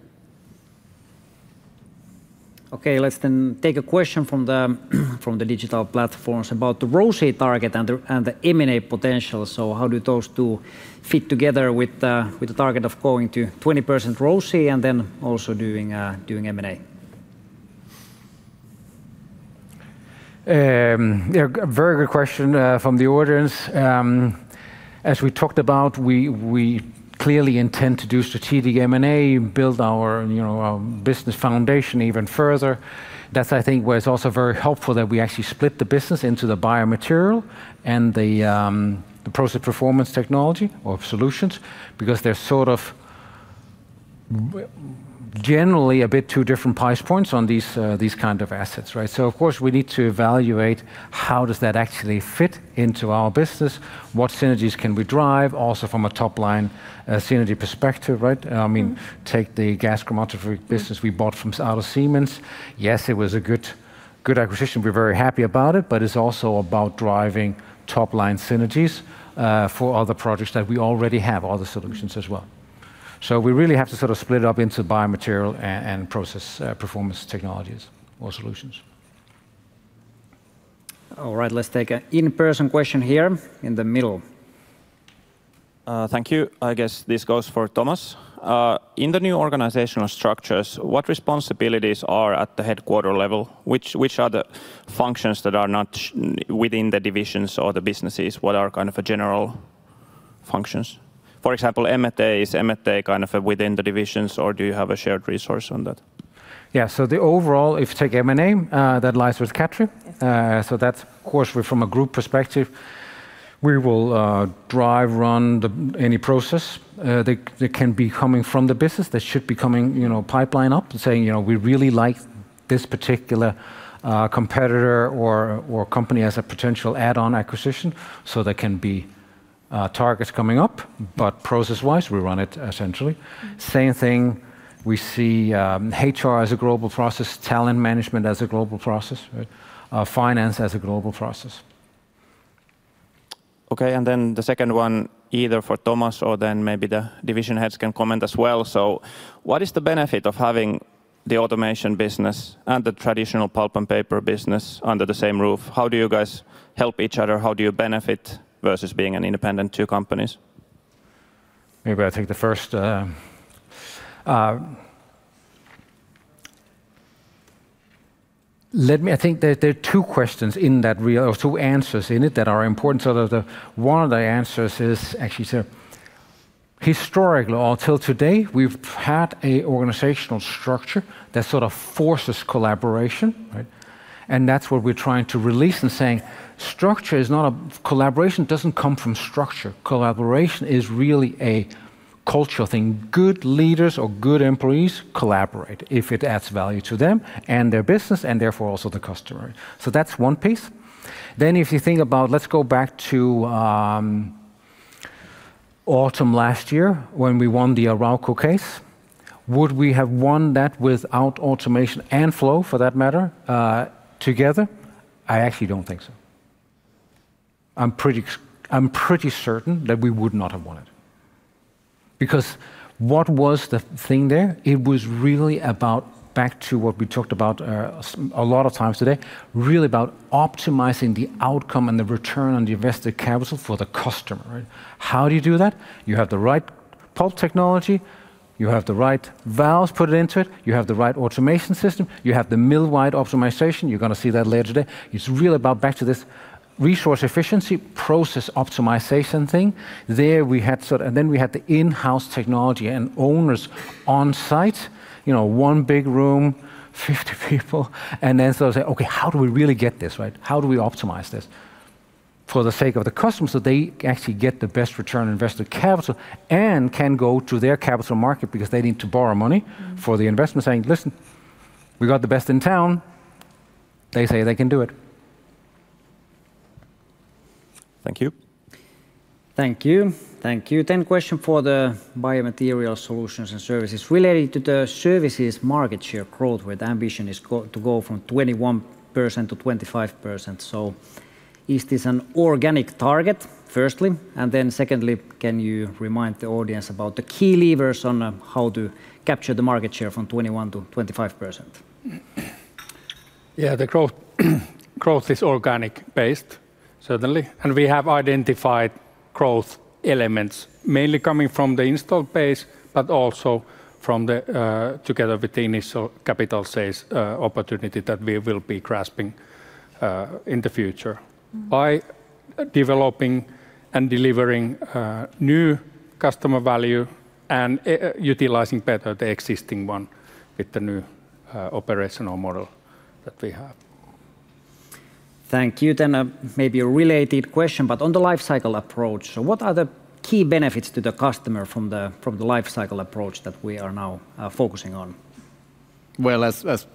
Okay, let's then take a question from the digital platforms about the ROCE target and the M&A potential. How do those two fit together with the target of going to 20% ROCE and then also doing M&A? Very good question from the audience. As we talked about, we clearly intend to do strategic M&A, build our business foundation even further. That's, I think, where it's also very helpful that we actually split the business into the biomaterial and the process performance technology or solutions because they're sort of generally a bit two different price points on these, these kind of assets. Right. Of course, we need to evaluate how does that actually fit into our business. What synergies can we drive? Also from a top line synergy perspective, right? I mean, take the gas chromatography business we bought from Siemens. Yes, it was a good, good acquisition, we're very happy about it. It's also about driving top line synergies for other projects that we already have, other solutions as well. We really have to sort of split up into biomaterial and process performance technologies or solutions. All right, let's take an in-person question here in the middle. Thank you. I guess this goes for Thomas. In the new organizational structures, what responsibilities are at the headquarter level? Which are the functions that are not within the divisions or the businesses? What are kind of general functions? For example, M&A. Is M&A kind of within the divisions or do you have a shared resource on that? Yeah, so the overall, if you take M&A, that lies with Katri. So that's of course from a group perspective, we will drive, run any process that can be coming from the business that should be coming, you know, pipeline up and saying, you know, we really like this particular competitor or company as a potential add on acquisition. So there can be targets coming up, but process wise, we run it essentially same thing. We see HR as a global process, talent management as a global process, finance as a global process. Okay. Then the second one either for Thomas or then maybe the division heads can comment as well. What is the benefit of having the automation business and the traditional pulp and paper business under the same roof? How do you guys help each other? How do you benefit versus being an independent two companies? Maybe I take the first. Let me, I think that there are two questions in that really or two answers in it that are important. One of the answers is actually, so historically until today we've had an organizational structure that sort of forces collaboration and that's what we're trying to release. Saying structure is not, collaboration doesn't come from structure. Collaboration is really a cultural thing. Good leaders or good employees collaborate if it adds value to them and their business and therefore also the culture, customarily. That's one piece. If you think about, let's go back to autumn last year when we won the Arauco case. Would we have won that without automation and flow, for that matter, together? I actually don't think so. I'm pretty certain that we would not have won it because what was the thing there? It was really about back to what we talked about a lot of times today, really about optimizing the outcome and the return on the invested capital for the customer. How do you do that? You have the right pulp technology, you have the right valves, put it into it, you have the right automation system, you have the millwide optimization. You're going to see that later today. It's really about back to this resource efficiency process optimization thing. There we had sort and then we had the in house, the technology and owners on site, you know, one big room, 50 people. And then say, okay, how do we really get this right? How do we optimize this for the sake of the customer so they actually get the best return on invested capital and can go to their capital market because they need to borrow money for the investment, saying, listen, we got the best in town. They say they can do it. Thank you, thank you, thank you. Question for the Biomaterial Solutions and Services related to the services market share growth, where the ambition is to go from 21% to 25%. Is this an organic target, firstly? Secondly, can you remind the audience about the key levers on how to capture the market share from 21% to 25%? Yeah, the growth is organic based certainly. We have identified growth elements mainly coming from the installed base, but also from the, together with the initial capital sales opportunity that we will be grasping in the future by developing and delivering new customer value and utilizing better the existing one with the new operational model that we have. Thank you. Maybe a related question, but on the lifecycle approach, what are the key benefits to the customer from the lifecycle approach that we are now focusing on? As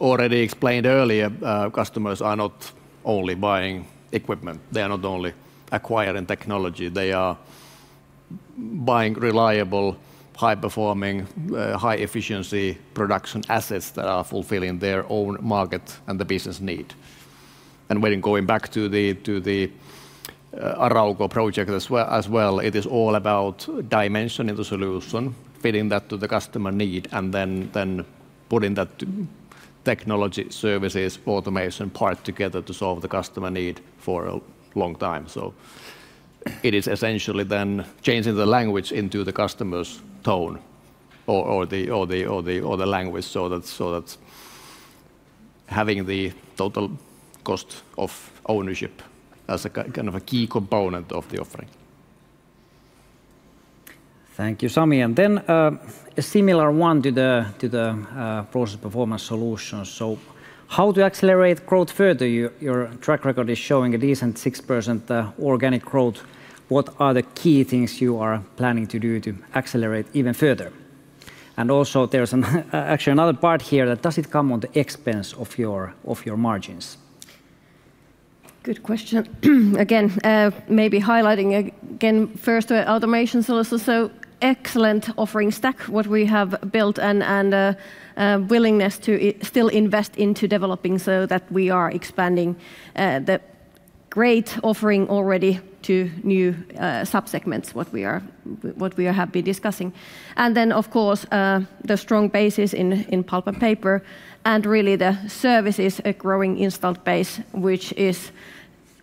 already explained earlier, customers are not only buying equipment, they are not only acquiring technology, they are buying reliable, high performing, high efficiency production assets that are fulfilling their own market and the business need. When going back to the Arauco project as well, it is all about dimensioning the solution, fitting that to the customer need and then putting that technology, services, automation part together to solve the customer need for a long time. It is essentially then changing the language into the customer's tone or the language so that having the total cost of ownership as a kind of a key component of the offering. Thank you, Sami. Then a similar one to the Process Performance Solutions. How to accelerate growth further, your track record is showing a decent 6% organic growth. What are the key things you are planning to do to accelerate even further? Also, there's actually another part here that does it come at the expense of your margins? Good question again, maybe highlighting again first automation also, so excellent on offering stack what we have built and willingness to still invest into developing so that we are expanding the great offering already to new sub segments what we have been discussing. Of course, the strong bases in pulp and paper and really the services, a growing installed base which is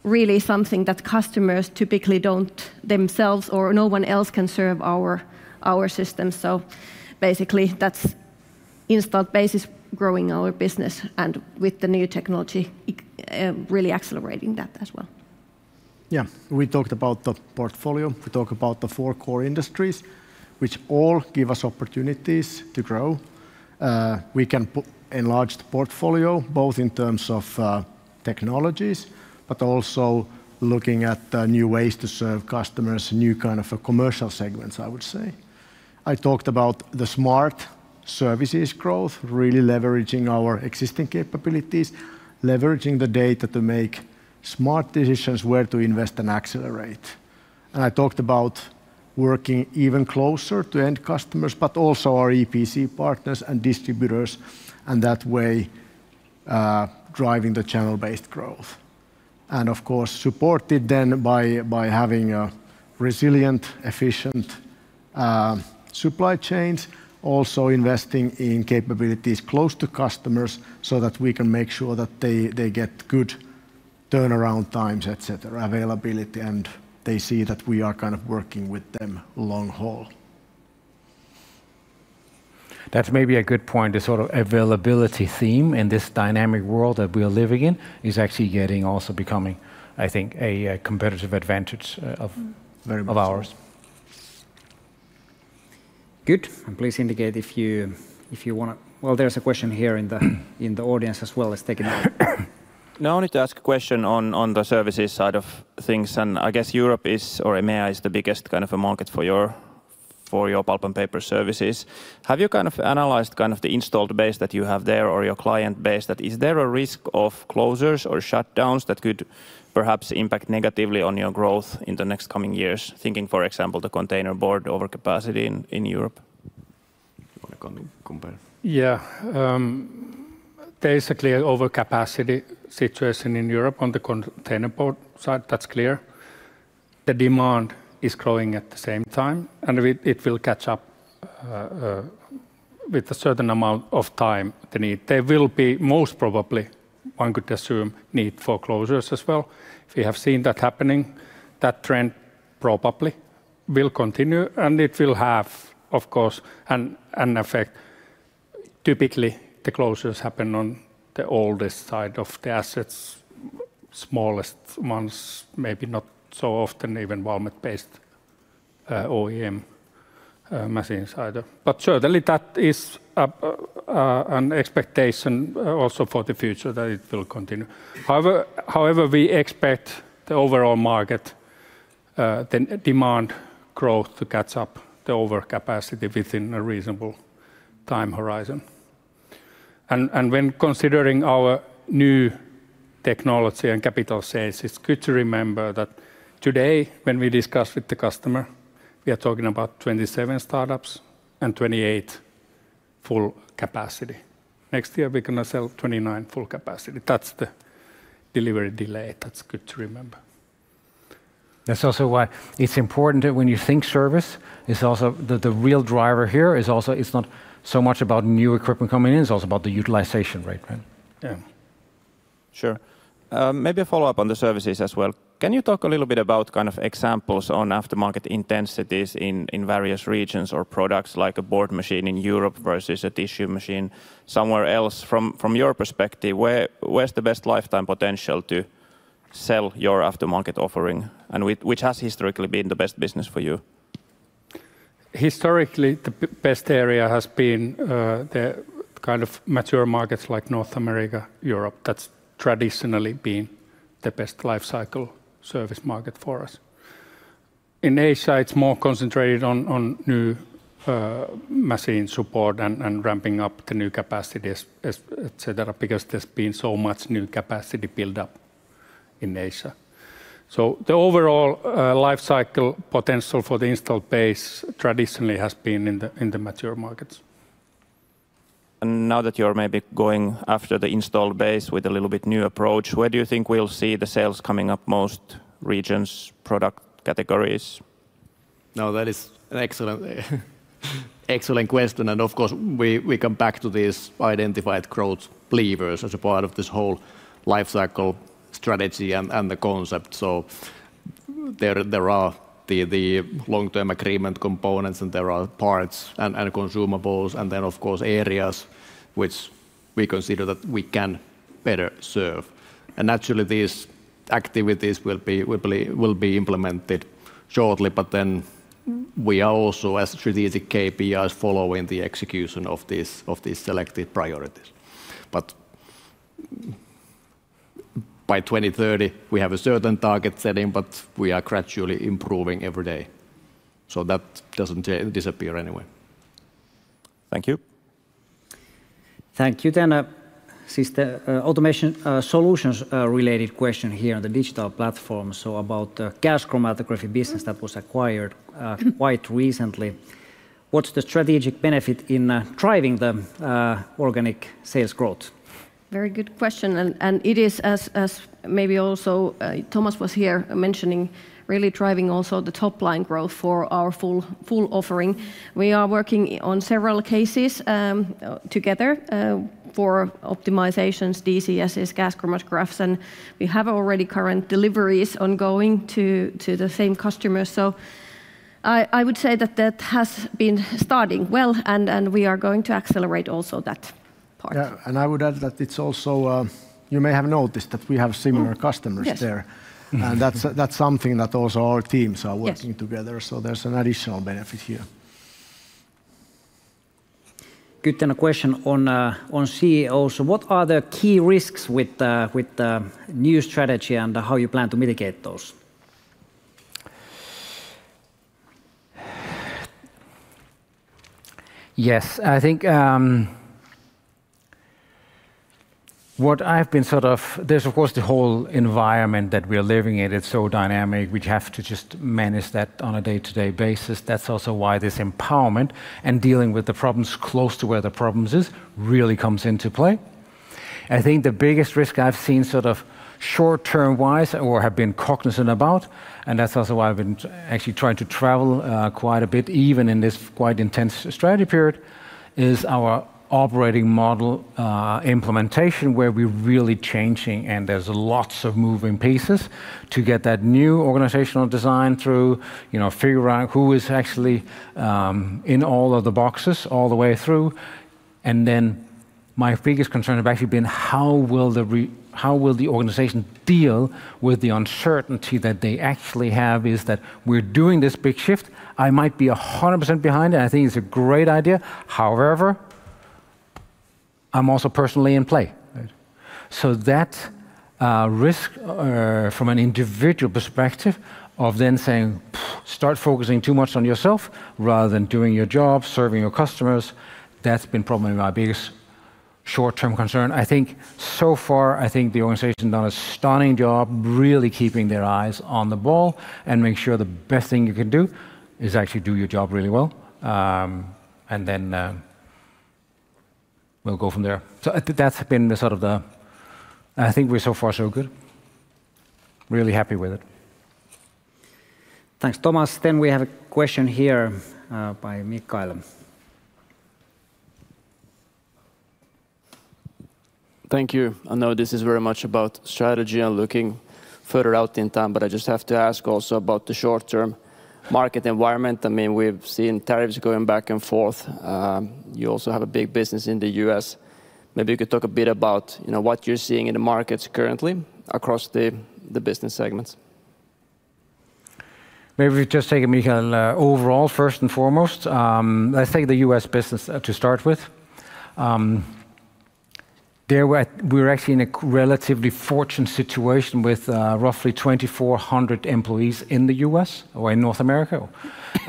really something that customers typically do not themselves or no one else can serve our system. Basically, that is in start basis growing our business and with the new technology really accelerating that as well. Yeah, we talked about the portfolio. We talk about the four core industries which all give us opportunities to grow. We can enlarge the portfolio both in terms of technologies but also looking at new ways to serve customers, new kind of commercial segments. I would say I talked about the smart services growth really leveraging our existing capabilities, leveraging the data to make smart decisions where to invest and accelerate. I talked about working even closer to end customers but also our EPC partners and distributors and that way driving the channel based growth and of course supported then by having resilient efficient supply chains also investing in capabilities close to customers so that we can make sure that they get good turnaround times, et cetera availability and they see that we are kind of working with them long haul. That's maybe a good point. The sort of availability theme in this dynamic world that we are living in is actually also becoming, I think, a competitive advantage of ours. Good. Please indicate if you want to. There is a question here in the audience as well. Let's take it. Now I need to ask a question on the services side of things and I guess Europe is or EMEA is the biggest kind of a market for your pulp and paper services. Have you kind of analyzed the installed base that you have there or your client base that is there a risk of closures or shutdowns that could perhaps impact negatively on your growth in the next coming years. Thinking, for example, the container board overcapacity in Europe? Yeah, basically overcapacity situation in Europe on the container port side, that's clear. The demand is growing at the same time and it will catch up with a certain amount of time they need. There will be most probably, one could assume, need for closures as well. If you have seen that happening, that trend probably will continue and it will have of course an effect. Typically the closures happen on the oldest side of the assets, smallest ones. Maybe not so often even Valmet-based OEM machines either. Certainly that is an expectation also for the future that it will continue. However, we expect the overall market, the demand growth to catch up the overcapacity within a reasonable time horizon. When considering our new technology and capital sales, it's good to remember that today when we discuss with the customer we are talking about 27 startups and 28 full capacity. Next year we're going to sell 29 full capacity. That's the delivery delay. That's good to remember. That's also why it's important when you think service is also the real driver here is also it's not so much about new equipment coming in, it's also about the utilization rate. Sure. Maybe a follow up on the services as well. Can you talk a little bit about kind of examples on aftermarket intensities in various regions or products like a board machine in Europe versus a tissue machine somewhere else? From your perspective, where's the best lifetime potential to sell your aftermarket offering and which has historically been the best business for you? Historically the best area has been the kind of mature markets like North America, Europe. That's traditionally been the best life cycle service market for us. In Asia it's more concentrated on new machine support and ramping up to new capacities because there's been so much new capacity buildup in Asia. The overall life cycle potential for the installed base traditionally has been in the mature markets. Now that you're maybe going after the installed base with a little bit new approach, where do you think we'll see the sales coming up? Most regions, product categories? No, that is an excellent, excellent question. Of course we come back to this identified growth levers as a part of this whole life cycle strategy and the concept. There are the long term agreement components and there are parts and consumables and then of course areas which we consider that we can better serve and actually these activities will be implemented shortly. We also as strategic KPIs follow the execution of these selected priorities. By 2030 we have a certain target setting, but we are gradually improving every day, so that doesn't disappear anyway. Thank you. Thank you. Then just a Automation Solutions related question here on the digital platform. About gas chromatography business that was acquired quite recently. What's the strategic benefit in driving the organic sales growth? Very good question and it is as maybe also Thomas was here mentioning, really driving also the top line growth for our full offering. We are working on several cases together for optimizations, DCSs, gas chromatographs, and we have already current deliveries ongoing to the same customers. I would say that that has been starting well and we are going to accelerate also that part. I would add that it's also, you may have noticed that we have similar customers there, and that's something that also our teams are working together, so there's an additional benefit. Good. A question on CEO, so what are the key risks with the new strategy and how you plan to mitigate those? Yes, I think what I've been sort of, there's of course the whole environment that we are living in, it's so dynamic. We have to just manage that on a day to day basis. That's also why this empowerment and dealing with the problems close to where the problem is really comes into play. I think the biggest risk I've seen sort of short term wise or have been cognizant about, and that's also why I've been actually trying to travel quite a bit even in this quite intense strategy period, is our operating model implementation where we're really changing and there's lots of moving pieces to get that new organizational design through. You know, figure out who is actually in all of the boxes all the way through. My biggest concern has actually been how will the organization deal with the uncertainty that they actually have is that we're doing this big shift. I might be 100% behind it. I think it's a great idea. However, I'm also personally in play. So that risk from an individual perspective of then saying start focusing too much on yourself rather than doing your job serving your customers. That's been probably my biggest short term concern I think so far. I think the organization has done a stunning job really keeping their eyes on the ball and making sure the best thing you can do is actually do your job really well. Then we'll go from there. That's been the sort of the, I think we're so far so good, really happy with it. Thanks, Thomas. We have a question here by Mikael. Thank you. I know this is very much about strategy and looking further out in time, but I just have to ask also about the short term market environment. I mean we've seen tariffs going back and forth. You also have a big business in the U.S. Maybe you could talk a bit about what you're seeing in the markets currently across the business segments. Maybe we'll just take a, Mikael, overall, first and foremost, let's take the U.S. business to start with. We're actually in a relatively fortunate situation with roughly 2,400 employees in the U.S. or in North America.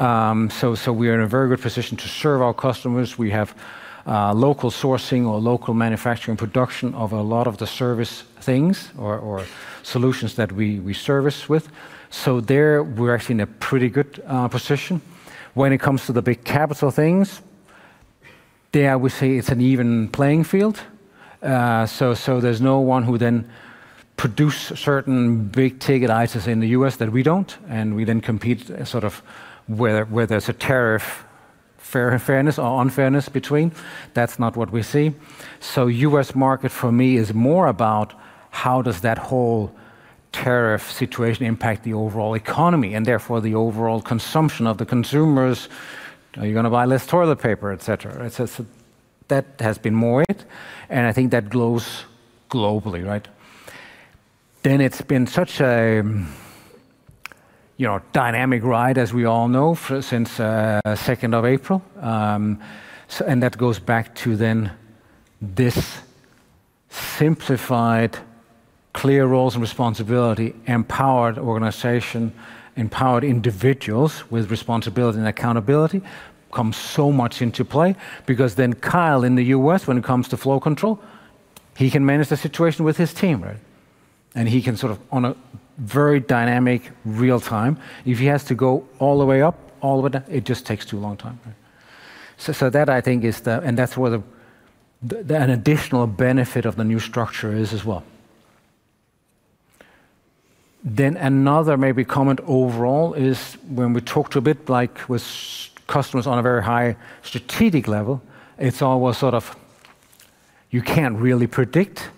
So we are in a very good position to serve our customers. We have local sourcing or local manufacturing production of a lot of the service things or solutions that we service with. So there we're actually in a pretty good position when it comes to the big capital things there. We say it's an even playing field. So there's no one who then produce certain big ticket. It's in the U.S. that we don't and we then compete sort of where there's a tariff fairness or unfairness between. That's not what we see. U.S. market for me is more about how does that whole tariff situation impact the overall economy and therefore the overall consumption of the consumers. Are you going to buy less toilet paper, et cetera? That has been more it and I think that glows globally. Right then. It's been such a dynamic ride as we all know, since 2nd of April and that goes back to then this simplified clear roles and responsibility, empowered organization, empowered individuals with responsibility and accountability comes so much into play because then Kyle in the U.S. when it comes to Flow Control, he can manage the situation with his team and he can sort of on a very dynamic real time if he has to go all the way up, all the way down, it just takes too long time. That I think is the. That is where an additional benefit of the new structure is as well. Another maybe comment overall is when we talked a bit like with customers on a very high strategic level. It is always sort of. You cannot really predict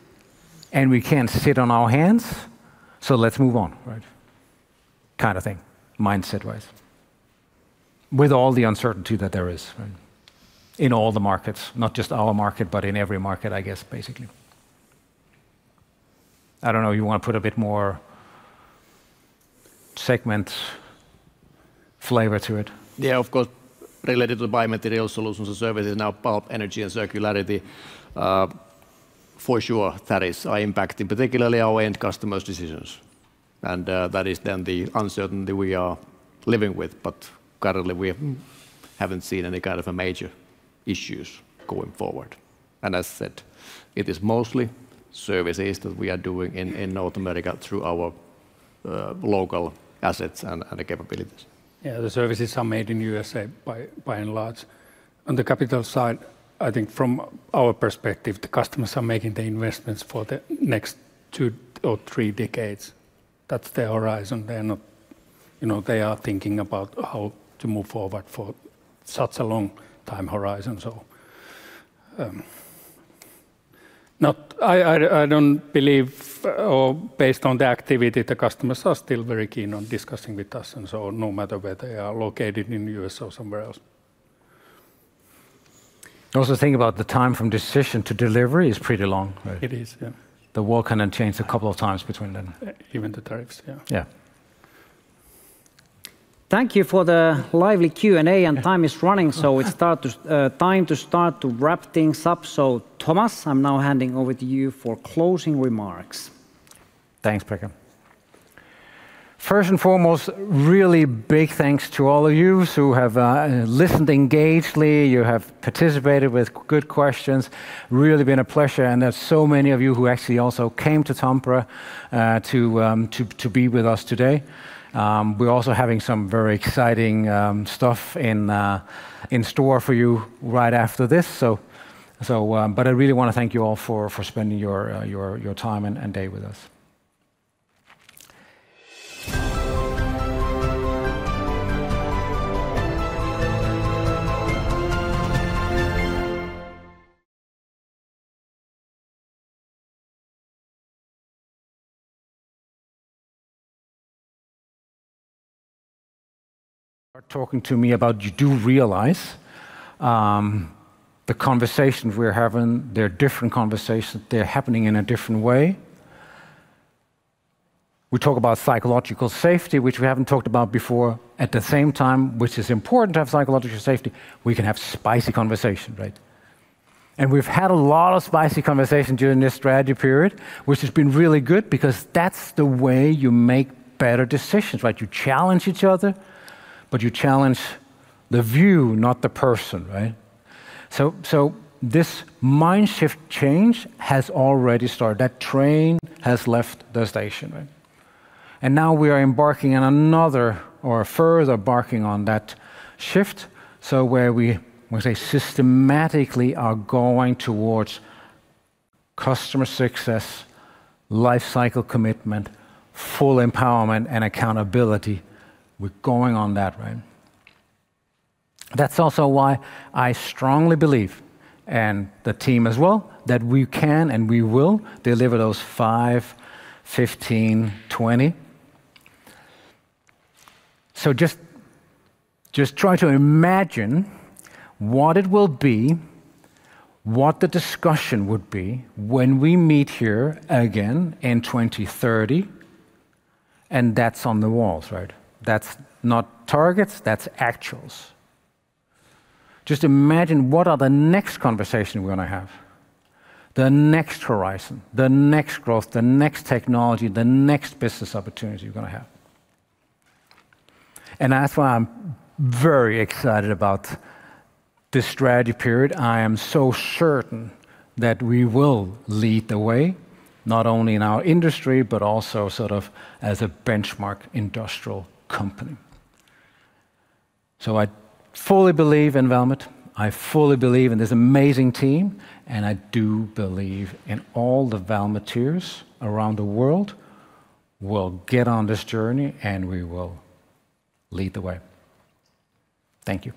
and we cannot sit on our hands. Let's move on. Right. Kind of thing, mindset wise with all the uncertainty that there is in all the markets, not just our market but in every market. I guess basically, I do not know, you want to put a bit more segments flavor to it. Yeah, of course related to Biomaterial Solutions and Services now Pulp, Energy and Circularity for sure that is impacting particularly our end customers' decisions and that is then the uncertainty we are living with. Currently we haven't seen any kind of a major issues going forward. As I said, it is mostly services that we are doing in North America through our local assets and the capabilities. Yeah, the services are made in the U.S. by and large. On the capital side, I think from our perspective the customers are making the investments for the next two or three decades. That's their horizon. They are thinking about how to move forward for such a long time horizon. So, I don't believe based on the activity, the customers are still very keen on discussing with us. No matter where they are located in the U.S. or somewhere else. Also, think about the time from decision to delivery is pretty long. It is, yeah. The world can change a couple of times between them. Even the tariffs. Yeah, yeah. Thank you for the lively Q&A. Time is running, so we start to wrap things up. Thomas, I'm now handing over to you for closing remarks. Thanks, Pekka. First and foremost, really big thanks to all of you who have listened engagedly, you have participated with good questions, really been a pleasure. There are so many of you who actually also came to Tampere to be with us today. We are also having some very exciting stuff in store for you right after this. I really want to thank you all for spending your time and day with us. Talking to me about. You do realize the conversations we're having, they're different conversations, they're happening in a different way. We talk about psychological safety, which we haven't talked about before. At the same time, which is important to have psychological safety. We can have spicy conversation, right? We have had a lot of spicy conversations during this strategy period, which has been really good because that is the way you make better decisions. You challenge each other, but you challenge the view, not the person. This mind shift change has already started. That train has left the station and now we are embarking on another or further embarking on that shift. We systematically are going towards customer success, lifecycle commitment, full empowerment and accountability. We are going on that. That is also why I strongly believe, and the team as well, that we can and we will deliver those five, 15, 20. Just try to imagine what it will be, what the discussion would be when we meet here again in 2030 and that is on the walls, right? That is not targets, that is actuals. Just imagine what are the next conversations we're going to have, the next horizon, the next growth, the next technology, the next business opportunity we're going to have. That is why I'm very excited about this strategy, period. I am so certain that we will lead the way not only in our industry, but also sort of as a benchmark industrial company. I fully believe in Valmet. I fully believe in this amazing team and I do believe all the Valmet tiers around the world will get on this journey and we will lead the way. Thank you.